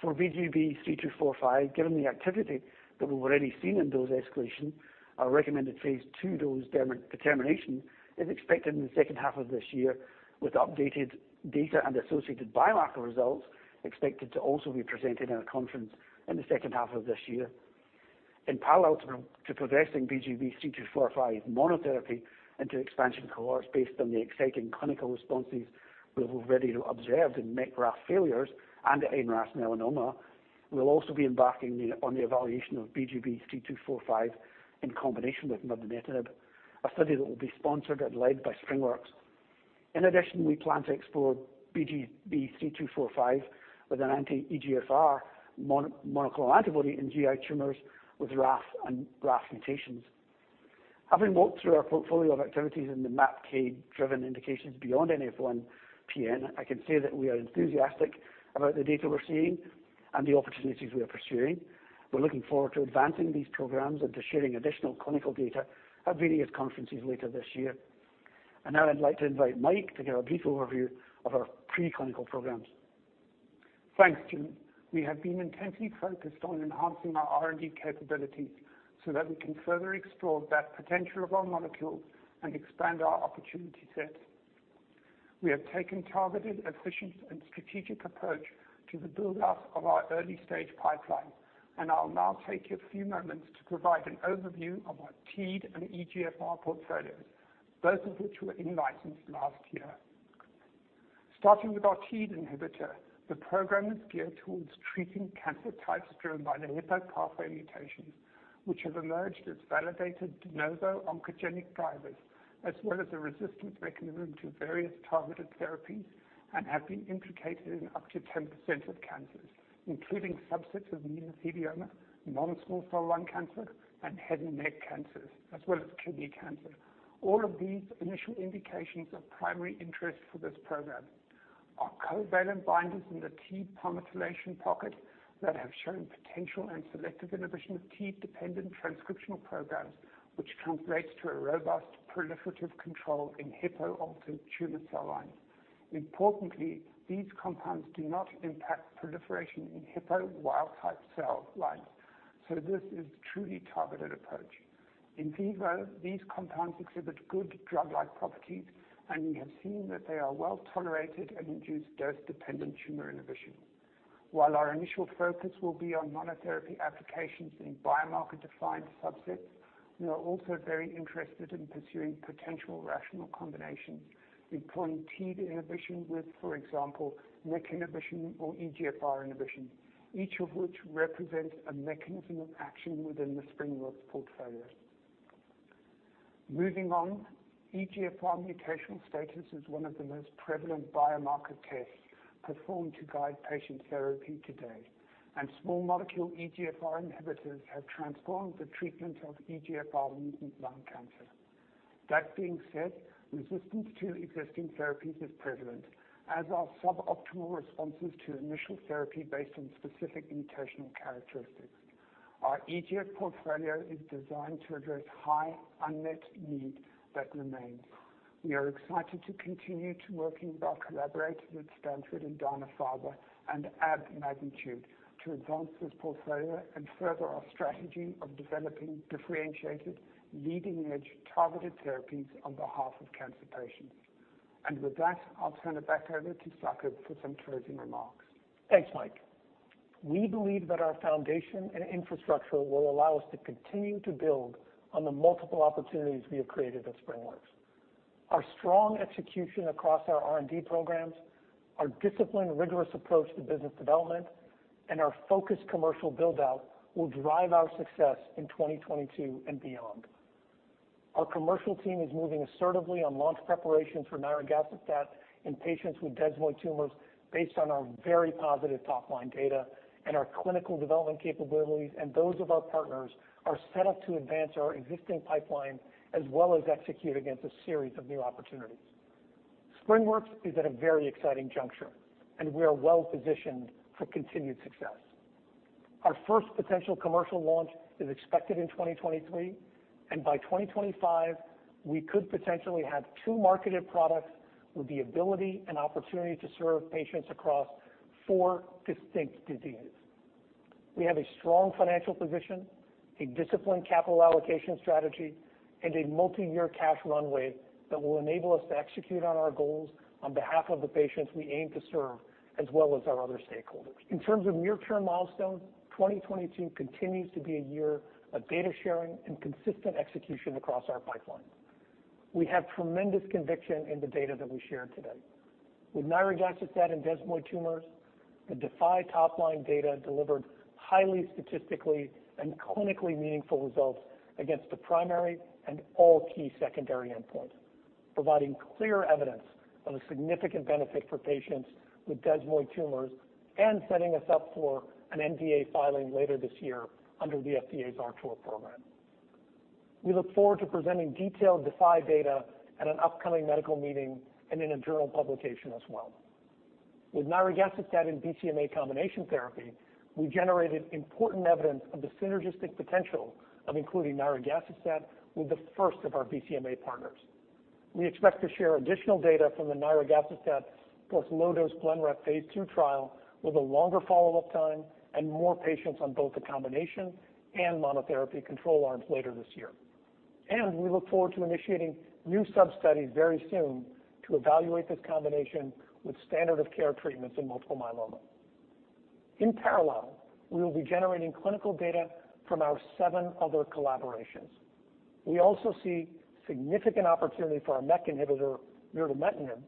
For BGB-3245, given the activity that we've already seen in dose escalation, our recommended phase II dose determination is expected in the H2 of this year, with updated data and associated biomarker results expected to also be presented at a conference in the H2 of this year. In parallel to progressing BGB-3245 monotherapy into expansion cohorts based on the exciting clinical responses we've already observed in MEK/RAF failures and in RAS melanoma, we'll also be embarking on the evaluation of BGB-3245 in combination with mirdametinib, a study that will be sponsored and led by SpringWorks Therapeutics. In addition, we plan to explore BGB-3245 with an anti-EGFR monoclonal antibody in GI tumors with RAF and RAS mutations. Having walked through our portfolio of activities in the MAPK-driven indications beyond NF1-PN, I can say that we are enthusiastic about the data we're seeing and the opportunities we are pursuing. We're looking forward to advancing these programs and to sharing additional clinical data at various conferences later this year. Now I'd like to invite Mike to give a brief overview of our preclinical programs. Thanks, Jim. We have been intensely focused on enhancing our R&D capabilities so that we can further explore the potential of our molecules and expand our opportunity sets. We have taken a targeted, efficient, and strategic approach to the build-out of our early-stage pipeline, and I'll now take a few moments to provide an overview of our TEAD and EGFR portfolios, both of which were in-licensed last year. Starting with our TEAD inhibitor, the program is geared towards treating cancer types driven by the Hippo pathway mutations, which have emerged as validated de novo oncogenic drivers, as well as a resistance mechanism to various targeted therapies and have been implicated in up to 10% of cancers, including subsets of meningioma, non-small cell lung cancer, and head and neck cancers, as well as kidney cancer. All of these initial indications of primary interest for this program are covalent binders in the TEAD palmitoylation pocket that have shown potential and selective inhibition of TEAD-dependent transcriptional programs, which translates to a robust proliferative control in Hippo-altered tumor cell lines. Importantly, these compounds do not impact proliferation in Hippo wild type cell lines, so this is truly targeted approach. In vivo, these compounds exhibit good drug-like properties, and we have seen that they are well-tolerated and induce dose-dependent tumor inhibition. While our initial focus will be on monotherapy applications in biomarker-defined subsets, we are also very interested in pursuing potential rational combinations, deploying TEAD inhibition with, for example, MEK inhibition or EGFR inhibition, each of which represents a mechanism of action within the SpringWorks portfolio. Moving on, EGFR mutational status is one of the most prevalent biomarker tests performed to guide patient therapy today, and small molecule EGFR inhibitors have transformed the treatment of EGFR mutant lung cancer. That being said, resistance to existing therapies is prevalent, as are suboptimal responses to initial therapy based on specific mutational characteristics. Our EGFR portfolio is designed to address high unmet need that remains. We are excited to continue working with our collaborators at Stanford and Dana-Farber and add momentum to advance this portfolio and further our strategy of developing differentiated, leading-edge targeted therapies on behalf of cancer patients. With that, I'll turn it back over to Saqib for some closing remarks. Thanks, Mike. We believe that our foundation and infrastructure will allow us to continue to build on the multiple opportunities we have created at SpringWorks Therapeutics. Our strong execution across our R&D programs, our disciplined, rigorous approach to business development, and our focused commercial build-out will drive our success in 2022 and beyond. Our commercial team is moving assertively on launch preparations for nirogacestat in patients with desmoid tumors based on our very positive top-line data and our clinical development capabilities, and those of our partners are set up to advance our existing pipeline as well as execute against a series of new opportunities. SpringWorks Therapeutics is at a very exciting juncture, and we are well-positioned for continued success. Our first potential commercial launch is expected in 2023, and by 2025, we could potentially have two marketed products with the ability and opportunity to serve patients across four distinct diseases. We have a strong financial position, a disciplined capital allocation strategy, and a multiyear cash runway that will enable us to execute on our goals on behalf of the patients we aim to serve, as well as our other stakeholders. In terms of near-term milestones, 2022 continues to be a year of data sharing and consistent execution across our pipeline. We have tremendous conviction in the data that we shared today. With nirogacestat and desmoid tumors, the DeFi top-line data delivered highly statistically and clinically meaningful results against the primary and all key secondary endpoints, providing clear evidence of a significant benefit for patients with desmoid tumors and setting us up for an NDA filing later this year under the FDA's RTOR program. We look forward to presenting detailed DeFi data at an upcoming medical meeting and in a journal publication as well. With nirogacestat and BCMA combination therapy, we generated important evidence of the synergistic potential of including nirogacestat with the first of our BCMA partners. We expect to share additional data from the nirogacestat plus low-dose BLENREP phase II trial with a longer follow-up time and more patients on both the combination and monotherapy control arms later this year. We look forward to initiating new substudies very soon to evaluate this combination with standard of care treatments in multiple myeloma. In parallel, we will be generating clinical data from our seven other collaborations. We also see significant opportunity for our MEK inhibitor, mirdametinib,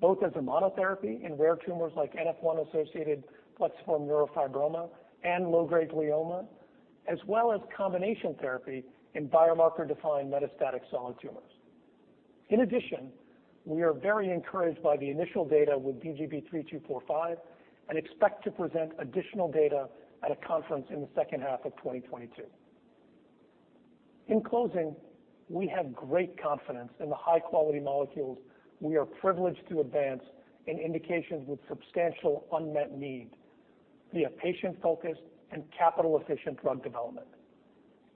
both as a monotherapy in rare tumors like NF1-associated plexiform neurofibroma and low-grade glioma, as well as combination therapy in biomarker-defined metastatic solid tumors. In addition, we are very encouraged by the initial data with BGB-3245 and expect to present additional data at a conference in the H2 of 2022. In closing, we have great confidence in the high-quality molecules we are privileged to advance in indications with substantial unmet need via patient-focused and capital-efficient drug development.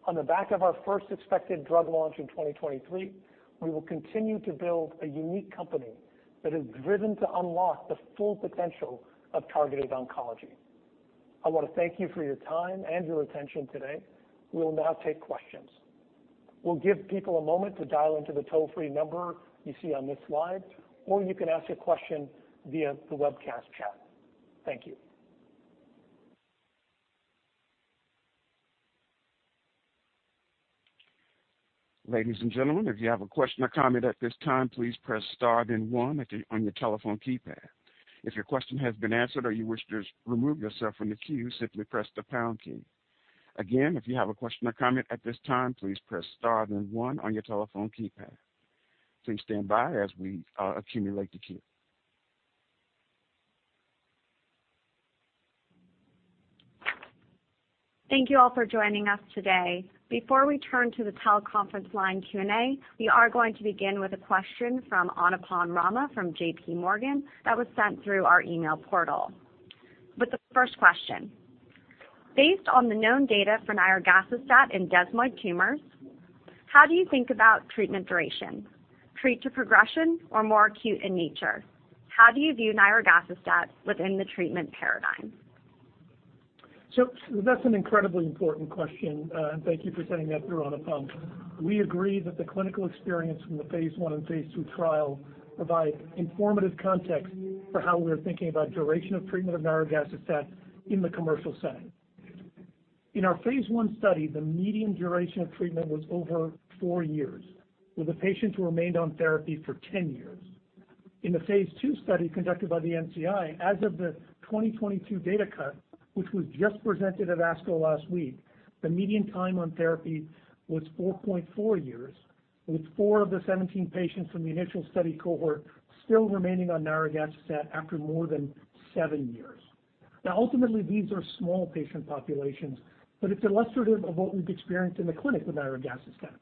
On the back of our first expected drug launch in 2023, we will continue to build a unique company that is driven to unlock the full potential of targeted oncology. I want to thank you for your time and your attention today. We will now take questions. We'll give people a moment to dial into the toll-free number you see on this slide, or you can ask a question via the webcast chat. Thank you. Ladies and gentlemen, if you have a question or comment at this time, please press star then one on your telephone keypad. If your question has been answered or you wish to remove yourself from the queue, simply press the pound key. Again, if you have a question or comment at this time, please press star then one on your telephone keypad. Please stand by as we accumulate the queue. Thank you all for joining us today. Before we turn to the teleconference line Q&A, we are going to begin with a question from Anupam Rama from J.P. Morgan that was sent through our email portal. With the first question. Based on the known data for nirogacestat in desmoid tumors, how do you think about treatment duration, treat to progression or more acute in nature? How do you view nirogacestat within the treatment paradigm? That's an incredibly important question. And thank you for sending that through, Anupam. We agree that the clinical experience from the phase I and phase II trial provide informative context for how we're thinking about duration of treatment of nirogacestat in the commercial setting. In our phase 1 study, the median duration of treatment was over four years, with the patients who remained on therapy for 10 years. In the phase II study conducted by the NCI, as of the 2022 data cut, which was just presented at ASCO last week, the median time on therapy was 4.4 years, with four of the 17 patients from the initial study cohort still remaining on nirogacestat after more than seven years. Ultimately, these are small patient populations, but it's illustrative of what we've experienced in the clinic with nirogacestat.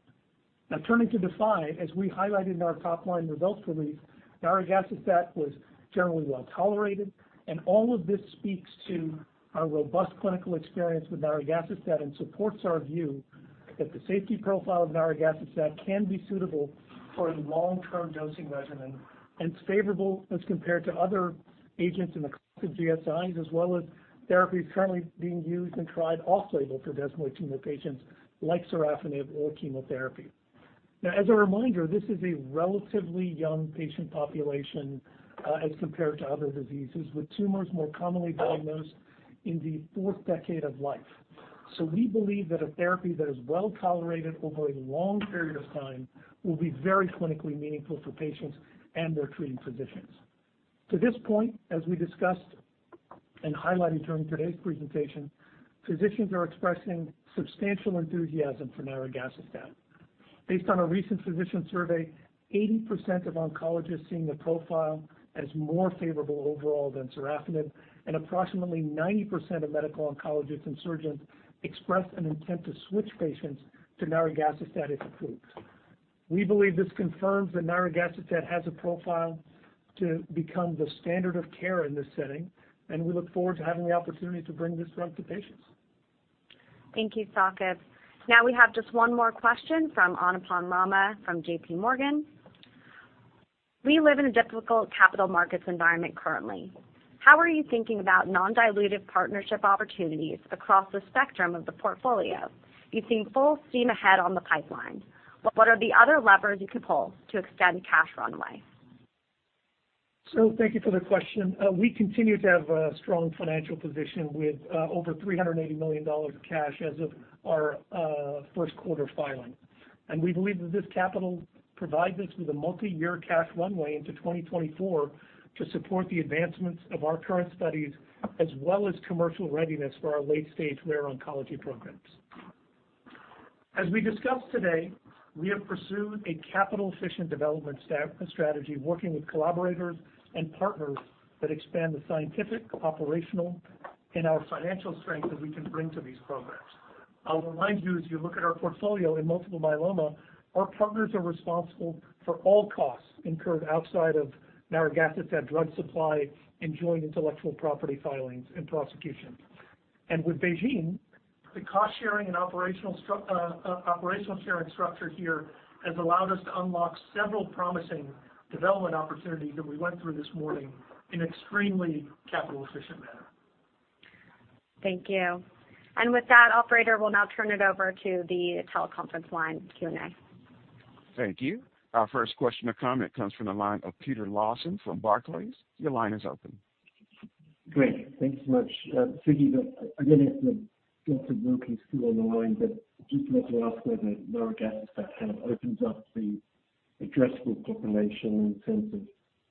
Now turning to DeFi, as we highlighted in our top-line results release, nirogacestat was generally well-tolerated, and all of this speaks to our robust clinical experience with nirogacestat and supports our view that the safety profile of nirogacestat can be suitable for a long-term dosing regimen and is favorable as compared to other agents in the class of GSIs, as well as therapies currently being used and tried off-label for desmoid tumor patients like sorafenib or chemotherapy. Now, as a reminder, this is a relatively young patient population, as compared to other diseases, with tumors more commonly diagnosed in the fourth decade of life. We believe that a therapy that is well-tolerated over a long period of time will be very clinically meaningful for patients and their treating physicians. To this point, as we discussed and highlighted during today's presentation, physicians are expressing substantial enthusiasm for nirogacestat. Based on a recent physician survey, 80% of oncologists seeing the profile as more favorable overall than sorafenib, and approximately 90% of medical oncologists and surgeons expressed an intent to switch patients to nirogacestat if approved. We believe this confirms that nirogacestat has a profile to become the standard of care in this setting, and we look forward to having the opportunity to bring this drug to patients. Thank you, Saqib. Now we have just one more question from Anupam Rama from J.P. Morgan. We live in a difficult capital markets environment currently. How are you thinking about non-dilutive partnership opportunities across the spectrum of the portfolio? You've seen full steam ahead on the pipeline, but what are the other levers you can pull to extend cash runway? Thank you for the question. We continue to have a strong financial position with over $380 million of cash as of our Q1 filing. We believe that this capital provides us with a multi-year cash runway into 2024 to support the advancements of our current studies as well as commercial readiness for our late-stage rare oncology programs. As we discussed today, we have pursued a capital-efficient development strategy, working with collaborators and partners that expand the scientific, operational, and our financial strength that we can bring to these programs. I'll remind you, as you look at our portfolio in multiple myeloma, our partners are responsible for all costs incurred outside of nirogacestat drug supply and joint intellectual property filings and prosecution. With BeiGene, the cost-sharing and operational sharing structure here has allowed us to unlock several promising development opportunities that we went through this morning in extremely capital-efficient manner. Thank you. With that, operator, we'll now turn it over to the teleconference line Q&A. Thank you. Our first question or comment comes from the line of Peter Lawson from Barclays. Your line is open. Great. Thank you so much. Saqib Islam, again, it's Dr. Wilky still on the line, but just wanted to ask whether nirogacestat kind of opens up the addressable population in terms of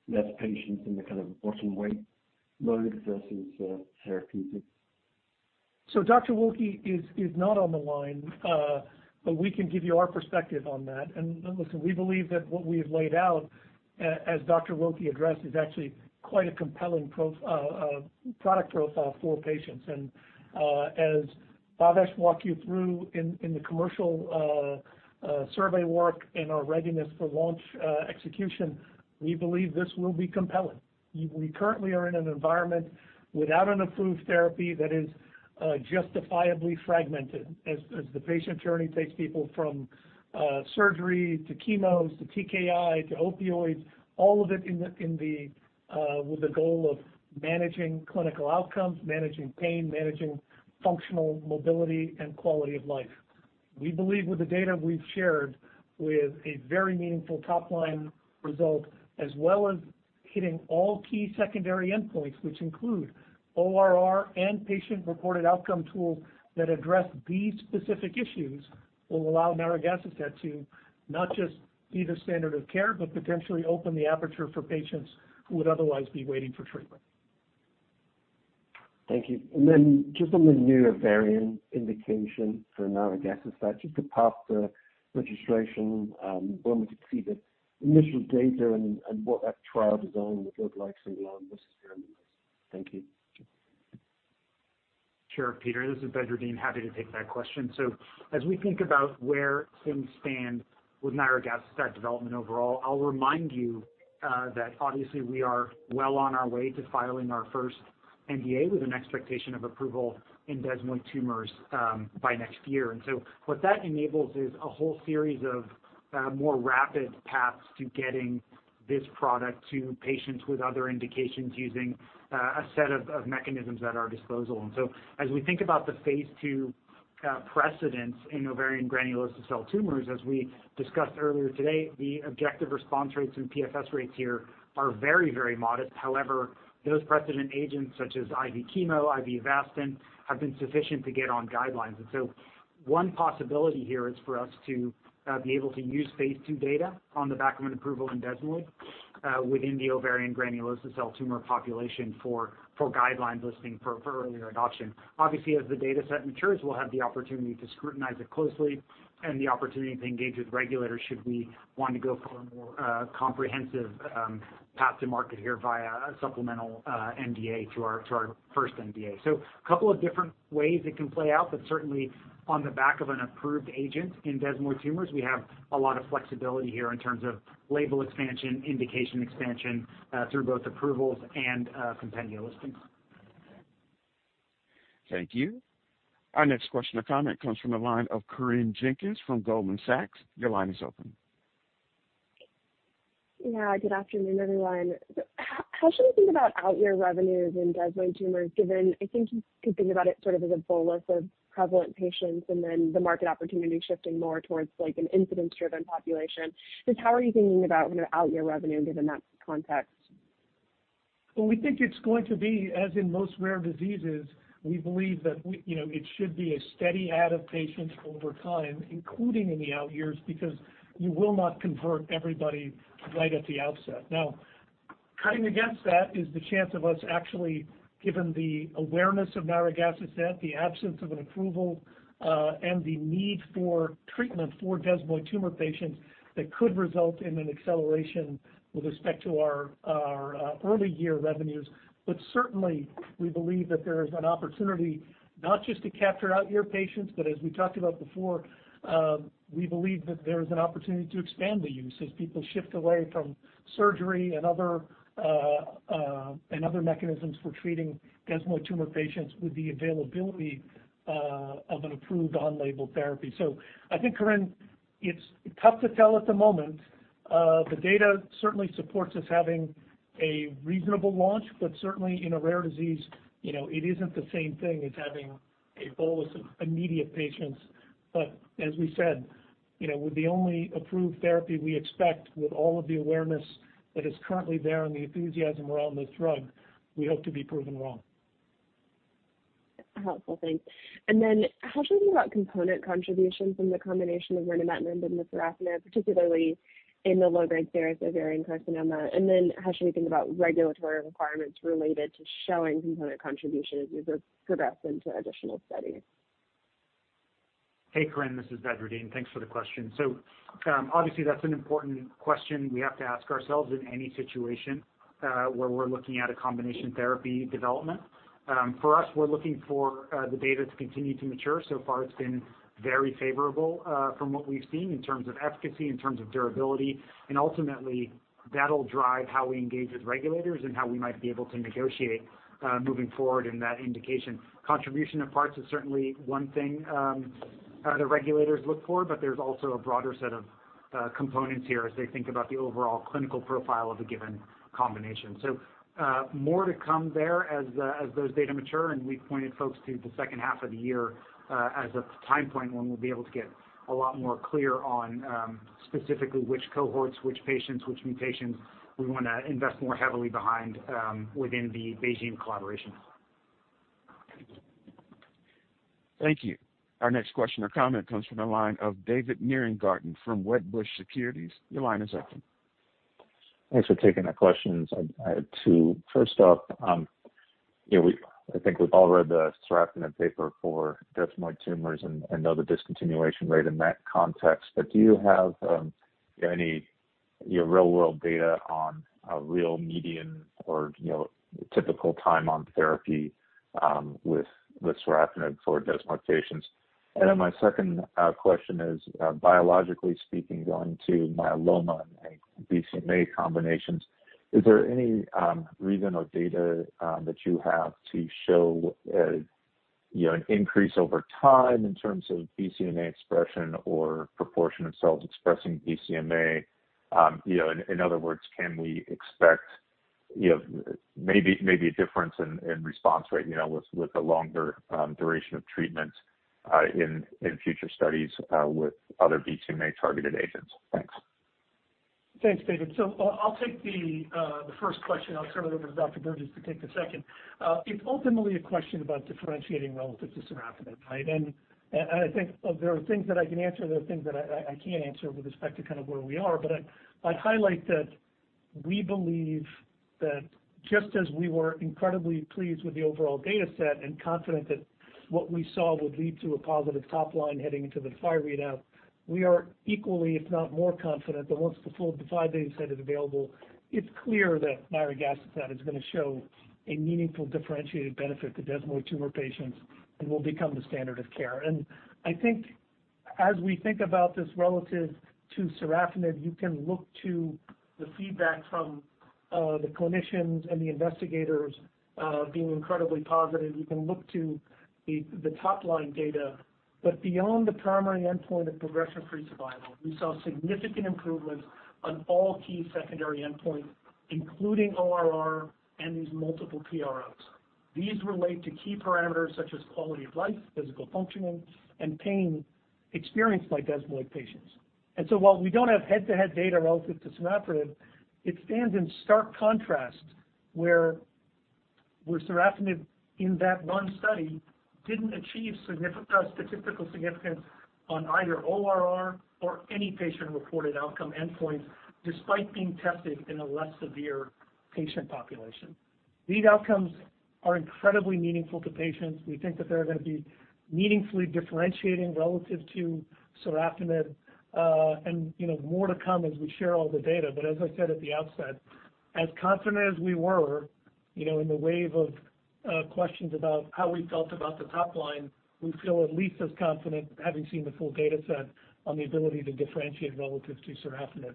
less patients in the kind of bottom weight load versus therapeutics. Dr. Wilky is not on the line, but we can give you our perspective on that. Listen, we believe that what we have laid out, as Dr. Wilky addressed, is actually quite a compelling product profile for patients. As Bhavesh walked you through in the commercial survey work and our readiness for launch execution, we believe this will be compelling. We currently are in an environment without an approved therapy that is justifiably fragmented as the patient journey takes people from surgery to chemos, to TKI, to opioids, all of it with the goal of managing clinical outcomes, managing pain, managing functional mobility and quality of life. We believe with the data we've shared with a very meaningful top line result, as well as hitting all key secondary endpoints, which include ORR and patient-reported outcome tools that address these specific issues, will allow nirogacestat to not just be the standard of care, but potentially open the aperture for patients who would otherwise be waiting for treatment. Thank you. Just on the new ovarian indication for niraparib, if you could provide the registration, when we could see the initial data and what that trial design would look like from? Sure, Peter. This is Badreddin Edris. Happy to take that question. As we think about where things stand with nirogacestat development overall, I'll remind you that obviously we are well on our way to filing our first NDA with an expectation of approval in desmoid tumors by next year. What that enables is a whole series of more rapid paths to getting this product to patients with other indications using a set of mechanisms at our disposal. As we think about the phase II precedents in ovarian granulosa cell tumors, as we discussed earlier today, the objective response rates and PFS rates here are very, very modest. However, those precedent agents such as IV chemo, IV Avastin, have been sufficient to get on guidelines. One possibility here is for us to be able to use phase II data on the back of an approval in desmoid within the ovarian granulosa cell tumor population for guideline listing for earlier adoption. Obviously, as the dataset matures, we'll have the opportunity to scrutinize it closely and the opportunity to engage with regulators should we want to go for a more comprehensive path to market here via a supplemental NDA to our first NDA. A couple of different ways it can play out, but certainly on the back of an approved agent in desmoid tumors, we have a lot of flexibility here in terms of label expansion, indication expansion through both approvals and compendia listings. Thank you. Our next question or comment comes from the line of Corinne Jenkins from Goldman Sachs. Your line is open. Yeah. Good afternoon, everyone. How should we think about out-year revenues in desmoid tumors, given I think you could think about it sort of as a bolus of prevalent patients and then the market opportunity shifting more towards, like, an incidence-driven population? Just how are you thinking about out-year revenue given that context? Well, we think it's going to be, as in most rare diseases, we believe that you know, it should be a steady add of patients over time, including in the out years, because you will not convert everybody right at the outset. Now, cutting against that is the chance of us actually, given the awareness of nirogacestat, the absence of an approval, and the need for treatment for desmoid tumor patients that could result in an acceleration with respect to our early year revenues. Certainly, we believe that there is an opportunity not just to capture out-year patients, but as we talked about before, we believe that there is an opportunity to expand the use as people shift away from surgery and other and other mechanisms for treating desmoid tumor patients with the availability of an approved on-label therapy. I think, Corinne, it's tough to tell at the moment. The data certainly supports us having a reasonable launch, but certainly in a rare disease, you know, it isn't the same thing as having a bolus of immediate patients. As we said, you know, with the only approved therapy we expect with all of the awareness that is currently there and the enthusiasm around this drug, we hope to be proven wrong. Helpful. Thanks. How should we think about component contributions in the combination of lifirafenib and binimetinib, particularly in the low-grade serous ovarian carcinoma? How should we think about regulatory requirements related to showing component contributions as you progress into additional studies? Hey, Corinne, this is Badreddin Edris. Thanks for the question. Obviously that's an important question we have to ask ourselves in any situation where we're looking at a combination therapy development. For us, we're looking for the data to continue to mature. So far, it's been very favorable from what we've seen in terms of efficacy, in terms of durability, and ultimately that'll drive how we engage with regulators and how we might be able to negotiate moving forward in that indication. Contribution of parts is certainly one thing the regulators look for, but there's also a broader set of components here as they think about the overall clinical profile of a given combination. More to come there as those data mature, and we've pointed folks to the H2 of the year, as a time point when we'll be able to get a lot more clear on, specifically which cohorts, which patients, which mutations we wanna invest more heavily behind, within the BeiGene collaboration. Thank you. Our next question or comment comes from the line of David Nierengarten from Wedbush Securities. Your line is open. Thanks for taking my questions. I had two. First off, you know, I think we've all read the sorafenib paper for desmoid tumors and know the discontinuation rate in that context. Do you have, you know, any real world data on a real median or typical time on therapy with sorafenib for desmoid patients? My second question is, biologically speaking, going to myeloma and BCMA combinations, is there any reason or data that you have to show, you know, an increase over time in terms of BCMA expression or proportion of cells expressing BCMA? In other words, can we expect, you know, maybe a difference in response rate, you know, with a longer duration of treatment, in future studies, with other BCMA-targeted agents? Thanks. Thanks, David. I'll take the first question. I'll turn it over to Dr. Burgess to take the second. It's ultimately a question about differentiating relative to sorafenib, right? I think there are things that I can answer, there are things that I can't answer with respect to kind of where we are, but I'd highlight that we believe that just as we were incredibly pleased with the overall data set and confident that what we saw would lead to a positive top line heading into the phase III readout, we are equally, if not more confident that once the full phase III data set is available, it's clear that nirogacestat is gonna show a meaningful differentiated benefit to desmoid tumor patients and will become the standard of care. I think as we think about this relative to sorafenib, you can look to the feedback from the clinicians and the investigators being incredibly positive. You can look to the top line data. Beyond the primary endpoint of progression-free survival, we saw significant improvements on all key secondary endpoints, including ORR and these multiple PROs. These relate to key parameters such as quality of life, physical functioning, and pain experienced by desmoid patients. While we don't have head-to-head data relative to sorafenib, it stands in stark contrast where sorafenib in that one study didn't achieve statistical significance on either ORR or any patient-reported outcome endpoints, despite being tested in a less severe patient population. These outcomes are incredibly meaningful to patients. We think that they're gonna be meaningfully differentiating relative to sorafenib. You know more to come as we share all the data. As I said at the outset, as confident as we were, you know, in the wave of questions about how we felt about the top line, we feel at least as confident having seen the full data set on the ability to differentiate relative to sorafenib.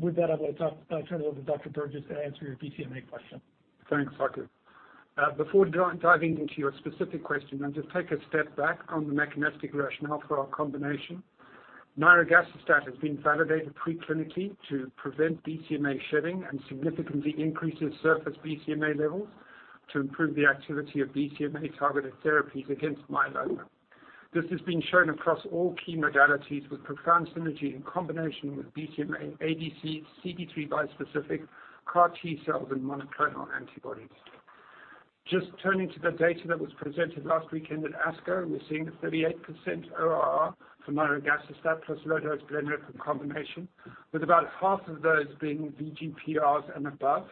With that, I'm gonna turn it over to Dr. Burgess to answer your BCMA question. Thanks, Saqib. Before diving into your specific question, I'll just take a step back on the mechanistic rationale for our combination. Nirogacestat has been validated preclinically to prevent BCMA shedding and significantly increases surface BCMA levels to improve the activity of BCMA-targeted therapies against myeloma. This has been shown across all key modalities with profound synergy in combination with BCMA ADC, CD3 bispecific, CAR T-cells, and monoclonal antibodies. Just turning to the data that was presented last weekend at ASCO, we're seeing a 38% ORR for nirogacestat plus low-dose lenalidomide combination, with about half of those being VGPRs and above.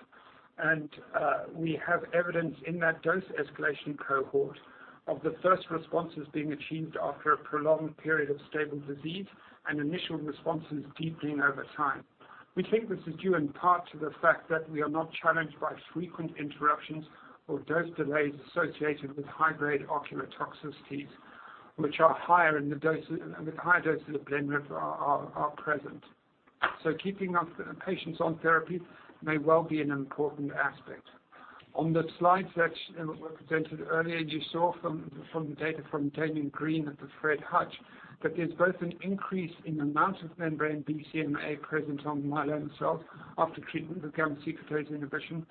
We have evidence in that dose escalation cohort of the first responses being achieved after a prolonged period of stable disease and initial responses deepening over time. We think this is due in part to the fact that we are not challenged by frequent interruptions or dose delays associated with high-grade ocular toxicities, which are higher with high doses of lenalidomide are present. Keeping up patients on therapy may well be an important aspect. On the slides that were presented earlier, you saw from data from Damian Green at the Fred Hutch, that there's both an increase in the amount of membrane BCMA present on myeloma cells after treatment with gamma secretase inhibition,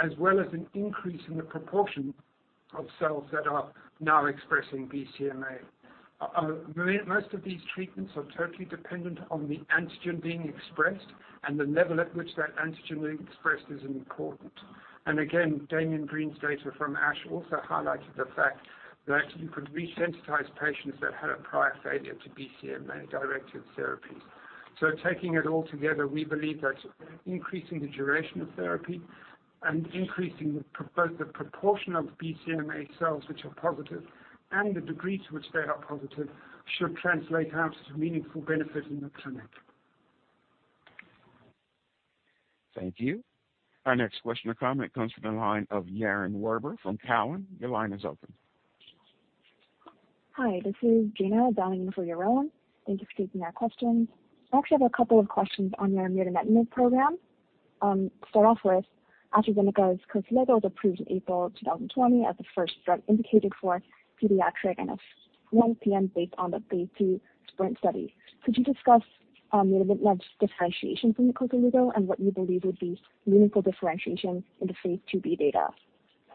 as well as an increase in the proportion of cells that are now expressing BCMA. Most of these treatments are totally dependent on the antigen being expressed, and the level at which that antigen being expressed is important. Again, Damian Green's data from ASH also highlighted the fact that you could resensitize patients that had a prior failure to BCMA-directed therapies. taking it all together, we believe that increasing the duration of therapy and increasing both the proportion of BCMA cells which are positive and the degree to which they are positive should translate out to meaningful benefit in the clinic. Thank you. Our next question or comment comes from the line of Yaron Werber from Cowen. Your line is open. Hi, this is Gina dialing in for Yaron. Thank you for taking our questions. I actually have a couple of questions on your mirdametinib program. To start off with, AstraZeneca's Koselugo was approved in April 2020 as the first drug indicated for pediatric NF1-PN based on the phase II SPRINT study. Could you discuss mirdametinib's differentiation from the Koselugo and what you believe would be meaningful differentiation in the phase II-b data?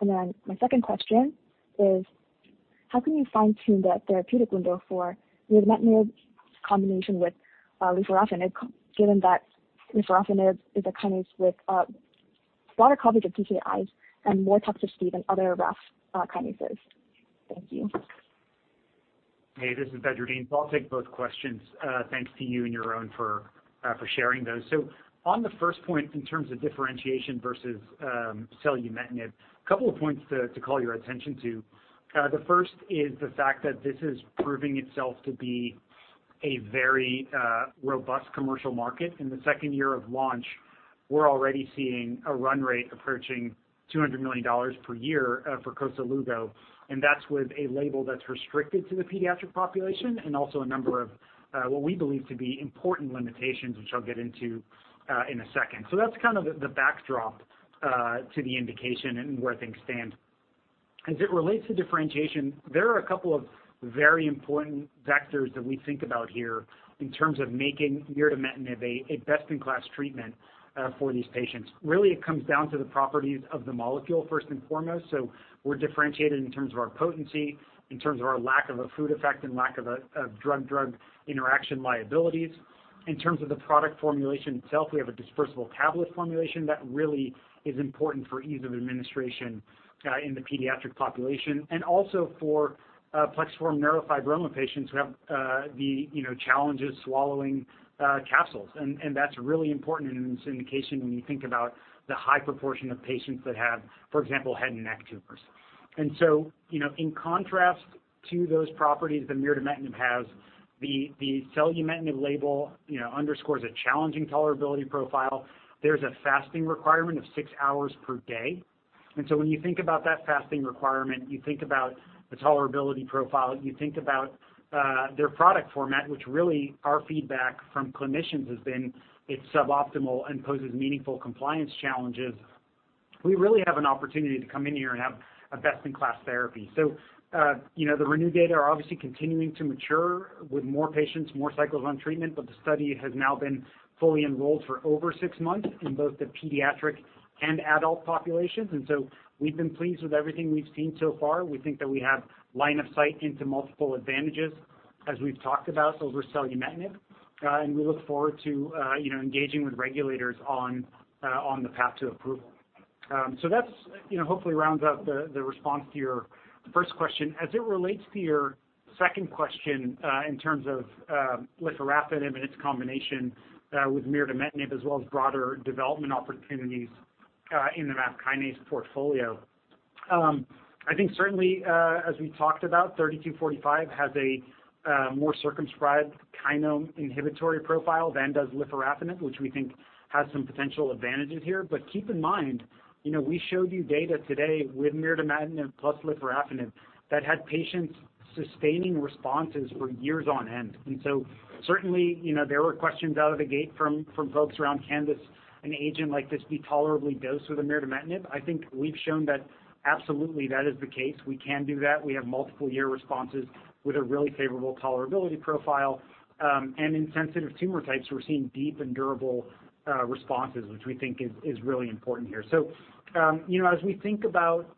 My second question is how can you fine-tune the therapeutic window for mirdametinib combination with lifirafenib, given that lifirafenib is a kinase with broader coverage of TKIs and more toxicity than other RAF kinases? Thank you. Hey, this is Badreddin Edris. I'll take both questions. Thanks to you and Yaron for sharing those. On the first point, in terms of differentiation versus selumetinib, a couple of points to call your attention to. The first is the fact that this is proving itself to be a very robust commercial market. In the second year of launch, we're already seeing a run rate approaching $200 million per year for Koselugo, and that's with a label that's restricted to the pediatric population and also a number of what we believe to be important limitations, which I'll get into in a second. That's kind of the backdrop to the indication and where things stand. As it relates to differentiation, there are a couple of very important vectors that we think about here in terms of making mirdametinib a best-in-class treatment for these patients. Really, it comes down to the properties of the molecule, first and foremost. We're differentiated in terms of our potency, in terms of our lack of a food effect and lack of a drug-drug interaction liabilities. In terms of the product formulation itself, we have a dispersible tablet formulation that really is important for ease of administration in the pediatric population and also for plexiform neurofibroma patients who have the you know, challenges swallowing capsules. That's really important in this indication when you think about the high proportion of patients that have, for example, head and neck tumors. You know, in contrast to those properties that mirdametinib has, the selumetinib label, you know, underscores a challenging tolerability profile. There's a fasting requirement of six hours per day. When you think about that fasting requirement, you think about the tolerability profile, you think about their product format, which really our feedback from clinicians has been it's suboptimal and poses meaningful compliance challenges. We really have an opportunity to come in here and have a best-in-class therapy. The ReNeu data are obviously continuing to mature with more patients, more cycles on treatment, but the study has now been fully enrolled for over six months in both the pediatric and adult populations. We've been pleased with everything we've seen so far. We think that we have line of sight into multiple advantages, as we've talked about over selumetinib, and we look forward to, you know, engaging with regulators on the path to approval. That's, you know, hopefully rounds out the response to your first question. As it relates to your second question, in terms of lifirafenib and its combination with mirdametinib as well as broader development opportunities in the RAF kinase portfolio, I think certainly, as we talked about, 32-45 has a more circumscribed kinome inhibitory profile than does lifirafenib, which we think has some potential advantages here. Keep in mind, you know, we showed you data today with mirdametinib plus lifirafenib that had patients sustaining responses for years on end. Certainly, you know, there were questions out of the gate from folks around can this, an agent like this be tolerably dosed with the mirdametinib? I think we've shown that absolutely that is the case. We can do that. We have multiple-year responses with a really favorable tolerability profile. In sensitive tumor types, we're seeing deep and durable responses, which we think is really important here. You know, as we think about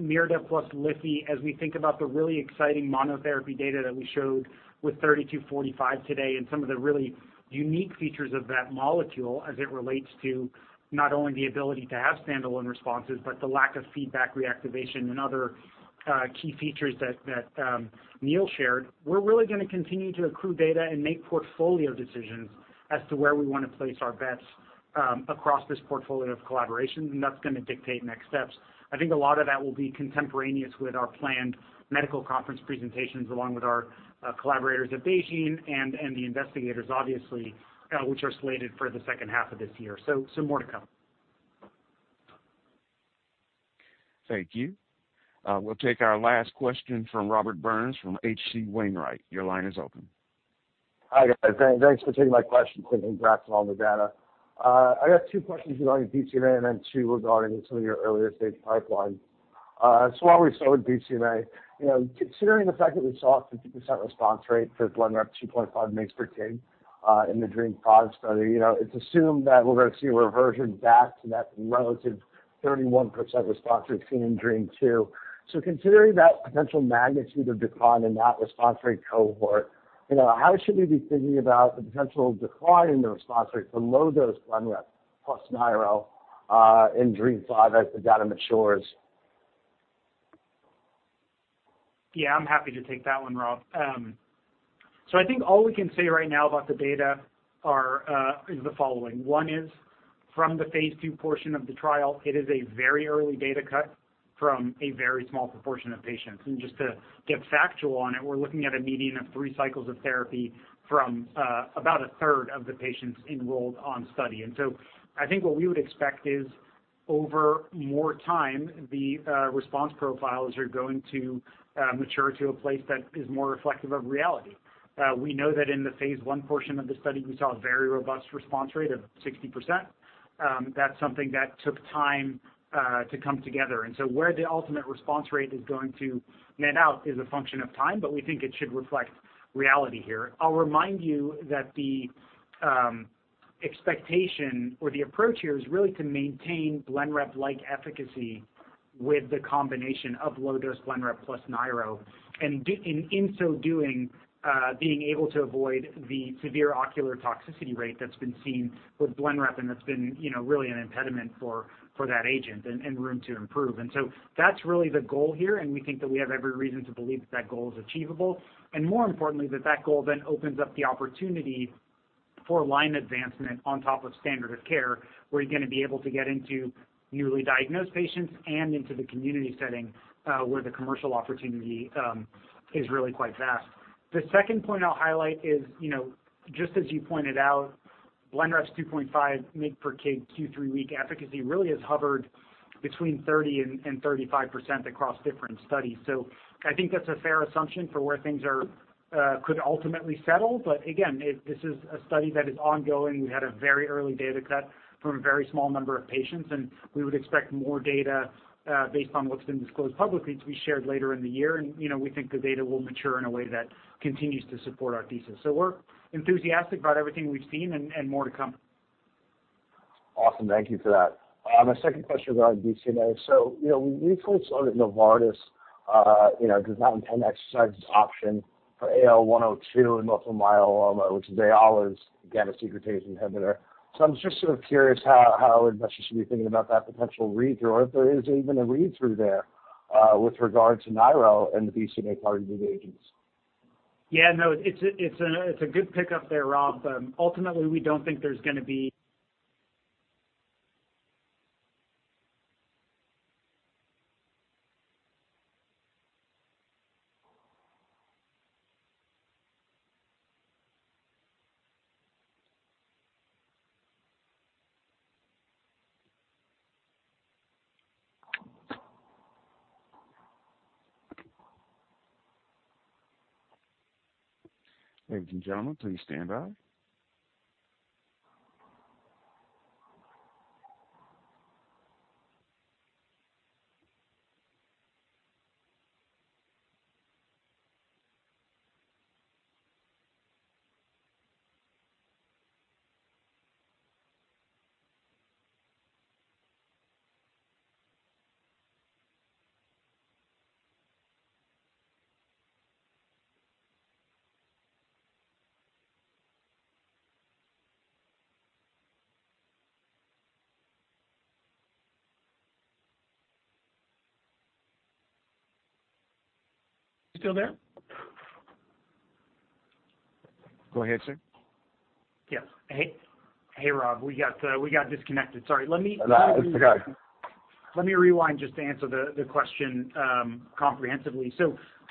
mirdametinib plus lifirafenib, as we think about the really exciting monotherapy data that we showed with BGB-3245 today and some of the really unique features of that molecule as it relates to not only the ability to have standalone responses, but the lack of feedback reactivation and other key features that Neal shared, we're really gonna continue to accrue data and make portfolio decisions as to where we wanna place our bets across this portfolio of collaboration, and that's gonna dictate next steps. I think a lot of that will be contemporaneous with our planned medical conference presentations along with our collaborators at BeiGene and the investigators obviously, which are slated for the H2 of this year. More to come. Thank you. We'll take our last question from Robert Burns from H.C. Wainwright. Your line is open. Hi, guys. Thanks for taking my questions, and congrats on all the data. I got two questions regarding BCMA and then two regarding some of your earlier stage pipeline. While we're still with BCMA, you know, considering the fact that we saw a 50% response rate for BLENREP 2.5 mg/kg in the DREAMM-5 study, you know, it's assumed that we're gonna see a reversion back to that relative 31% response rate seen in DREAMM-2. Considering that potential magnitude of decline in that response rate cohort, you know, how should we be thinking about the potential decline in the response rate for low-dose BLENREP plus nirogacestat in DREAMM-5 as the data matures? Yeah, I'm happy to take that one, Rob. So I think all we can say right now about the data is the following. One is from the phase II portion of the trial, it is a very early data cut from a very small proportion of patients. Just to get factual on it, we're looking at a median of three cycles of therapy from about a third of the patients enrolled on study. I think what we would expect is over more time, the response profiles are going to mature to a place that is more reflective of reality. We know that in the phase I portion of the study we saw a very robust response rate of 60%. That's something that took time to come together. Where the ultimate response rate is going to net out is a function of time, but we think it should reflect reality here. I'll remind you that the expectation or the approach here is really to maintain BLENREP-like efficacy with the combination of low-dose BLENREP plus NIRO. In so doing, being able to avoid the severe ocular toxicity rate that's been seen with BLENREP, and that's been really an impediment for that agent and room to improve. That's really the goal here, and we think that we have every reason to believe that that goal is achievable. More importantly, that goal then opens up the opportunity for line advancement on top of standard of care, where you're gonna be able to get into newly diagnosed patients and into the community setting, where the commercial opportunity is really quite vast. The second point I'll highlight is, you know, just as you pointed out, BLENREP's 2.5 mg per kg two, three-week efficacy really has hovered between 30% and 35% across different studies. I think that's a fair assumption for where things are could ultimately settle. This is a study that is ongoing. We had a very early data cut from a very small number of patients, and we would expect more data based on what's been disclosed publicly to be shared later in the year. You know, we think the data will mature in a way that continues to support our thesis. We're enthusiastic about everything we've seen and more to come. Awesome. Thank you for that. My second question regarding BCMA. You know, we recently saw that Novartis does not intend to exercise its option for AL-102 in multiple myeloma, which is AL-102's gamma secretase inhibitor. I'm just sort of curious how investors should be thinking about that potential read-through or if there is even a read-through there, with regards to niro and the BCMA CAR T-cell agents. Yeah, no, it's a good pick-up there, Rob. Ultimately, we don't think there's gonna be. Ladies and gentlemen, please stand by. You still there? Go ahead, sir. Yes. Hey, Rob. We got disconnected. Sorry. No, it's okay. Let me rewind just to answer the question comprehensively.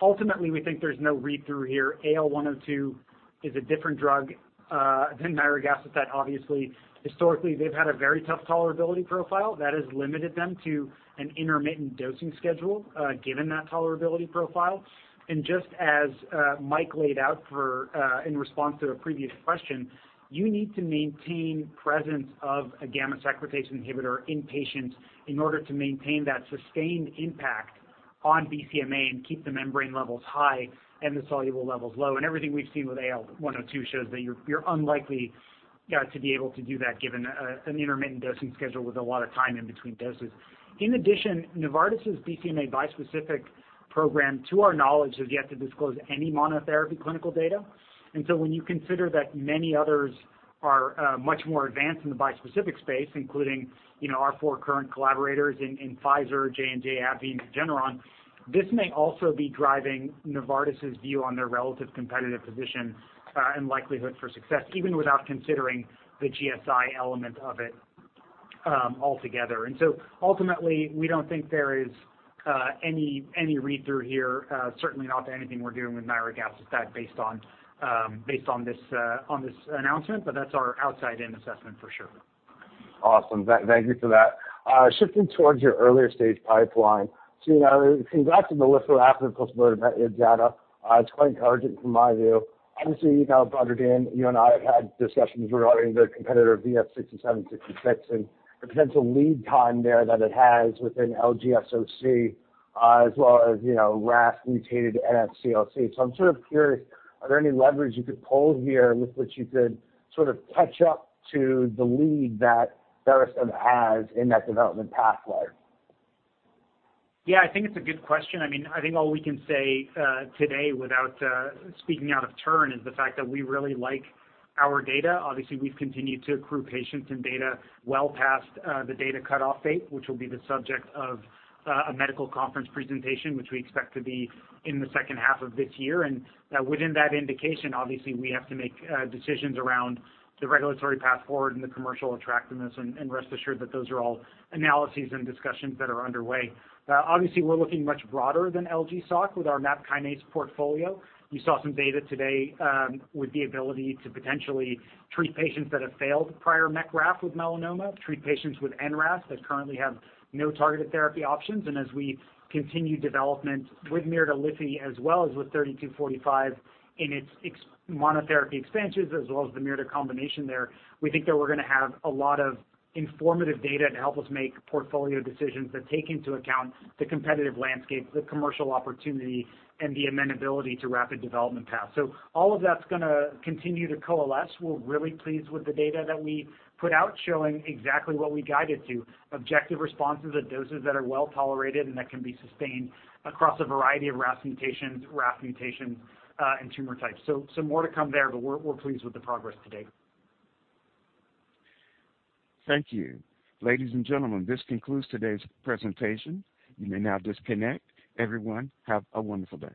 Ultimately, we think there's no read-through here. AL-102 is a different drug than nirogacestat. Obviously, historically they've had a very tough tolerability profile that has limited them to an intermittent dosing schedule given that tolerability profile. Just as Mike laid out in response to a previous question, you need to maintain presence of a gamma secretase inhibitor in patients in order to maintain that sustained impact on BCMA and keep the membrane levels high and the soluble levels low. Everything we've seen with AL-102 shows that you're unlikely to be able to do that given an intermittent dosing schedule with a lot of time in between doses. In addition, Novartis' BCMA bispecific program, to our knowledge, has yet to disclose any monotherapy clinical data. When you consider that many others are much more advanced in the bispecific space, including, you know, our four current collaborators in Pfizer, J&J, AbbVie, and Regeneron, this may also be driving Novartis' view on their relative competitive position and likelihood for success even without considering the GSI element of it altogether. Ultimately, we don't think there is any read-through here, certainly not to anything we're doing with niraparib based on this announcement. That's our outside-in assessment for sure. Awesome. Thank you for that. Shifting towards your earlier stage pipeline. You know, congrats on the lifirafenib plus mirdametinib data. It's quite encouraging from my view. Obviously, you know, broader data, you and I have had discussions regarding the competitor VS-6766 and the potential lead time there that it has within LG-SOC as well as, you know, RAS-mutated NSCLC. I'm sort of curious, are there any levers you could pull here with which you could sort of catch up to the lead that Verastem has in that development pathway? Yeah, I think it's a good question. I mean, I think all we can say today without speaking out of turn is the fact that we really like our data. Obviously, we've continued to accrue patients and data well past the data cutoff date, which will be the subject of a medical conference presentation, which we expect to be in the H2 of this year. Within that indication, obviously, we have to make decisions around the regulatory path forward and the commercial attractiveness, and rest assured that those are all analyses and discussions that are underway. Obviously, we're looking much broader than LG-SOC with our MAP kinase portfolio. We saw some data today with the ability to potentially treat patients that have failed prior MEK/RAF with melanoma, treat patients with NRAS that currently have no targeted therapy options. As we continue development with mirdametinib as well as with BGB-3245 in its monotherapy expansions as well as the mirdametinib combination there, we think that we're gonna have a lot of informative data to help us make portfolio decisions that take into account the competitive landscape, the commercial opportunity, and the amenability to rapid development paths. All of that's gonna continue to coalesce. We're really pleased with the data that we put out showing exactly what we guided to, objective responses at doses that are well-tolerated and that can be sustained across a variety of RAS mutations, RAF mutations, and tumor types. More to come there, but we're pleased with the progress to date. Thank you. Ladies and gentlemen, this concludes today's presentation. You may now disconnect. Everyone, have a wonderful day.